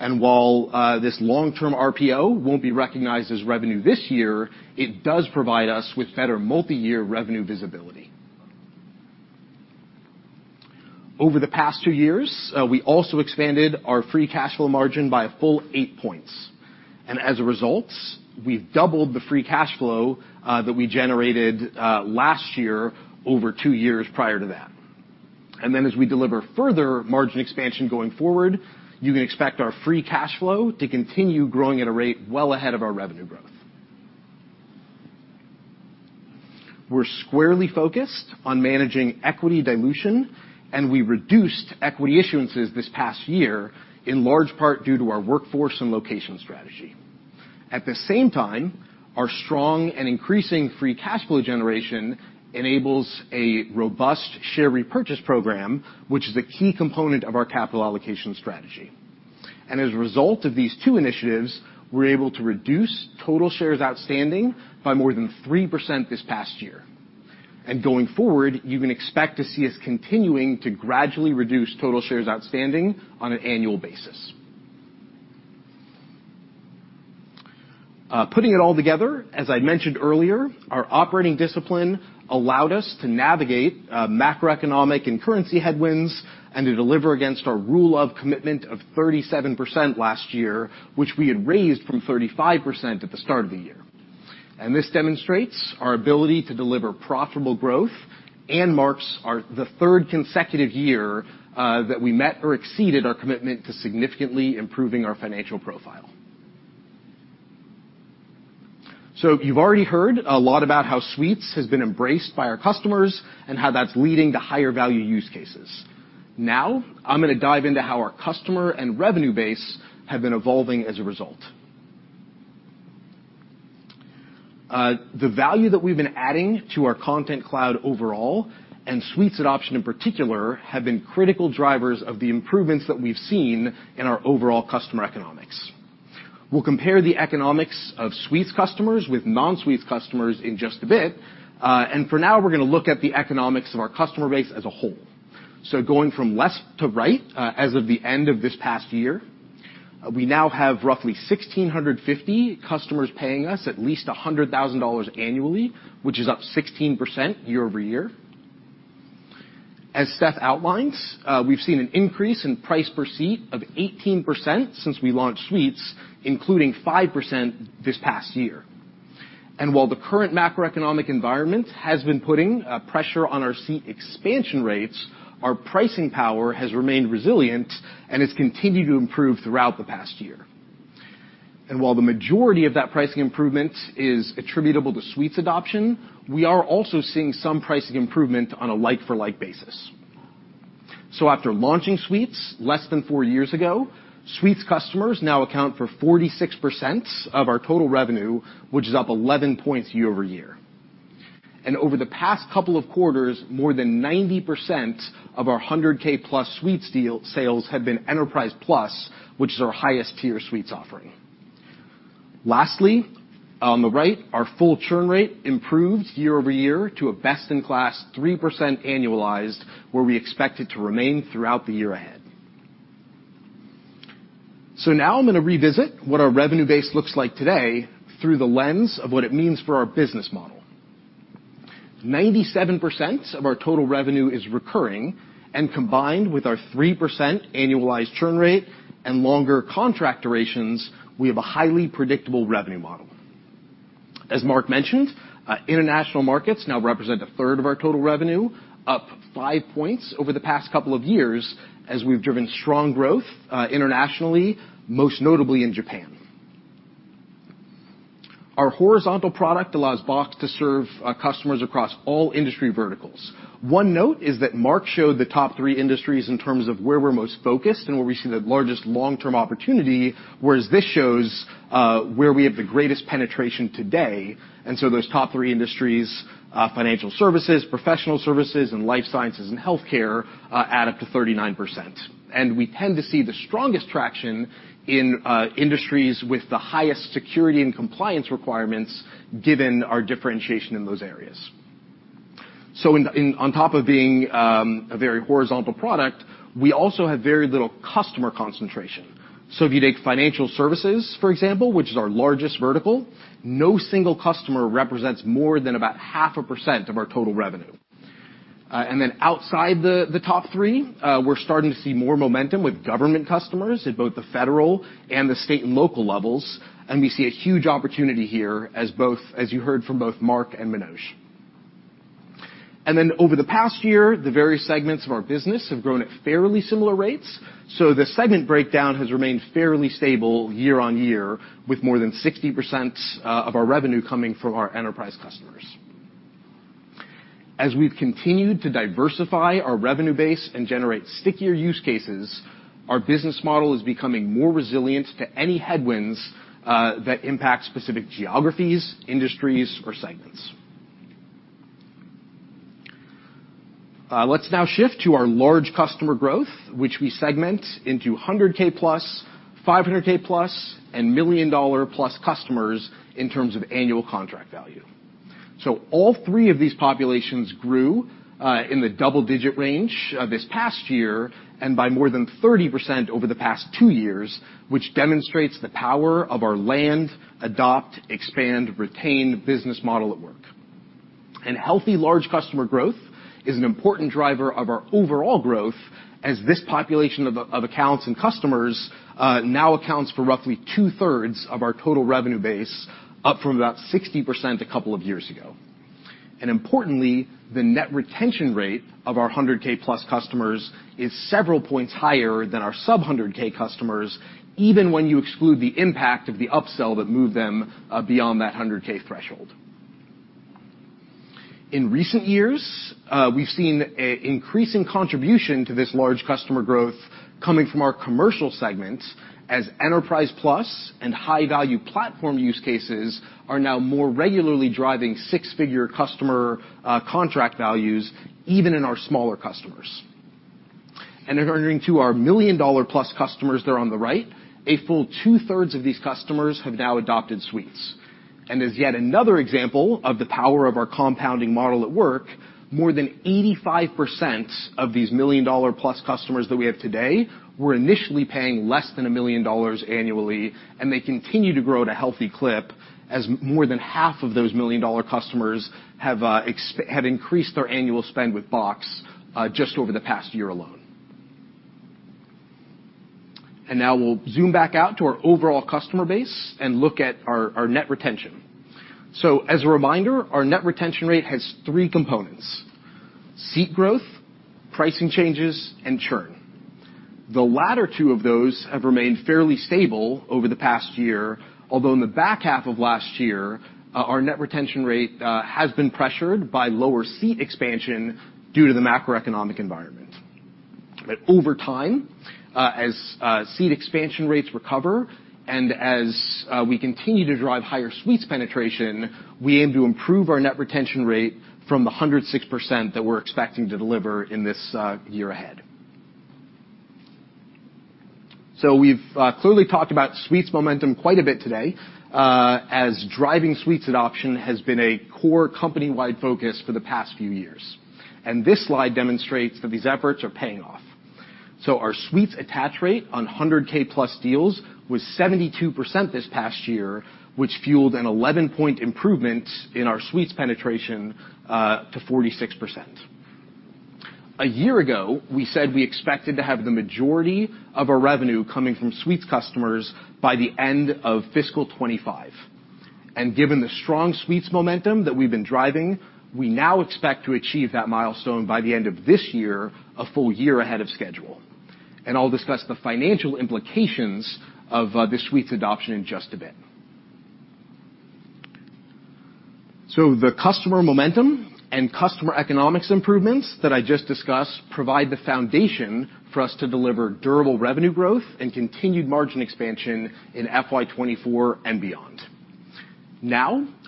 While this long-term RPO won't be recognized as revenue this year, it does provide us with better multi-year revenue visibility. Over the past two years, we also expanded our free cash flow margin by a full eight points. As a result, we've doubled the free cash flow that we generated last year over two years prior to that. As we deliver further margin expansion going forward, you can expect our free cash flow to continue growing at a rate well ahead of our revenue growth. We're squarely focused on managing equity dilution, and we reduced equity issuances this past year, in large part due to our workforce and location strategy. At the same time, our strong and increasing free cash flow generation enables a robust share repurchase program, which is a key component of our capital allocation strategy. As a result of these two initiatives, we're able to reduce total shares outstanding by more than 3% this past year. Going forward, you can expect to see us continuing to gradually reduce total shares outstanding on an annual basis. Putting it all together, as I mentioned earlier, our operating discipline allowed us to navigate macroeconomic and currency headwinds and to deliver against our rule of commitment of 37% last year, which we had raised from 35% at the start of the year. This demonstrates our ability to deliver profitable growth and marks the third consecutive year that we met or exceeded our commitment to significantly improving our financial profile. You've already heard a lot about how Suites has been embraced by our customers and how that's leading to higher value use cases. Now, I'm gonna dive into how our customer and revenue base have been evolving as a result. The value that we've been adding to our Content Cloud overall and Suites adoption in particular, have been critical drivers of the improvements that we've seen in our overall customer economics. We'll compare the economics of Suites customers with non-Suites customers in just a bit, and for now, we're gonna look at the economics of our customer base as a whole. Going from left to right, as of the end of this past year, we now have roughly 1,650 customers paying us at least $100,000 annually, which is up 16% year-over-year. As Steph outlines, we've seen an increase in price per seat of 18% since we launched Suites, including 5% this past year. While the current macroeconomic environment has been putting pressure on our seat expansion rates, our pricing power has remained resilient and has continued to improve throughout the past year. While the majority of that pricing improvement is attributable to Suites adoption, we are also seeing some pricing improvement on a like-for-like basis. After launching Suites less than four years ago, Suites customers now account for 46% of our total revenue, which is up 11 points year-over-year. Over the past couple of quarters, more than 90% of our 100,000 plus Suites deal sales have been Enterprise Plus, which is our highest tier Suites offering. On the right, our full churn rate improved year-over-year to a best-in-class 3% annualized, where we expect it to remain throughout the year ahead. Now I'm going to revisit what our revenue base looks like today through the lens of what it means for our business model. 97% of our total revenue is recurring, and combined with our 3% annualized churn rate and longer contract durations, we have a highly predictable revenue model. As Mark mentioned, international markets now represent a third of our total revenue, up five points over the past couple of years as we've driven strong growth internationally, most notably in Japan. Our horizontal product allows Box to serve customers across all industry verticals. One note is that Mark showed the top three industries in terms of where we're most focused and where we see the largest long-term opportunity, whereas this shows where we have the greatest penetration today. Those top three industries, financial services, professional services, and life sciences and healthcare, add up to 39%. We tend to see the strongest traction in industries with the highest security and compliance requirements given our differentiation in those areas. On top of being a very horizontal product, we also have very little customer concentration. If you take financial services, for example, which is our largest vertical, no single customer represents more than about half a percent of our total revenue. Outside the top three, we're starting to see more momentum with government customers at both the federal and the state and local levels, and we see a huge opportunity here as you heard from both Mark and Manoj. Over the past year, the various segments of our business have grown at fairly similar rates, so the segment breakdown has remained fairly stable year-on-year, with more than 60% of our revenue coming from our enterprise customers. As we've continued to diversify our revenue base and generate stickier use cases, our business model is becoming more resilient to any headwinds that impact specific geographies, industries, or segments. Let's now shift to our large customer growth, which we segment into 100,000 plus, 500,000 plus, and $1 million plus customers in terms of annual contract value. All three of these populations grew in the double-digit range this past year and by more than 30% over the past two years, which demonstrates the power of our land, adopt, expand, retain business model at work. Healthy large customer growth is an important driver of our overall growth as this population of accounts and customers now accounts for roughly 2/3 of our total revenue base, up from about 60% a couple of years ago. Importantly, the net retention rate of our 100,000 plus customers is several points higher than our sub-100,000 customers, even when you exclude the impact of the upsell that moved them beyond that 100,000 threshold. In recent years, we've seen an increasing contribution to this large customer growth coming from our commercial segment as Enterprise Plus and high-value platform use cases are now more regularly driving six-figure customer contract values even in our smaller customers. Entering to our $1 million-plus customers there on the right, a full two-thirds of these customers have now adopted Suites. As yet another example of the power of our compounding model at work, more than 85% of these million-dollar-plus customers that we have today were initially paying less than $1 million annually, and they continue to grow at a healthy clip, as more than half of those million-dollar customers have increased their annual spend with Box just over the past year alone. Now we'll zoom back out to our overall customer base and look at our net retention. As a reminder, our net retention rate has three components: seat growth, pricing changes, and churn. The latter two of those have remained fairly stable over the past year, although in the back half of last year, our net retention rate has been pressured by lower seat expansion due to the macroeconomic environment. Over time, as seat expansion rates recover and as we continue to drive higher Suites penetration, we aim to improve our net retention rate from the 106% that we're expecting to deliver in this year ahead. We've clearly talked about Suites momentum quite a bit today, as driving Suites adoption has been a core company-wide focus for the past few years. This slide demonstrates that these efforts are paying off. Our Suites attach rate on 100,000 plus deals was 72% this past year, which fueled an 11-point improvement in our Suites penetration to 46%. A year ago, we said we expected to have the majority of our revenue coming from Suites customers by the end of fiscal 2025. Given the strong Suites momentum that we've been driving, we now expect to achieve that milestone by the end of this year, a full year ahead of schedule. I'll discuss the financial implications of the Suites adoption in just a bit. The customer momentum and customer economics improvements that I just discussed provide the foundation for us to deliver durable revenue growth and continued margin expansion in FY24 and beyond.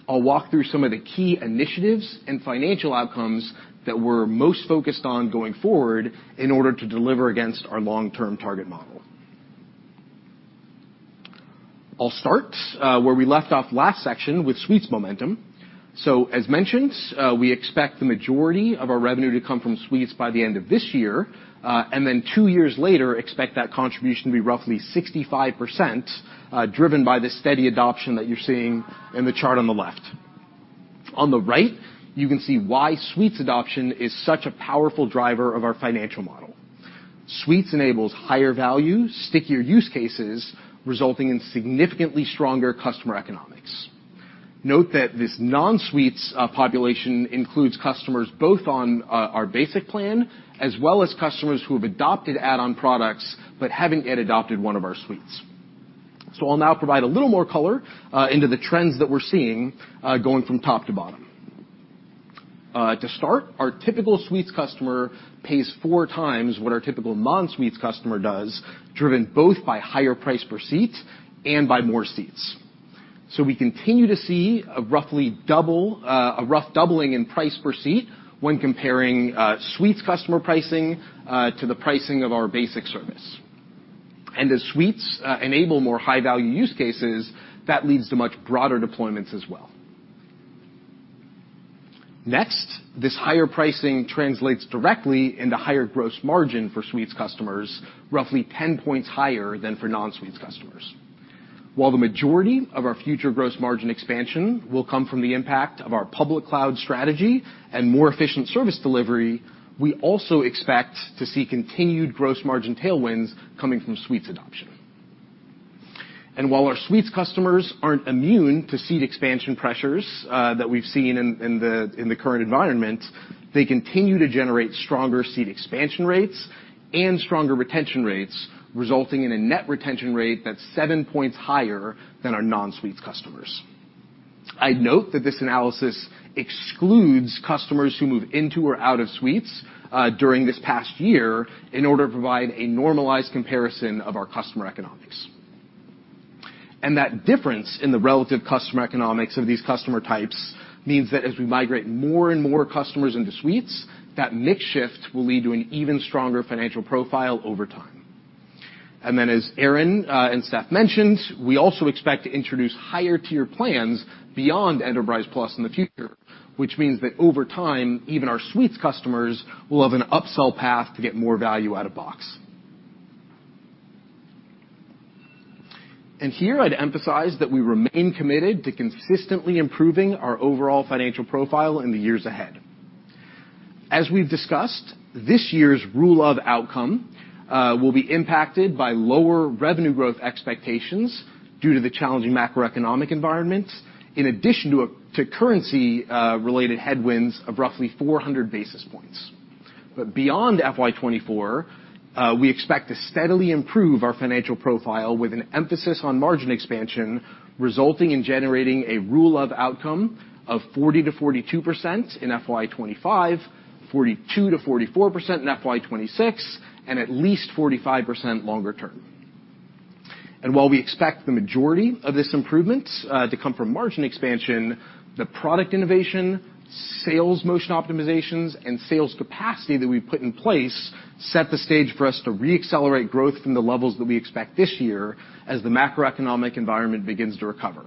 I'll walk through some of the key initiatives and financial outcomes that we're most focused on going forward in order to deliver against our long-term target model. I'll start where we left off last section with Suites momentum. As mentioned, we expect the majority of our revenue to come from Suites by the end of this year, and then two years later, expect that contribution to be roughly 65%, driven by the steady adoption that you're seeing in the chart on the left. The right, you can see why Suites adoption is such a powerful driver of our financial model. Suites enables higher-value, stickier use cases, resulting in significantly stronger customer economics. Note that this non-Suites population includes customers both on our basic plan as well as customers who have adopted add-on products but haven't yet adopted one of our Suites. I'll now provide a little more color into the trends that we're seeing, going from top to bottom. To start, our typical Suites customer pays four times what our typical non-Suites customer does, driven both by higher price per seat and by more seats. We continue to see a roughly double, a rough doubling in price per seat when comparing Suites customer pricing to the pricing of our basic service. As Suites enable more high-value use cases, that leads to much broader deployments as well. This higher pricing translates directly into higher gross margin for Suites customers, roughly 10 points higher than for non-Suites customers. The majority of our future gross margin expansion will come from the impact of our public cloud strategy and more efficient service delivery, we also expect to see continued gross margin tailwinds coming from Suites adoption. While our Suites customers aren't immune to seat expansion pressures that we've seen in the current environment, they continue to generate stronger seat expansion rates and stronger retention rates, resulting in a net retention rate that's seven points higher than our non-Suites customers. I'd note that this analysis excludes customers who move into or out of Suites during this past year in order to provide a normalized comparison of our customer economics. That difference in the relative customer economics of these customer types means that as we migrate more and more customers into Suites, that mix shift will lead to an even stronger financial profile over time. As Aaron and Steph mentioned, we also expect to introduce higher-tier plans beyond Enterprise Plus in the future, which means that over time, even our Suites customers will have an upsell path to get more value out-of-box. I'd emphasize that we remain committed to consistently improving our overall financial profile in the years ahead. As we've discussed, this year's Rule of 45 will be impacted by lower revenue growth expectations due to the challenging macroeconomic environment, in addition to currency related headwinds of roughly 400 basis points. Beyond FY24, we expect to steadily improve our financial profile with an emphasis on margin expansion, resulting in generating a Rule of 45 of 40%-42% in FY25, 42%-44% in FY26, and at least 45% longer term. While we expect the majority of this improvement, to come from margin expansion, the product innovation, sales motion optimizations, and sales capacity that we've put in place set the stage for us to re-accelerate growth from the levels that we expect this year as the macroeconomic environment begins to recover.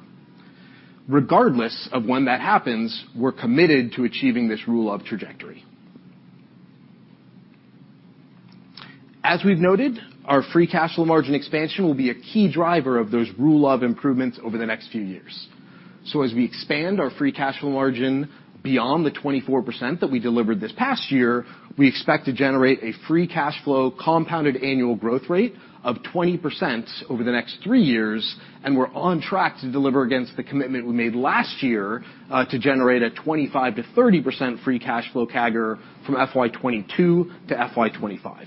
Regardless of when that happens, we're committed to achieving this rule of trajectory. As we've noted, our free cash flow margin expansion will be a key driver of those rule of improvements over the next few years. As we expand our free cash flow margin beyond the 24% that we delivered this past year, we expect to generate a free cash flow compounded annual growth rate of 20% over the next three years, and we're on track to deliver against the commitment we made last year to generate a 25%-30% free cash flow CAGR from FY22 to FY25.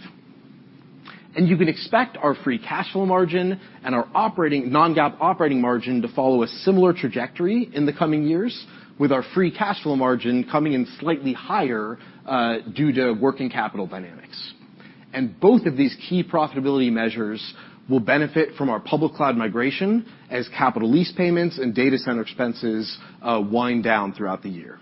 You can expect our free cash flow margin and our non-GAAP operating margin to follow a similar trajectory in the coming years with our free cash flow margin coming in slightly higher due to working capital dynamics. Both of these key profitability measures will benefit from our public cloud migration as capital lease payments and data center expenses wind down throughout the year.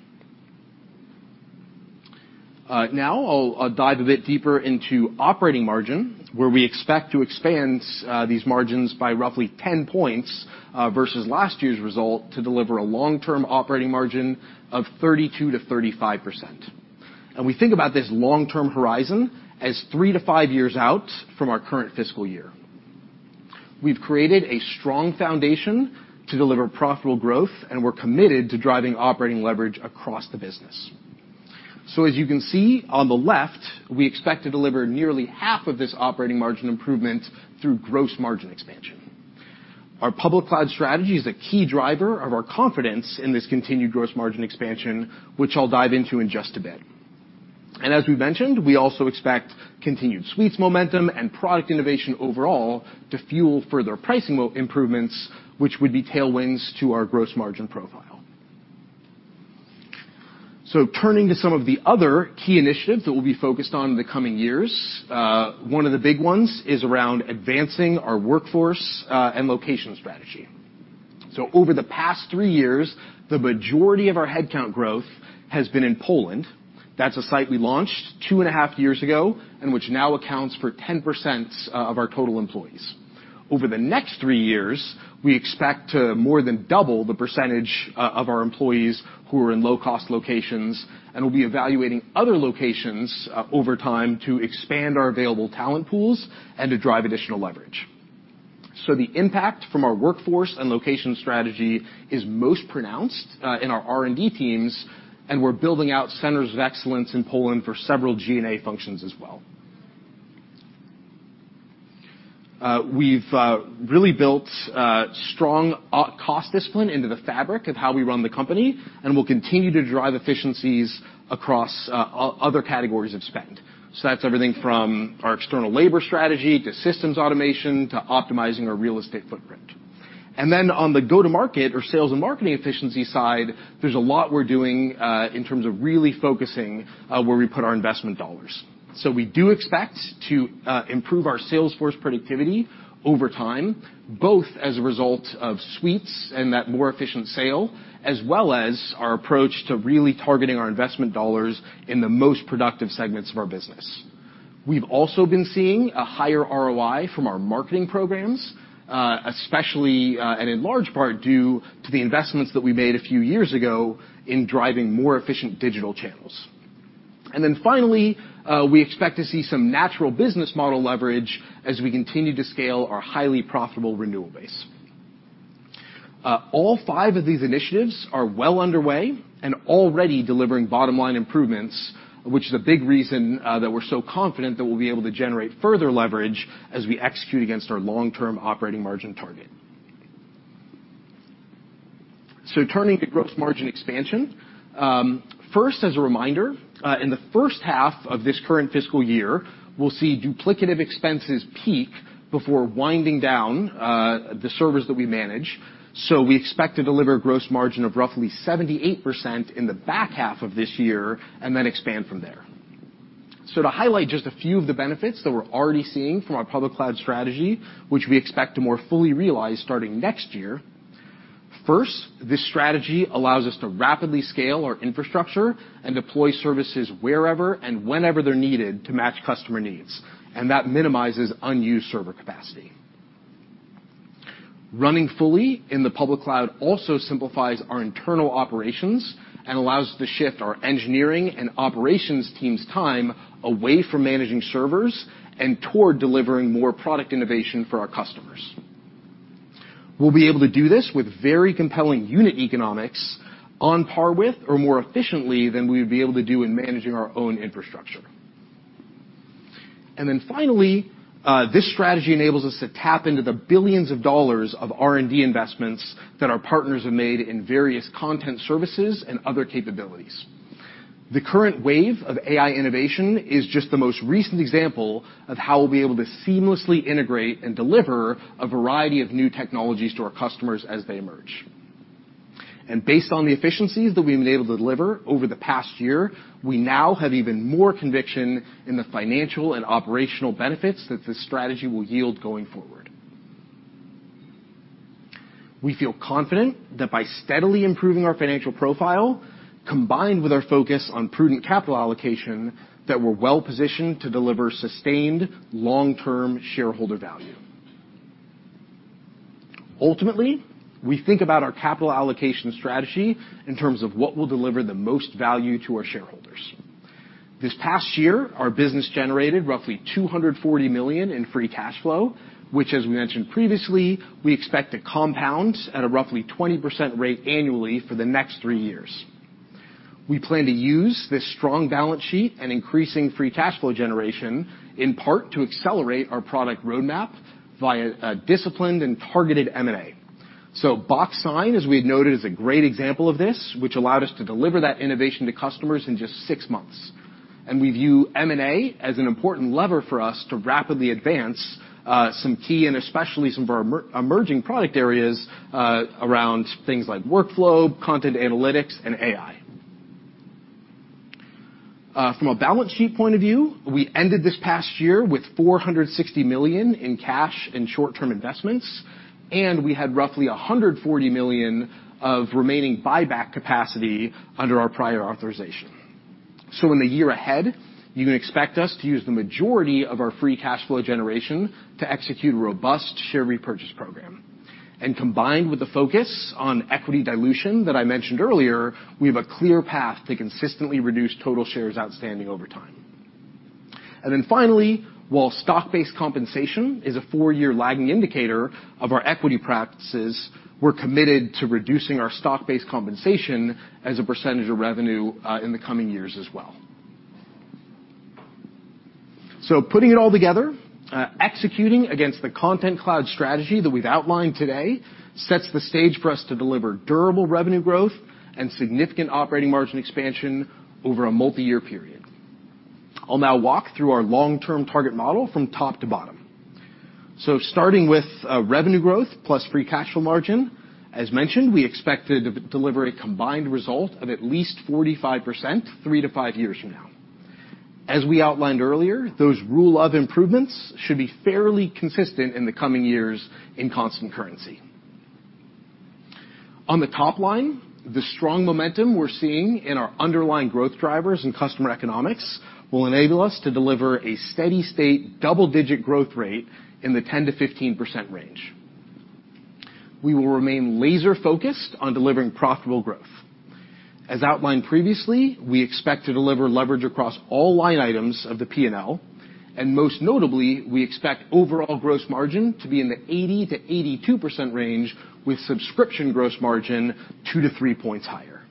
Now I'll dive a bit deeper into operating margin, where we expect to expand these margins by roughly 10 points versus last year's result to deliver a long-term operating margin of 32%-35%. We think about this long-term horizon as three to five years out from our current fiscal year. We've created a strong foundation to deliver profitable growth, and we're committed to driving operating leverage across the business. As you can see on the left, we expect to deliver nearly half of this operating margin improvement through gross margin expansion. Our public cloud strategy is a key driver of our confidence in this continued gross margin expansion, which I'll dive into in just a bit. As we've mentioned, we also expect continued Suites momentum and product innovation overall to fuel further pricing improvements, which would be tailwinds to our gross margin profile. Turning to some of the other key initiatives that we'll be focused on in the coming years, one of the big ones is around advancing our workforce and location strategy. Over the past three years, the majority of our headcount growth has been in Poland. That's a site we launched 2.5 years ago and which now accounts for 10% of our total employees. Over the next three years, we expect to more than double the percentage of our employees who are in low-cost locations and will be evaluating other locations over time to expand our available talent pools and to drive additional leverage. The impact from our workforce and location strategy is most pronounced in our R&D teams, and we're building out centers of excellence in Poland for several G&A functions as well. We've really built strong cost discipline into the fabric of how we run the company and will continue to drive efficiencies across other categories of spend. That's everything from our external labor strategy to systems automation to optimizing our real estate footprint. On the go-to-market or sales and marketing efficiency side, there's a lot we're doing in terms of really focusing where we put our investment dollars. We do expect to improve our sales force productivity over time, both as a result of Suites and that more efficient sale, as well as our approach to really targeting our investment dollars in the most productive segments of our business. We've also been seeing a higher ROI from our marketing programs, especially, and in large part due to the investments that we made a few years ago in driving more efficient digital channels. Finally, we expect to see some natural business model leverage as we continue to scale our highly profitable renewal base. All five of these initiatives are well underway and already delivering bottom-line improvements, which is a big reason, that we're so confident that we'll be able to generate further leverage as we execute against our long-term operating margin target. Turning to gross margin expansion, first, as a reminder, in the first half of this current fiscal year, we'll see duplicative expenses peak before winding down the servers that we manage. We expect to deliver gross margin of roughly 78% in the back half of this year and then expand from there. To highlight just a few of the benefits that we're already seeing from our public cloud strategy, which we expect to more fully realize starting next year, first, this strategy allows us to rapidly scale our infrastructure and deploy services wherever and whenever they're needed to match customer needs, and that minimizes unused server capacity. Running fully in the public cloud also simplifies our internal operations and allows to shift our engineering and operations team's time away from managing servers and toward delivering more product innovation for our customers. We'll be able to do this with very compelling unit economics on par with or more efficiently than we would be able to do in managing our own infrastructure. Finally, this strategy enables us to tap into the $ billions of R&D investments that our partners have made in various content services and other capabilities. The current wave of AI innovation is just the most recent example of how we'll be able to seamlessly integrate and deliver a variety of new technologies to our customers as they emerge. Based on the efficiencies that we've been able to deliver over the past year, we now have even more conviction in the financial and operational benefits that this strategy will yield going forward. We feel confident that by steadily improving our financial profile, combined with our focus on prudent capital allocation, that we're well-positioned to deliver sustained long-term shareholder value. Ultimately, we think about our capital allocation strategy in terms of what will deliver the most value to our shareholders. This past year, our business generated roughly $240 million in free cash flow, which, as we mentioned previously, we expect to compound at a roughly 20% rate annually for the next three years. We plan to use this strong balance sheet and increasing free cash flow generation in part to accelerate our product roadmap via a disciplined and targeted M&A. BoxSign, as we had noted, is a great example of this, which allowed us to deliver that innovation to customers in just six months. We view M&A as an important lever for us to rapidly advance, some key and especially some of our emerging product areas, around things like workflow, content analytics, and AI. From a balance sheet point of view, we ended this past year with $460 million in cash and short-term investments, and we had roughly $140 million of remaining buyback capacity under our prior authorization. In the year ahead, you can expect us to use the majority of our free cash flow generation to execute a robust share repurchase program. Combined with the focus on equity dilution that I mentioned earlier, we have a clear path to consistently reduce total shares outstanding over time. Finally, while stock-based compensation is a four-year lagging indicator of our equity practices, we're committed to reducing our stock-based compensation as a percentage of revenue in the coming years as well. Putting it all together, executing against the Content Cloud strategy that we've outlined today sets the stage for us to deliver durable revenue growth and significant operating margin expansion over a multiyear period. I'll now walk through our long-term target model from top to bottom. Starting with revenue growth plus free cash flow margin, as mentioned, we expect to de-deliver a combined result of at least 45%, three to five years from now. As we outlined earlier, those rule of improvements should be fairly consistent in the coming years in constant currency. On the top line, the strong momentum we're seeing in our underlying growth drivers and customer economics will enable us to deliver a steady state double-digit growth rate in the 10%-15% range. We will remain laser-focused on delivering profitable growth. As outlined previously, we expect to deliver leverage across all line items of the P&L, and most notably, we expect overall gross margin to be in the 80%-82% range with subscription gross margin two to three points higher.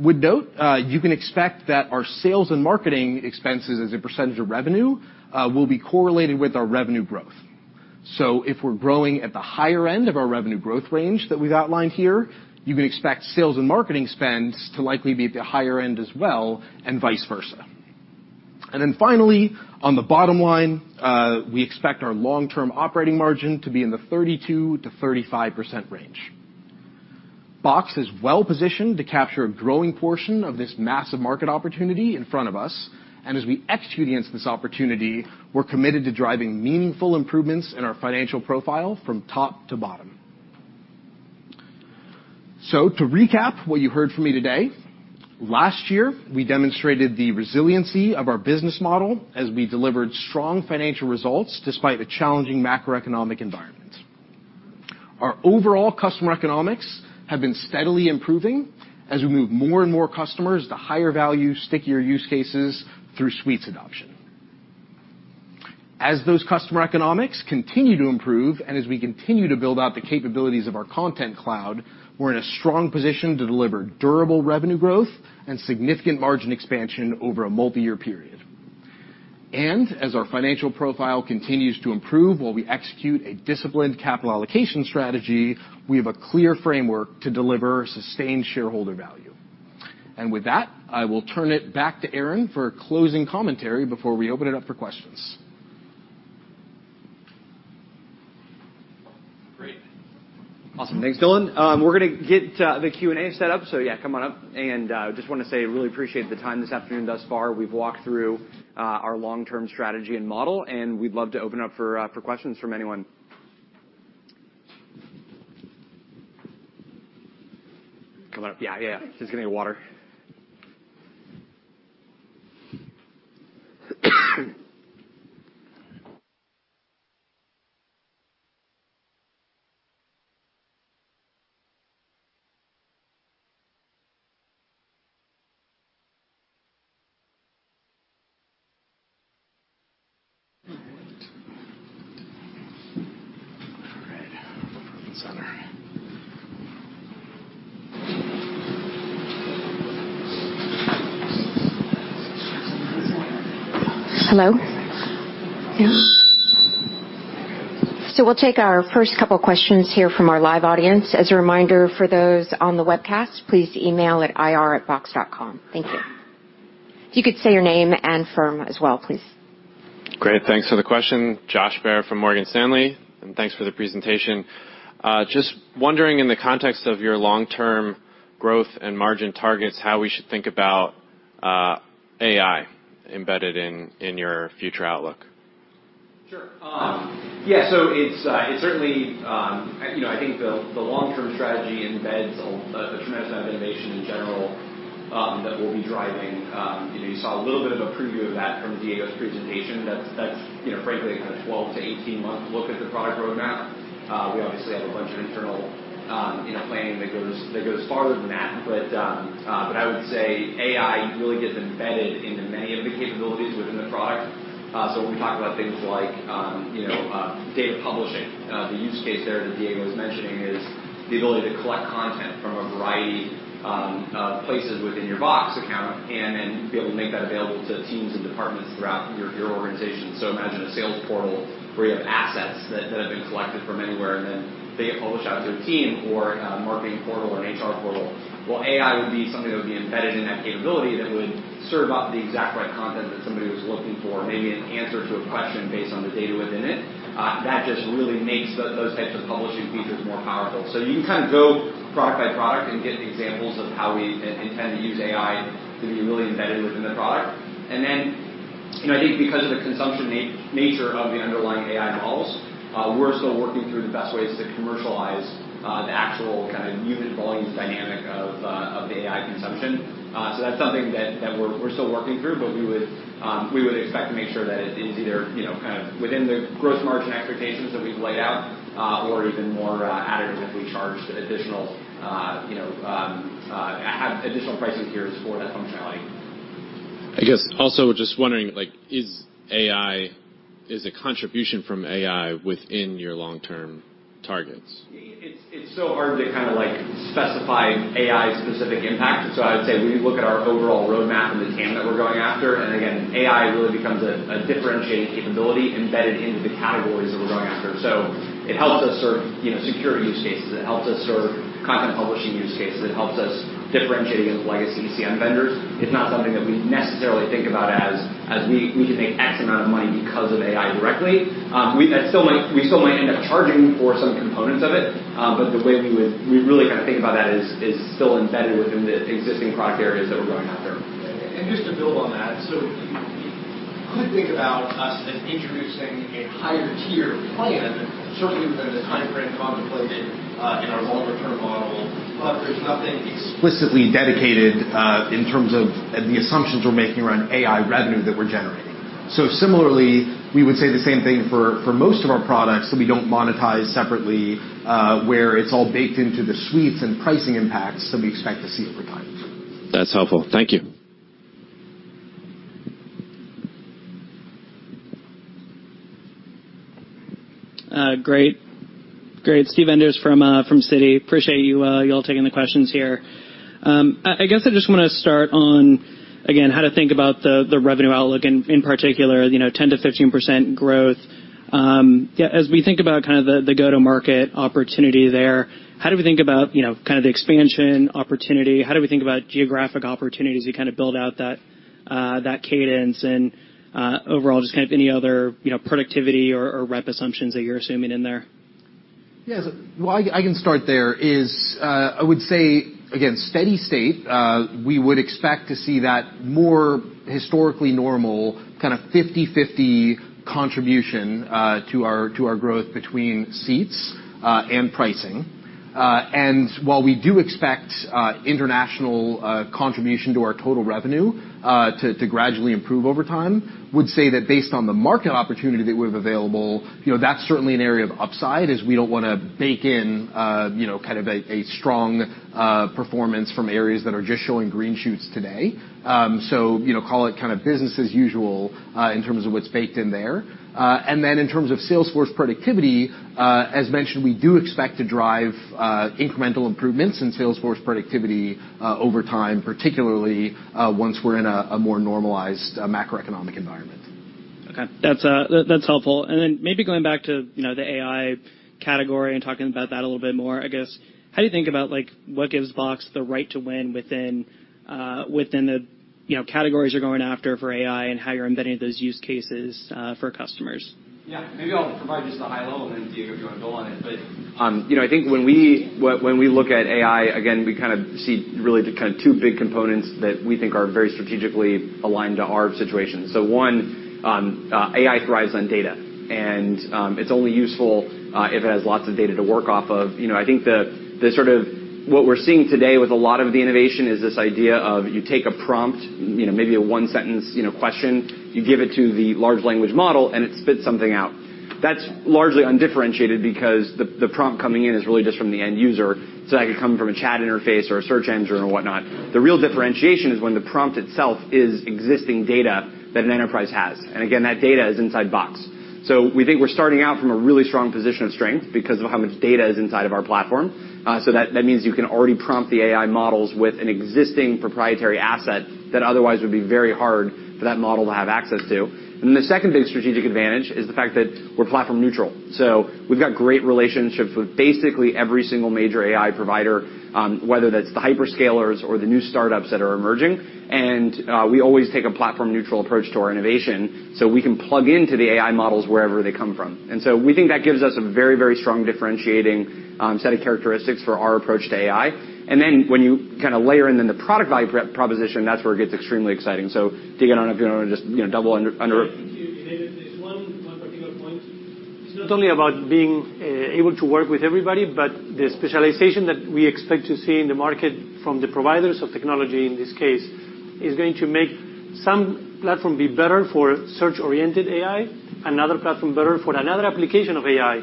With note, you can expect that our sales and marketing expenses as a percentage of revenue, will be correlated with our revenue growth. If we're growing at the higher end of our revenue growth range that we've outlined here, you can expect sales and marketing spends to likely be at the higher end as well, and vice versa. Finally, on the bottom line, we expect our long-term operating margin to be in the 32%-35% range. Box is well-positioned to capture a growing portion of this massive market opportunity in front of us. As we execute against this opportunity, we're committed to driving meaningful improvements in our financial profile from top to bottom. To recap what you heard from me today, last year, we demonstrated the resiliency of our business model as we delivered strong financial results despite a challenging macroeconomic environment. Our overall customer economics have been steadily improving as we move more and more customers to higher value, stickier use cases through Suites adoption. As those customer economics continue to improve and as we continue to build out the capabilities of our Content Cloud, we're in a strong position to deliver durable revenue growth and significant margin expansion over a multiyear period. As our financial profile continues to improve while we execute a disciplined capital allocation strategy, we have a clear framework to deliver sustained shareholder value. With that, I will turn it back to Aaron for a closing commentary before we open it up for questions. Great. Awesome. Thanks, Dylan. We're gonna get the Q&A set up, so yeah, come on up. Just wanna say I really appreciate the time this afternoon thus far. We've walked through our long-term strategy and model, and we'd love to open up for questions from anyone. Come on up. Yeah, yeah. Just getting you a water. Hello? We'll take our first couple questions here from our live audience. As a reminder for those on the webcast, please email at ir@box.com. Thank you. If you could state your name and firm as well, please. Great. Thanks for the question. Josh Baer from Morgan Stanley. Thanks for the presentation. Just wondering in the context of your long-term growth and margin targets, how we should think about AI embedded in your future outlook? Sure. Yeah. It's, it's certainly, you know, I think the long-term strategy embeds a, the tremendous amount of innovation in general, that we'll be driving. You know, you saw a little bit of a preview of that from Diego's presentation. That's, you know, frankly a kind of 12-18 month look at the product roadmap. We obviously have a bunch of internal, you know, planning that goes farther than that. But I would say AI really gets embedded into many of the capabilities within the product. When we talk about things like, you know, data publishing, the use case there that Diego was mentioning is the ability to collect content from a variety, places within your Box account, and then be able to make that available to teams and departments throughout your organization. Imagine a sales portal where you have assets that have been collected from anywhere, and then they get published out to a team or marketing portal or an HR portal. AI would be something that would be embedded in that capability that would serve up the exact right content that somebody was looking for, maybe an answer to a question based on the data within it. That just really makes those types of publishing features more powerful. You can kind of go product by product and get examples of how we intend to use AI to be really embedded within the product. You know, I think because of the consumption nature of the underlying AI models, we're still working through the best ways to commercialize, the actual kinda unit volumes dynamic of the AI consumption. That's something that we're still working through, but we would expect to make sure that it is either, you know, kind of within the growth margin expectations that we've laid out, or even more, additive if we charge additional, you know, have additional pricing tiers for that functionality. I guess also just wondering like, is AI a contribution from AI within your long-term targets? It's so hard to kinda like specify AI's specific impact. I would say we look at our overall roadmap and the TAM that we're going after, and again, AI really becomes a differentiating capability embedded into the categories that we're going after. It helps us serve, you know, security use cases. It helps us serve content publishing use cases. It helps us differentiate against legacy ECM vendors. It's not something that we necessarily think about as we can make X amount of money because of AI directly. We still might end up charging for some components of it, but the way we really kinda think about that is still embedded within the existing product areas that we're going after. Just to build on that, you could think about us as introducing a higher tier plan, certainly within the timeframe contemplated in our longer term model, but there's nothing explicitly dedicated in terms of the assumptions we're making around AI revenue that we're generating. Similarly, we would say the same thing for most of our products that we don't monetize separately, where it's all baked into the Suites and pricing impacts that we expect to see over time. That's helpful. Thank you. Great. Great. Steve Enders from Citi. Appreciate you y'all taking the questions here. I guess I just want to start on, again, how to think about the revenue outlook in particular, you know, 10%-15% growth. Yeah, as we think about kind of the go-to-market opportunity there, how do we think about, you know, kind of the expansion opportunity? How do we think about geographic opportunities to kind of build out that cadence? Overall just kind of any other, you know, productivity or rep assumptions that you're assuming in there? Yes. Well, I can start there, is, I would say, again, steady state, we would expect to see that more historically normal kind of 50/50 contribution to our, to our growth between seats and pricing. While we do expect international contribution to our total revenue to gradually improve over time, would say that based on the market opportunity that we have available, you know, that's certainly an area of upside, as we don't want to bake in, you know, kind of a strong performance from areas that are just showing green shoots today. You know, call it kind of business as usual in terms of what's baked in there. In terms of sales force productivity, as mentioned, we do expect to drive incremental improvements in sales force productivity over time, particularly, once we're in a more normalized macroeconomic environment. Okay, that's helpful. Then maybe going back to, you know, the AI category and talking about that a little bit more, I guess, how do you think about, like, what gives Box the right to win within the, you know, categories you're going after for AI and how you're embedding those use cases, for customers? Yeah. Maybe I'll provide just the high level, and then, Diego, if you wanna build on it. You know, I think when we look at AI, again, we kind of see really the kind of two big components that we think are very strategically aligned to our situation. One, AI thrives on data, and it's only useful if it has lots of data to work off of. You know, I think the sort of what we're seeing today with a lot of the innovation is this idea of you take a prompt, you know, maybe a one-sentence, you know, question. You give it to the large language model, and it spits something out. That's largely undifferentiated because the prompt coming in is really just from the end user, so that could come from a chat interface or a search engine or whatnot. The real differentiation is when the prompt itself is existing data that an enterprise has. Again, that data is inside Box. We think we're starting out from a really strong position of strength because of how much data is inside of our platform. That means you can already prompt the AI models with an existing proprietary asset that otherwise would be very hard for that model to have access to. The second big strategic advantage is the fact that we're platform neutral. We've got great relationships with basically every single major AI provider, whether that's the hyperscalers or the new startups that are emerging. We always take a platform-neutral approach to our innovation, so we can plug into the AI models wherever they come from. We think that gives us a very, very strong differentiating set of characteristics for our approach to AI. When you kinda layer in then the product value proposition, that's where it gets extremely exciting. Diego, I don't know if you wanna just, you know, double under I think you hit it. There's one particular point. It's not only about being able to work with everybody, but the specialization that we expect to see in the market from the providers of technology in this case, is going to make some platform be better for search-oriented AI, another platform better for another application of AI.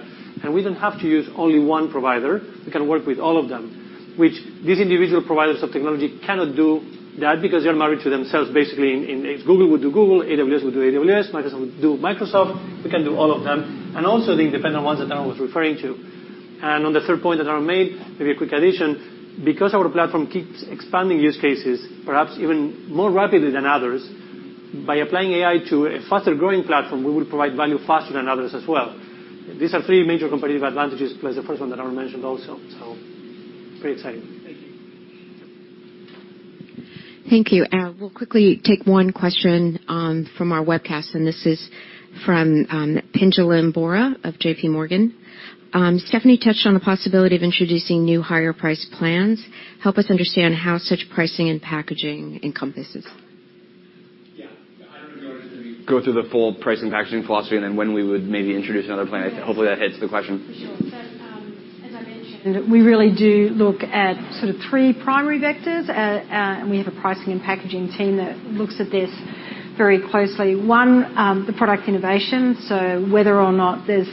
We don't have to use only one provider. We can work with all of them, which these individual providers of technology cannot do that because they're married to themselves basically. Google would do Google, AWS would do AWS, Microsoft would do Microsoft. We can do all of them, and also the independent ones that Aaron was referring to. On the third point that Aaron made, maybe a quick addition, because our platform keeps expanding use cases, perhaps even more rapidly than others, by applying AI to a faster growing platform, we will provide value faster than others as well. These are three major competitive advantages, plus the first one that Aaron mentioned also. Very exciting. Thank you. Thank you. We'll quickly take one question from our webcast, and this is from Pinjalim Bora of JP Morgan. Stephanie touched on the possibility of introducing new higher-priced plans. Help us understand how such pricing and packaging encompasses. Yeah. I don't know if you want me to go through the full price and packaging philosophy and then when we would maybe introduce another plan. Hopefully that hits the question. For sure. As I mentioned, we really do look at sort of three primary vectors. We have a pricing and packaging team that looks at this very closely. One, the product innovation, so whether or not there's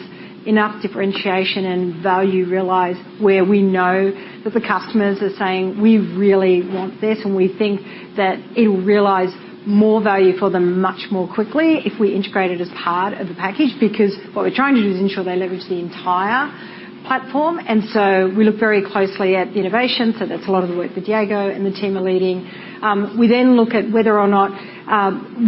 enough differentiation and value realized where we know that the customers are saying, "We really want this," and we think that it'll realize more value for them much more quickly if we integrate it as part of the package. What we're trying to do is ensure they leverage the entire platform. We look very closely at the innovation, so that's a lot of the work that Diego and the team are leading. We then look at whether or not,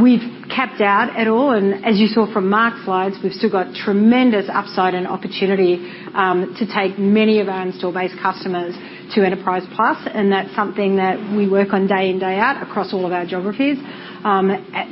we've capped out at all. As you saw from Mark's slides, we've still got tremendous upside and opportunity to take many of our install-based customers to Enterprise Plus, and that's something that we work on day in, day out across all of our geographies.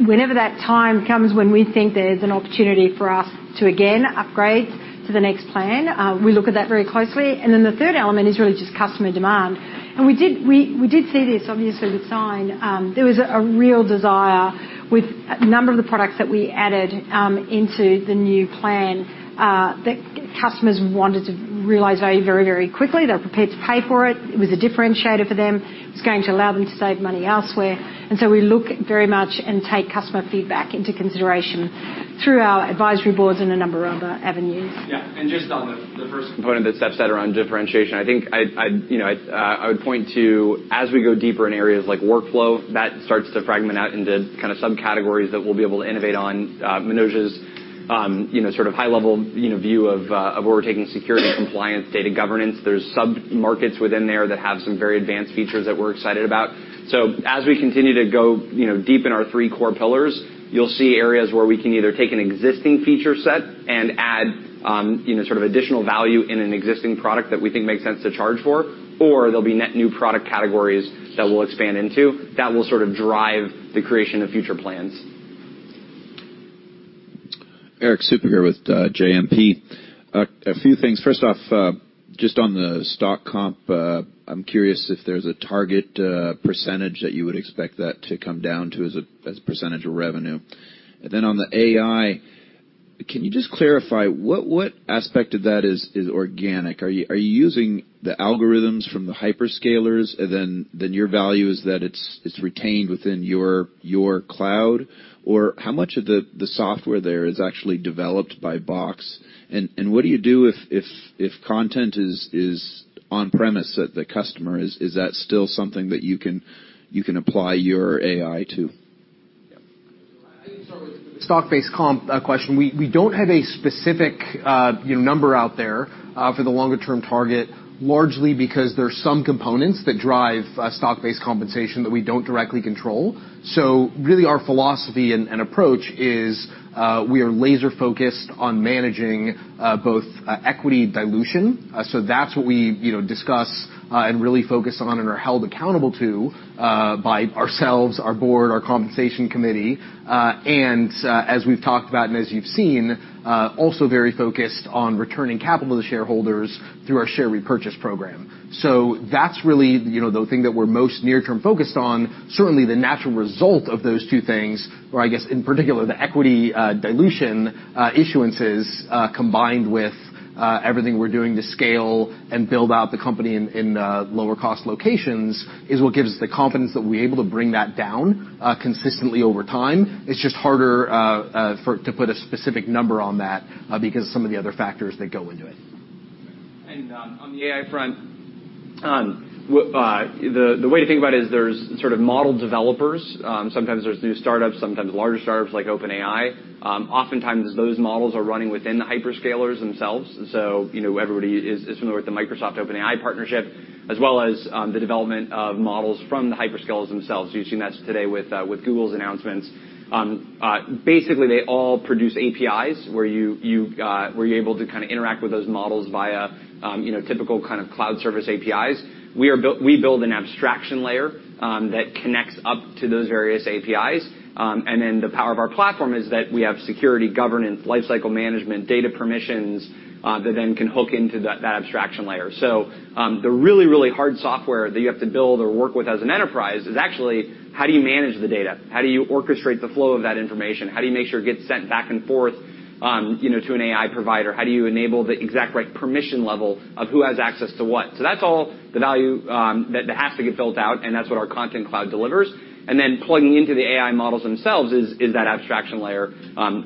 Whenever that time comes, when we think there's an opportunity for us to again upgrade to the next plan, we look at that very closely. The third element is really just customer demand. We did see this obviously with Sign. There was a real desire with a number of the products that we added into the new plan that customers wanted to realize value very, very quickly. They were prepared to pay for it. It was a differentiator for them. It's going to allow them to save money elsewhere. We look very much and take customer feedback into consideration through our advisory boards and a number of other avenues. Yeah. Just on the first component that Steph said around differentiation, I think I'd, you know, I'd point to as we go deeper in areas like workflow, that starts to fragment out into kind of subcategories that we'll be able to innovate on, Manoj's, you know, sort of high level, you know, view of where we're taking security and compliance, data governance. There's sub-markets within there that have some very advanced features that we're excited about. As we continue to go, you know, deep in our three core pillars, you'll see areas where we can either take an existing feature set and add, you know, sort of additional value in an existing product that we think makes sense to charge for, or there'll be net new product categories that we'll expand into that will sort of drive the creation of future plans. Erik Suppiger here with JMP. A few things. First off, just on the stock comp, I'm curious if there's a target % that you would expect that to come down to as a percentage of revenue. Then on the AI, can you just clarify what aspect of that is organic? Are you using the algorithms from the hyperscalers, then your value is that it's retained within your cloud? Or how much of the software there is actually developed by Box? What do you do if content is on-premise at the customer? Is that still something that you can apply your AI to? Stock-based comp question. We don't have a specific, you know, number out there for the longer term target, largely because there are some components that drive stock-based compensation that we don't directly control. Really our philosophy and approach is we are laser-focused on managing both equity dilution. That's what we, you know, discuss and really focus on and are held accountable to by ourselves, our board, our compensation committee. As we've talked about and as you've seen, also very focused on returning capital to shareholders through our share repurchase program. That's really, you know, the thing that we're most near term focused on. Certainly, the natural result of those two things, or I guess in particular, the equity dilution issuances combined with everything we're doing to scale and build out the company in lower cost locations, is what gives us the confidence that we'll be able to bring that down consistently over time. It's just harder to put a specific number on that because of some of the other factors that go into it. On the AI front, the way to think about it is there's sort of model developers. Sometimes there's new startups, sometimes larger startups like OpenAI. Oftentimes those models are running within the hyperscalers themselves. You know, everybody is familiar with the Microsoft OpenAI partnership, as well as the development of models from the hyperscalers themselves. You're seeing that today with Google's announcements. Basically, they all produce APIs, where you're able to kinda interact with those models via, you know, typical kind of cloud service APIs. We build an abstraction layer that connects up to those various APIs. The power of our platform is that we have security, governance, lifecycle management, data permissions that then can hook into that abstraction layer. The really, really hard software that you have to build or work with as an enterprise is actually, how do you manage the data? How do you orchestrate the flow of that information? How do you make sure it gets sent back and forth, you know, to an AI provider? How do you enable the exact right permission level of who has access to what? That's all the value that has to get built out, and that's what our Content Cloud delivers. Plugging into the AI models themselves is that abstraction layer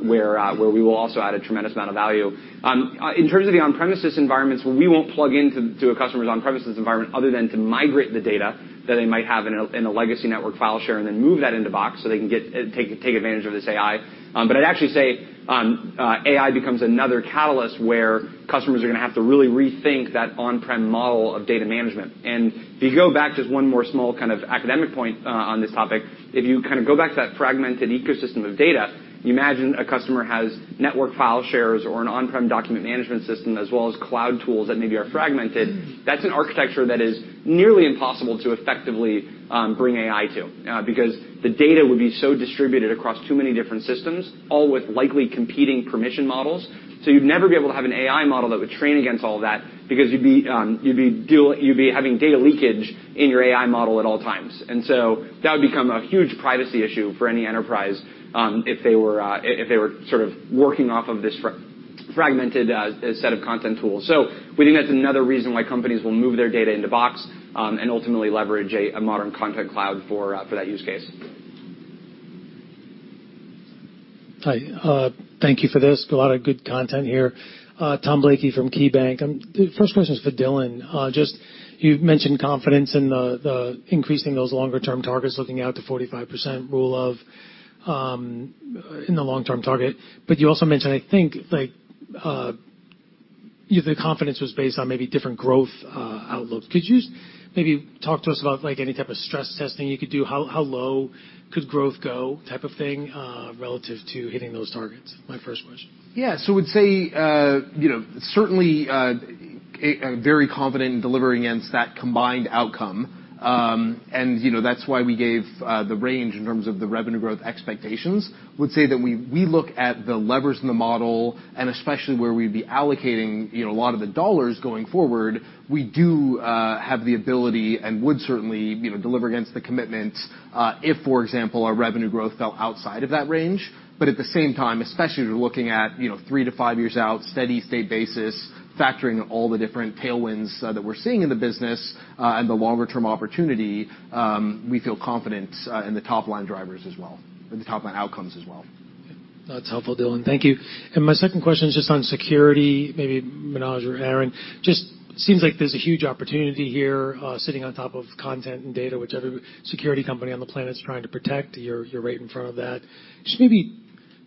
where we will also add a tremendous amount of value. In terms of the on-premises environments, we won't plug into, to a customer's on-premises environment other than to migrate the data that they might have in a, in a legacy network file share and then move that into Box, so they can get... take advantage of this AI. I'd actually say AI becomes another catalyst where customers are gonna have to really rethink that on-prem model of data management. If you go back, just one more small kind of academic point on this topic, if you kinda go back to that fragmented ecosystem of data, you imagine a customer has network file shares or an on-prem document management system as well as cloud tools that maybe are fragmented. That's an architecture that is nearly impossible to effectively bring AI to because the data would be so distributed across too many different systems, all with likely competing permission models. You'd never be able to have an AI model that would train against all of that because you'd be having data leakage in your AI model at all times. That would become a huge privacy issue for any enterprise if they were working off of this fragmented set of content tools. We think that's another reason why companies will move their data into Box and ultimately leverage a modern Content Cloud for that use case. Hi, thank you for this. A lot of good content here. Thomas Blakey from KeyBank. The first question is for Dylan. You've mentioned confidence in the increasing those longer term targets, looking out to 45% Rule of in the long term target. You also mentioned, I think, like, the confidence was based on maybe different growth outlooks. Could you maybe talk to us about, like, any type of stress testing you could do? How low could growth go type of thing relative to hitting those targets? My first question. Yeah. I would say, you know, certainly, very confident in delivering against that combined outcome. You know, that's why we gave the range in terms of the revenue growth expectations. I would say that we look at the levers in the model and especially where we'd be allocating, you know, a lot of the dollars going forward, we do have the ability and would certainly, you know, deliver against the commitments if, for example, our revenue growth fell outside of that range. At the same time, especially if you're looking at, you know, three to five years out, steady-state basis, factoring all the different tailwinds that we're seeing in the business and the longer term opportunity, we feel confident in the top line drivers as well, or the top line outcomes as well. That's helpful, Dylan. Thank you. My second question is just on security, maybe Manoj or Aaron. Just seems like there's a huge opportunity here, sitting on top of content and data, which every security company on the planet is trying to protect. You're right in front of that. Just maybe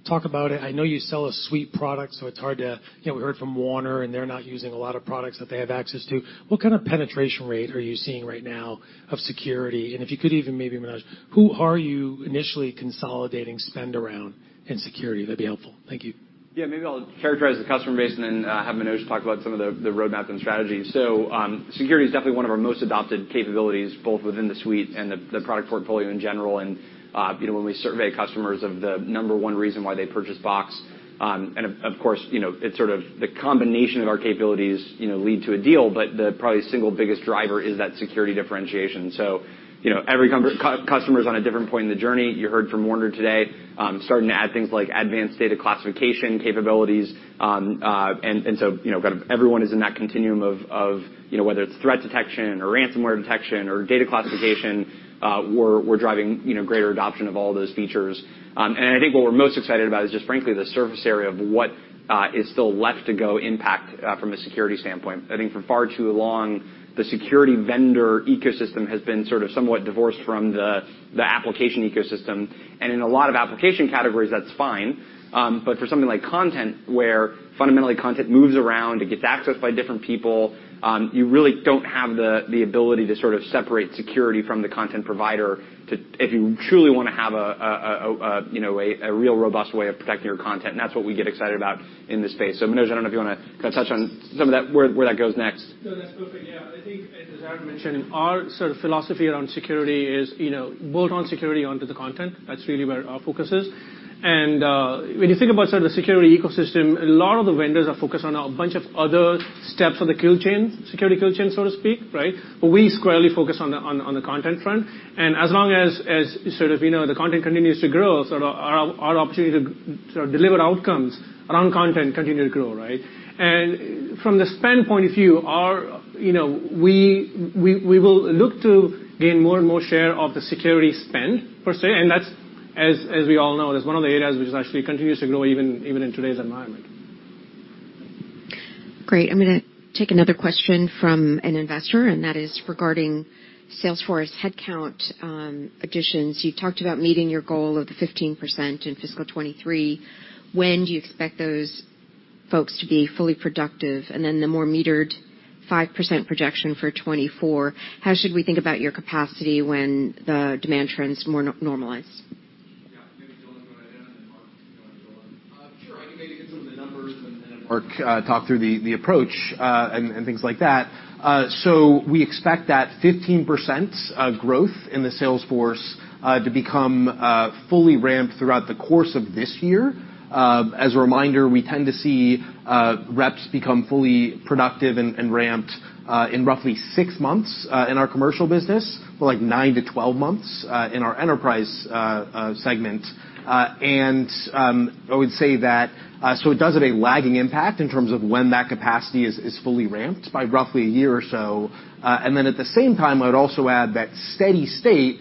talk about it. I know you sell a suite product, so it's hard to. You know, we heard from Warner, and they're not using a lot of products that they have access to. What kind of penetration rate are you seeing right now of security? If you could even maybe, Manoj, who are you initially consolidating spend around in security? That'd be helpful. Thank you. Yeah, maybe I'll characterize the customer base and then have Manoj talk about some of the roadmap and strategy. Security is definitely one of our most adopted capabilities, both within the suite and the product portfolio in general. You know, when we survey customers of the number one reason why they purchase Box, of course, you know, it's sort of the combination of our capabilities, you know, lead to a deal, but the probably single biggest driver is that security differentiation. You know, every customer is on a different point in the journey. You heard from Warner today, starting to add things like advanced data classification capabilities. You know, kind of everyone is in that continuum of, you know, whether it's threat detection or ransomware detection or data classification, we're driving, you know, greater adoption of all those features. I think what we're most excited about is just frankly, the surface area of what is still left to go impact from a security standpoint. I think for far too long, the security vendor ecosystem has been sort of somewhat divorced from the application ecosystem. In a lot of application categories, that's fine. For something like content, where fundamentally content moves around, it gets accessed by different people, you really don't have the ability to sort of separate security from the content provider to... if you truly wanna have a, you know, a real robust way of protecting your content. That's what we get excited about in this space. Manoj, I don't know if you wanna kinda touch on some of that, where that goes next. As I've mentioned, our sort of philosophy around security is, you know, built on security onto the content. That's really where our focus is. When you think about sort of the security ecosystem, a lot of the vendors are focused on a bunch of other steps of the kill chain, security kill chain, so to speak, right? We squarely focus on the content front. As long as sort of, you know, the content continues to grow, sort of our opportunity to sort of deliver outcomes around content continue to grow, right? From the spend point of view, our, you know, we, we will look to gain more and more share of the security spend per se, and that's as we all know, that's one of the areas which is actually continues to grow even in today's environment. Great. I'm gonna take another question from an investor. That is regarding Salesforce headcount additions. You talked about meeting your goal of the 15% in fiscal 2023. When do you expect those folks to be fully productive? Then the more metered 5% projection for 2024, how should we think about your capacity when the demand trends normalize? Yeah. Maybe Dylan can go ahead and Mark can go on. Sure. I can maybe hit some of the numbers and then Mark talk through the approach and things like that. We expect that 15% of growth in the Salesforce to become fully ramped throughout the course of this year. As a reminder, we tend to see reps become fully productive and ramped in roughly six months in our commercial business, for like 9 to 12 months in our enterprise segment. I would say that it does have a lagging impact in terms of when that capacity is fully ramped by roughly a year or so. At the same time, I would also add that steady state,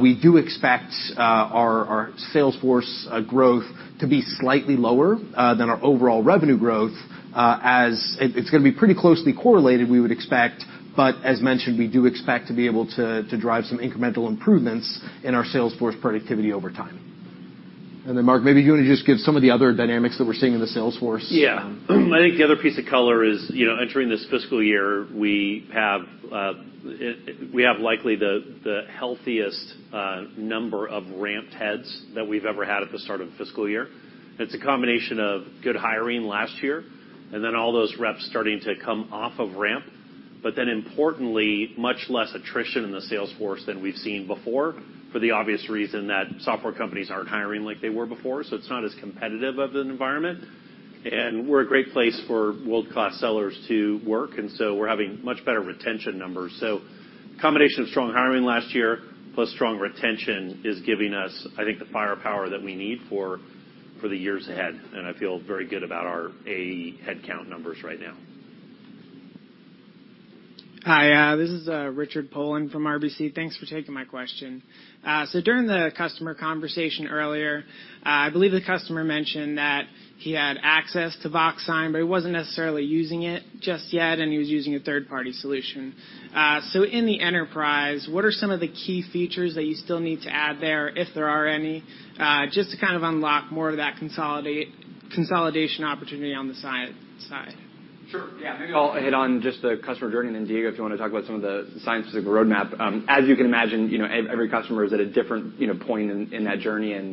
we do expect our sales force growth to be slightly lower than our overall revenue growth, as it's gonna be pretty closely correlated, we would expect. As mentioned, we do expect to be able to drive some incremental improvements in our sales force productivity over time. Mark, maybe you wanna just give some of the other dynamics that we're seeing in the Salesforce. Yeah. I think the other piece of color is, you know, entering this fiscal year, we have likely the healthiest number of ramped heads that we've ever had at the start of a fiscal year. It's a combination of good hiring last year, and then all those reps starting to come off of ramp, but then importantly, much less attrition in the Salesforce than we've seen before, for the obvious reason that software companies aren't hiring like they were before, so it's not as competitive of an environment. We're a great place for world-class sellers to work, and so we're having much better retention numbers. Combination of strong hiring last year plus strong retention is giving us, I think, the firepower that we need for the years ahead, and I feel very good about our AE headcount numbers right now. Hi, this is Richard Poland from RBC. Thanks for taking my question. During the customer conversation earlier, I believe the customer mentioned that he had access to Box Sign, but he wasn't necessarily using it just yet, and he was using a third-party solution. In the enterprise, what are some of the key features that you still need to add there, if there are any, just to kind of unlock more of that consolidation opportunity on the sign side? Sure. Yeah. Maybe I'll hit on just the customer journey, and then Diego, if you wanna talk about some of the science-specific roadmap. As you can imagine, you know, every customer is at a different, you know, point in that journey and,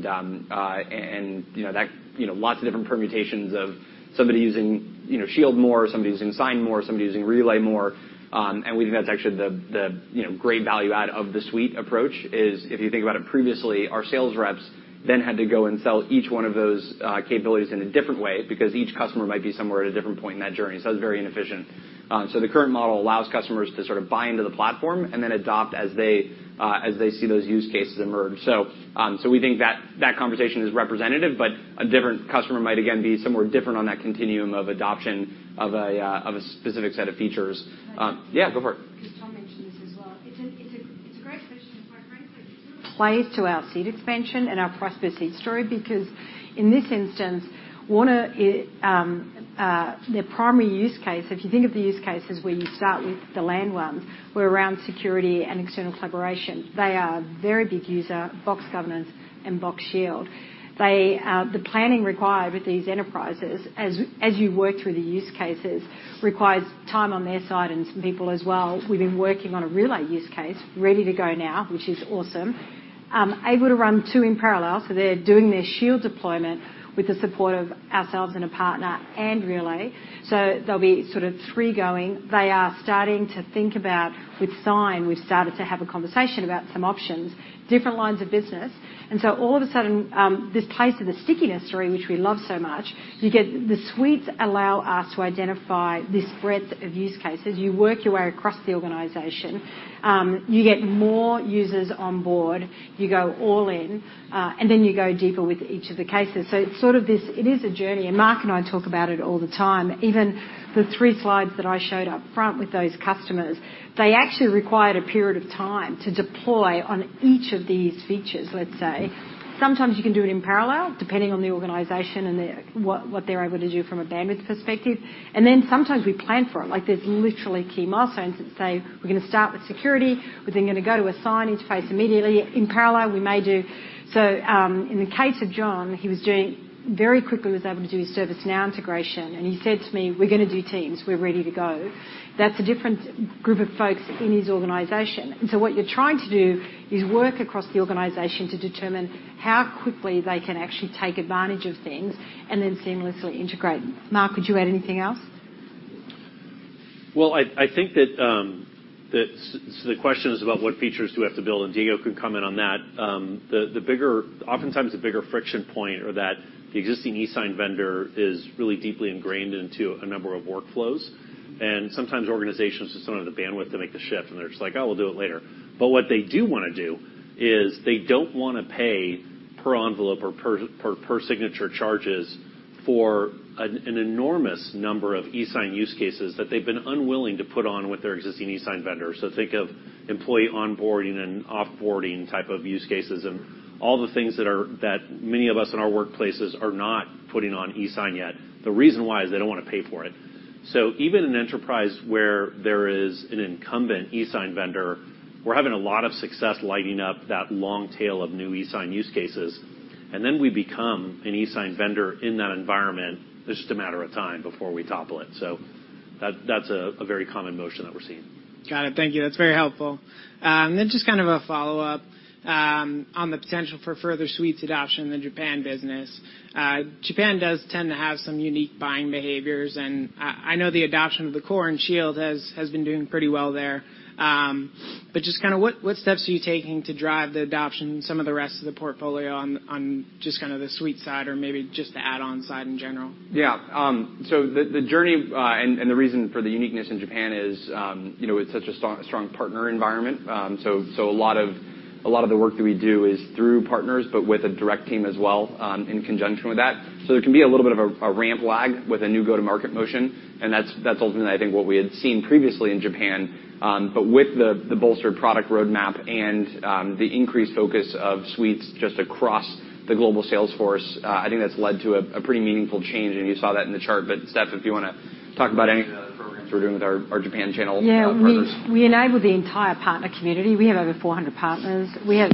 you know, that, you know, lots of different permutations of somebody using, you know, Shield more, somebody using Sign more, somebody using Relay more. We think that's actually the, you know, great value add of the Suites approach is if you think about it previously, our sales reps then had to go and sell each one of those capabilities in a different way because each customer might be somewhere at a different point in that journey. It was very inefficient. The current model allows customers to sort of buy into the platform and then adopt as they see those use cases emerge. We think that that conversation is representative, but a different customer might again be somewhere different on that continuum of adoption of a specific set of features. Yeah, go for it. Cause Tom mentioned this as well. It's a great question, and quite frankly, plays to our seed expansion and our prosper seed story because in this instance, Warner, their primary use case, if you think of the use cases where you start with the land ones, where around security and external collaboration, they are a very big user, Box Governance and Box Shield. They, the planning required with these enterprises, as you work through the use cases, requires time on their side and some people as well. We've been working on a relay use case ready to go now, which is awesome. Able to run two in parallel, so they're doing their Shield deployment with the support of ourselves and a partner and Relay. There'll be sort of three going. They are starting to think about with Sign, we've started to have a conversation about some options, different lines of business. All of a sudden, this plays to the stickiness story, which we love so much. You get the Suites allow us to identify this breadth of use cases. You work your way across the organization, you get more users on board, you go all in, and then you go deeper with each of the cases. It's sort of this, it is a journey, and Mark and I talk about it all the time. Even the three slides that I showed up front with those customers, they actually required a period of time to deploy on each of these features, let's say. Sometimes you can do it in parallel, depending on the organization and their what they're able to do from a bandwidth perspective. Sometimes we plan for it. Like, there's literally key milestones that say, "We're gonna start with security. We're then gonna go to a Sign interface immediately. In parallel, we may do..." In the case of John, he was doing very quickly was able to do his ServiceNow integration, and he said to me, "We're gonna do Teams. We're ready to go." That's a different group of folks in his organization. What you're trying to do is work across the organization to determine how quickly they can actually take advantage of things and then seamlessly integrate. Mark, would you add anything else? I think that so the question is about what features do we have to build, and Diego can comment on that. The bigger oftentimes the bigger friction point or that the existing e-sign vendor is really deeply ingrained into a number of workflows, and sometimes organizations just don't have the bandwidth to make the shift, and they're just like, "Oh, we'll do it later." What they do wanna do is they don't wanna pay per envelope or per signature charges for an enormous number of e-sign use cases that they've been unwilling to put on with their existing e-sign vendors. Think of employee onboarding and off-boarding type of use cases and all the things that many of us in our workplaces are not putting on e-sign yet. The reason why is they don't wanna pay for it. Even an enterprise where there is an incumbent e-sign vendor, we're having a lot of success lighting up that long tail of new e-sign use cases, and then we become an e-sign vendor in that environment. It's just a matter of time before we topple it. That's a very common motion that we're seeing. Got it. Thank you. That's very helpful. Just kind of a follow-up on the potential for further Suites adoption in the Japan business. Japan does tend to have some unique buying behaviors, and I know the adoption of the Core and Shield has been doing pretty well there. Just kinda what steps are you taking to drive the adoption in some of the rest of the portfolio on just kinda the Suites side or maybe just the add-on side in general? Yeah. The, the journey, and the reason for the uniqueness in Japan is, you know, it's such a strong partner environment. A lot of the work that we do is through partners, but with a direct team as well, in conjunction with that. There can be a little bit of a ramp lag with a new go-to-market motion, and that's ultimately I think what we had seen previously in Japan. With the bolstered product roadmap and the increased focus of Suites just across the global sales force, I think that's led to a pretty meaningful change, and you saw that in the chart. Steph, if you wanna talk about any of the programs we're doing with our Japan channel partners. Yeah. We enable the entire partner community. We have over 400 partners. We have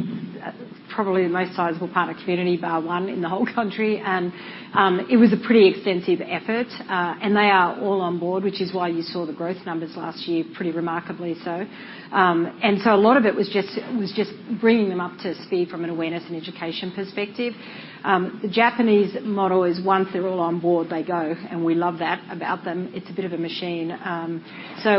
probably the most sizable partner community, bar one, in the whole country. It was a pretty extensive effort, and they are all on board, which is why you saw the growth numbers last year pretty remarkably so. A lot of it was just bringing them up to speed from an awareness and education perspective. The Japanese model is once they're all on board, they go, and we love that about them. It's a bit of a machine.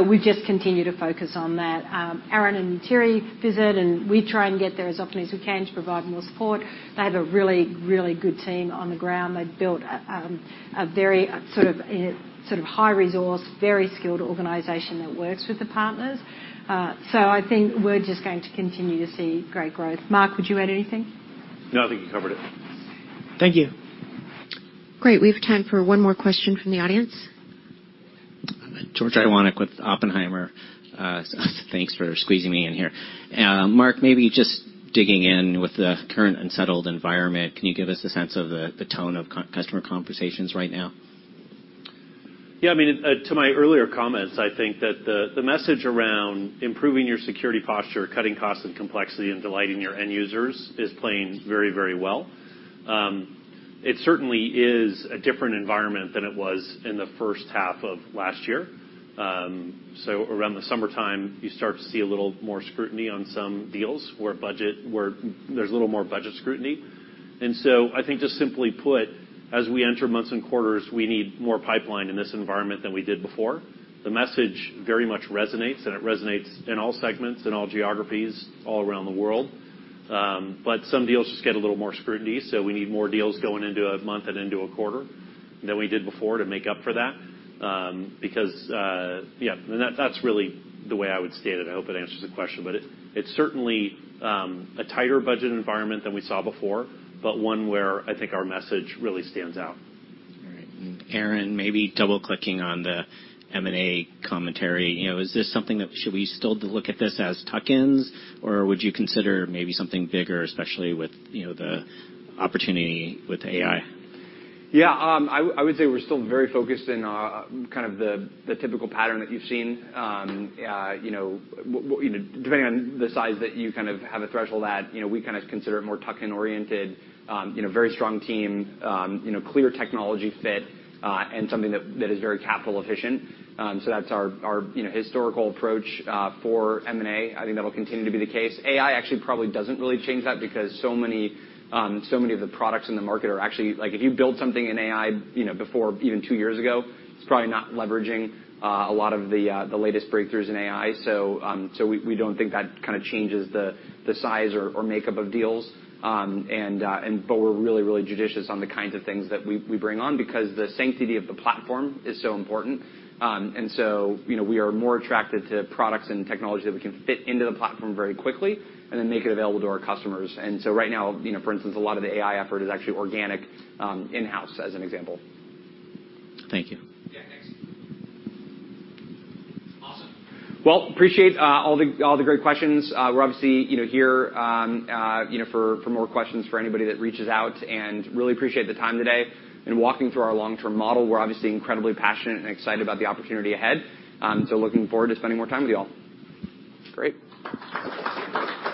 We just continue to focus on that. Aaron and Thierry visit, and we try and get there as often as we can to provide more support. They have a really, really good team on the ground. They've built a very sort of high resource, very skilled organization that works with the partners. I think we're just going to continue to see great growth. Mark, would you add anything? No, I think you covered it. Thank you. Great. We have time for one more question from the audience. George Iwanyc with Oppenheimer. Thanks for squeezing me in here. Mark, maybe just digging in with the current unsettled environment, can you give us a sense of the tone of customer conversations right now? Yeah. I mean, to my earlier comments, I think that the message around improving your security posture, cutting costs and complexity, and delighting your end users is playing very, very well. It certainly is a different environment than it was in the first half of last year. So around the summertime, you start to see a little more scrutiny on some deals where there's a little more budget scrutiny. I think just simply put, as we enter months and quarters, we need more pipeline in this environment than we did before. The message very much resonates, and it resonates in all segments, in all geographies, all around the world. Some deals just get a little more scrutiny, so we need more deals going into a month and into a quarter than we did before to make up for that, because, yeah. That's really the way I would state it. I hope it answers the question. It's certainly a tighter budget environment than we saw before, but one where I think our message really stands out. All right. Aaron, maybe double-clicking on the M&A commentary. You know, Should we still look at this as tuck-ins, or would you consider maybe something bigger, especially with, you know, the opportunity with AI? Yeah. I would say we're still very focused in kind of the typical pattern that you've seen. You know, you know, depending on the size that you kind of have a threshold at, you know, we kinda consider it more tuck-in oriented. You know, very strong team, you know, clear technology fit, and something that is very capital efficient. That's our, you know, historical approach for M&A. I think that'll continue to be the case. AI actually probably doesn't really change that because so many, so many of the products in the market are actually... Like, if you built something in AI, you know, before even two years ago, it's probably not leveraging a lot of the latest breakthroughs in AI. We don't think that kinda changes the size or makeup of deals. We're really judicious on the kinds of things that we bring on because the sanctity of the platform is so important. You know, we are more attracted to products and technology that we can fit into the platform very quickly and then make it available to our customers. Right now, you know, for instance, a lot of the AI effort is actually organic, in-house, as an example. Thank you. Yeah, thanks. Awesome. Well, appreciate all the great questions. We're obviously, you know, here, you know, for more questions for anybody that reaches out, and really appreciate the time today. In walking through our long-term model, we're obviously incredibly passionate and excited about the opportunity ahead, so looking forward to spending more time with you all. Great.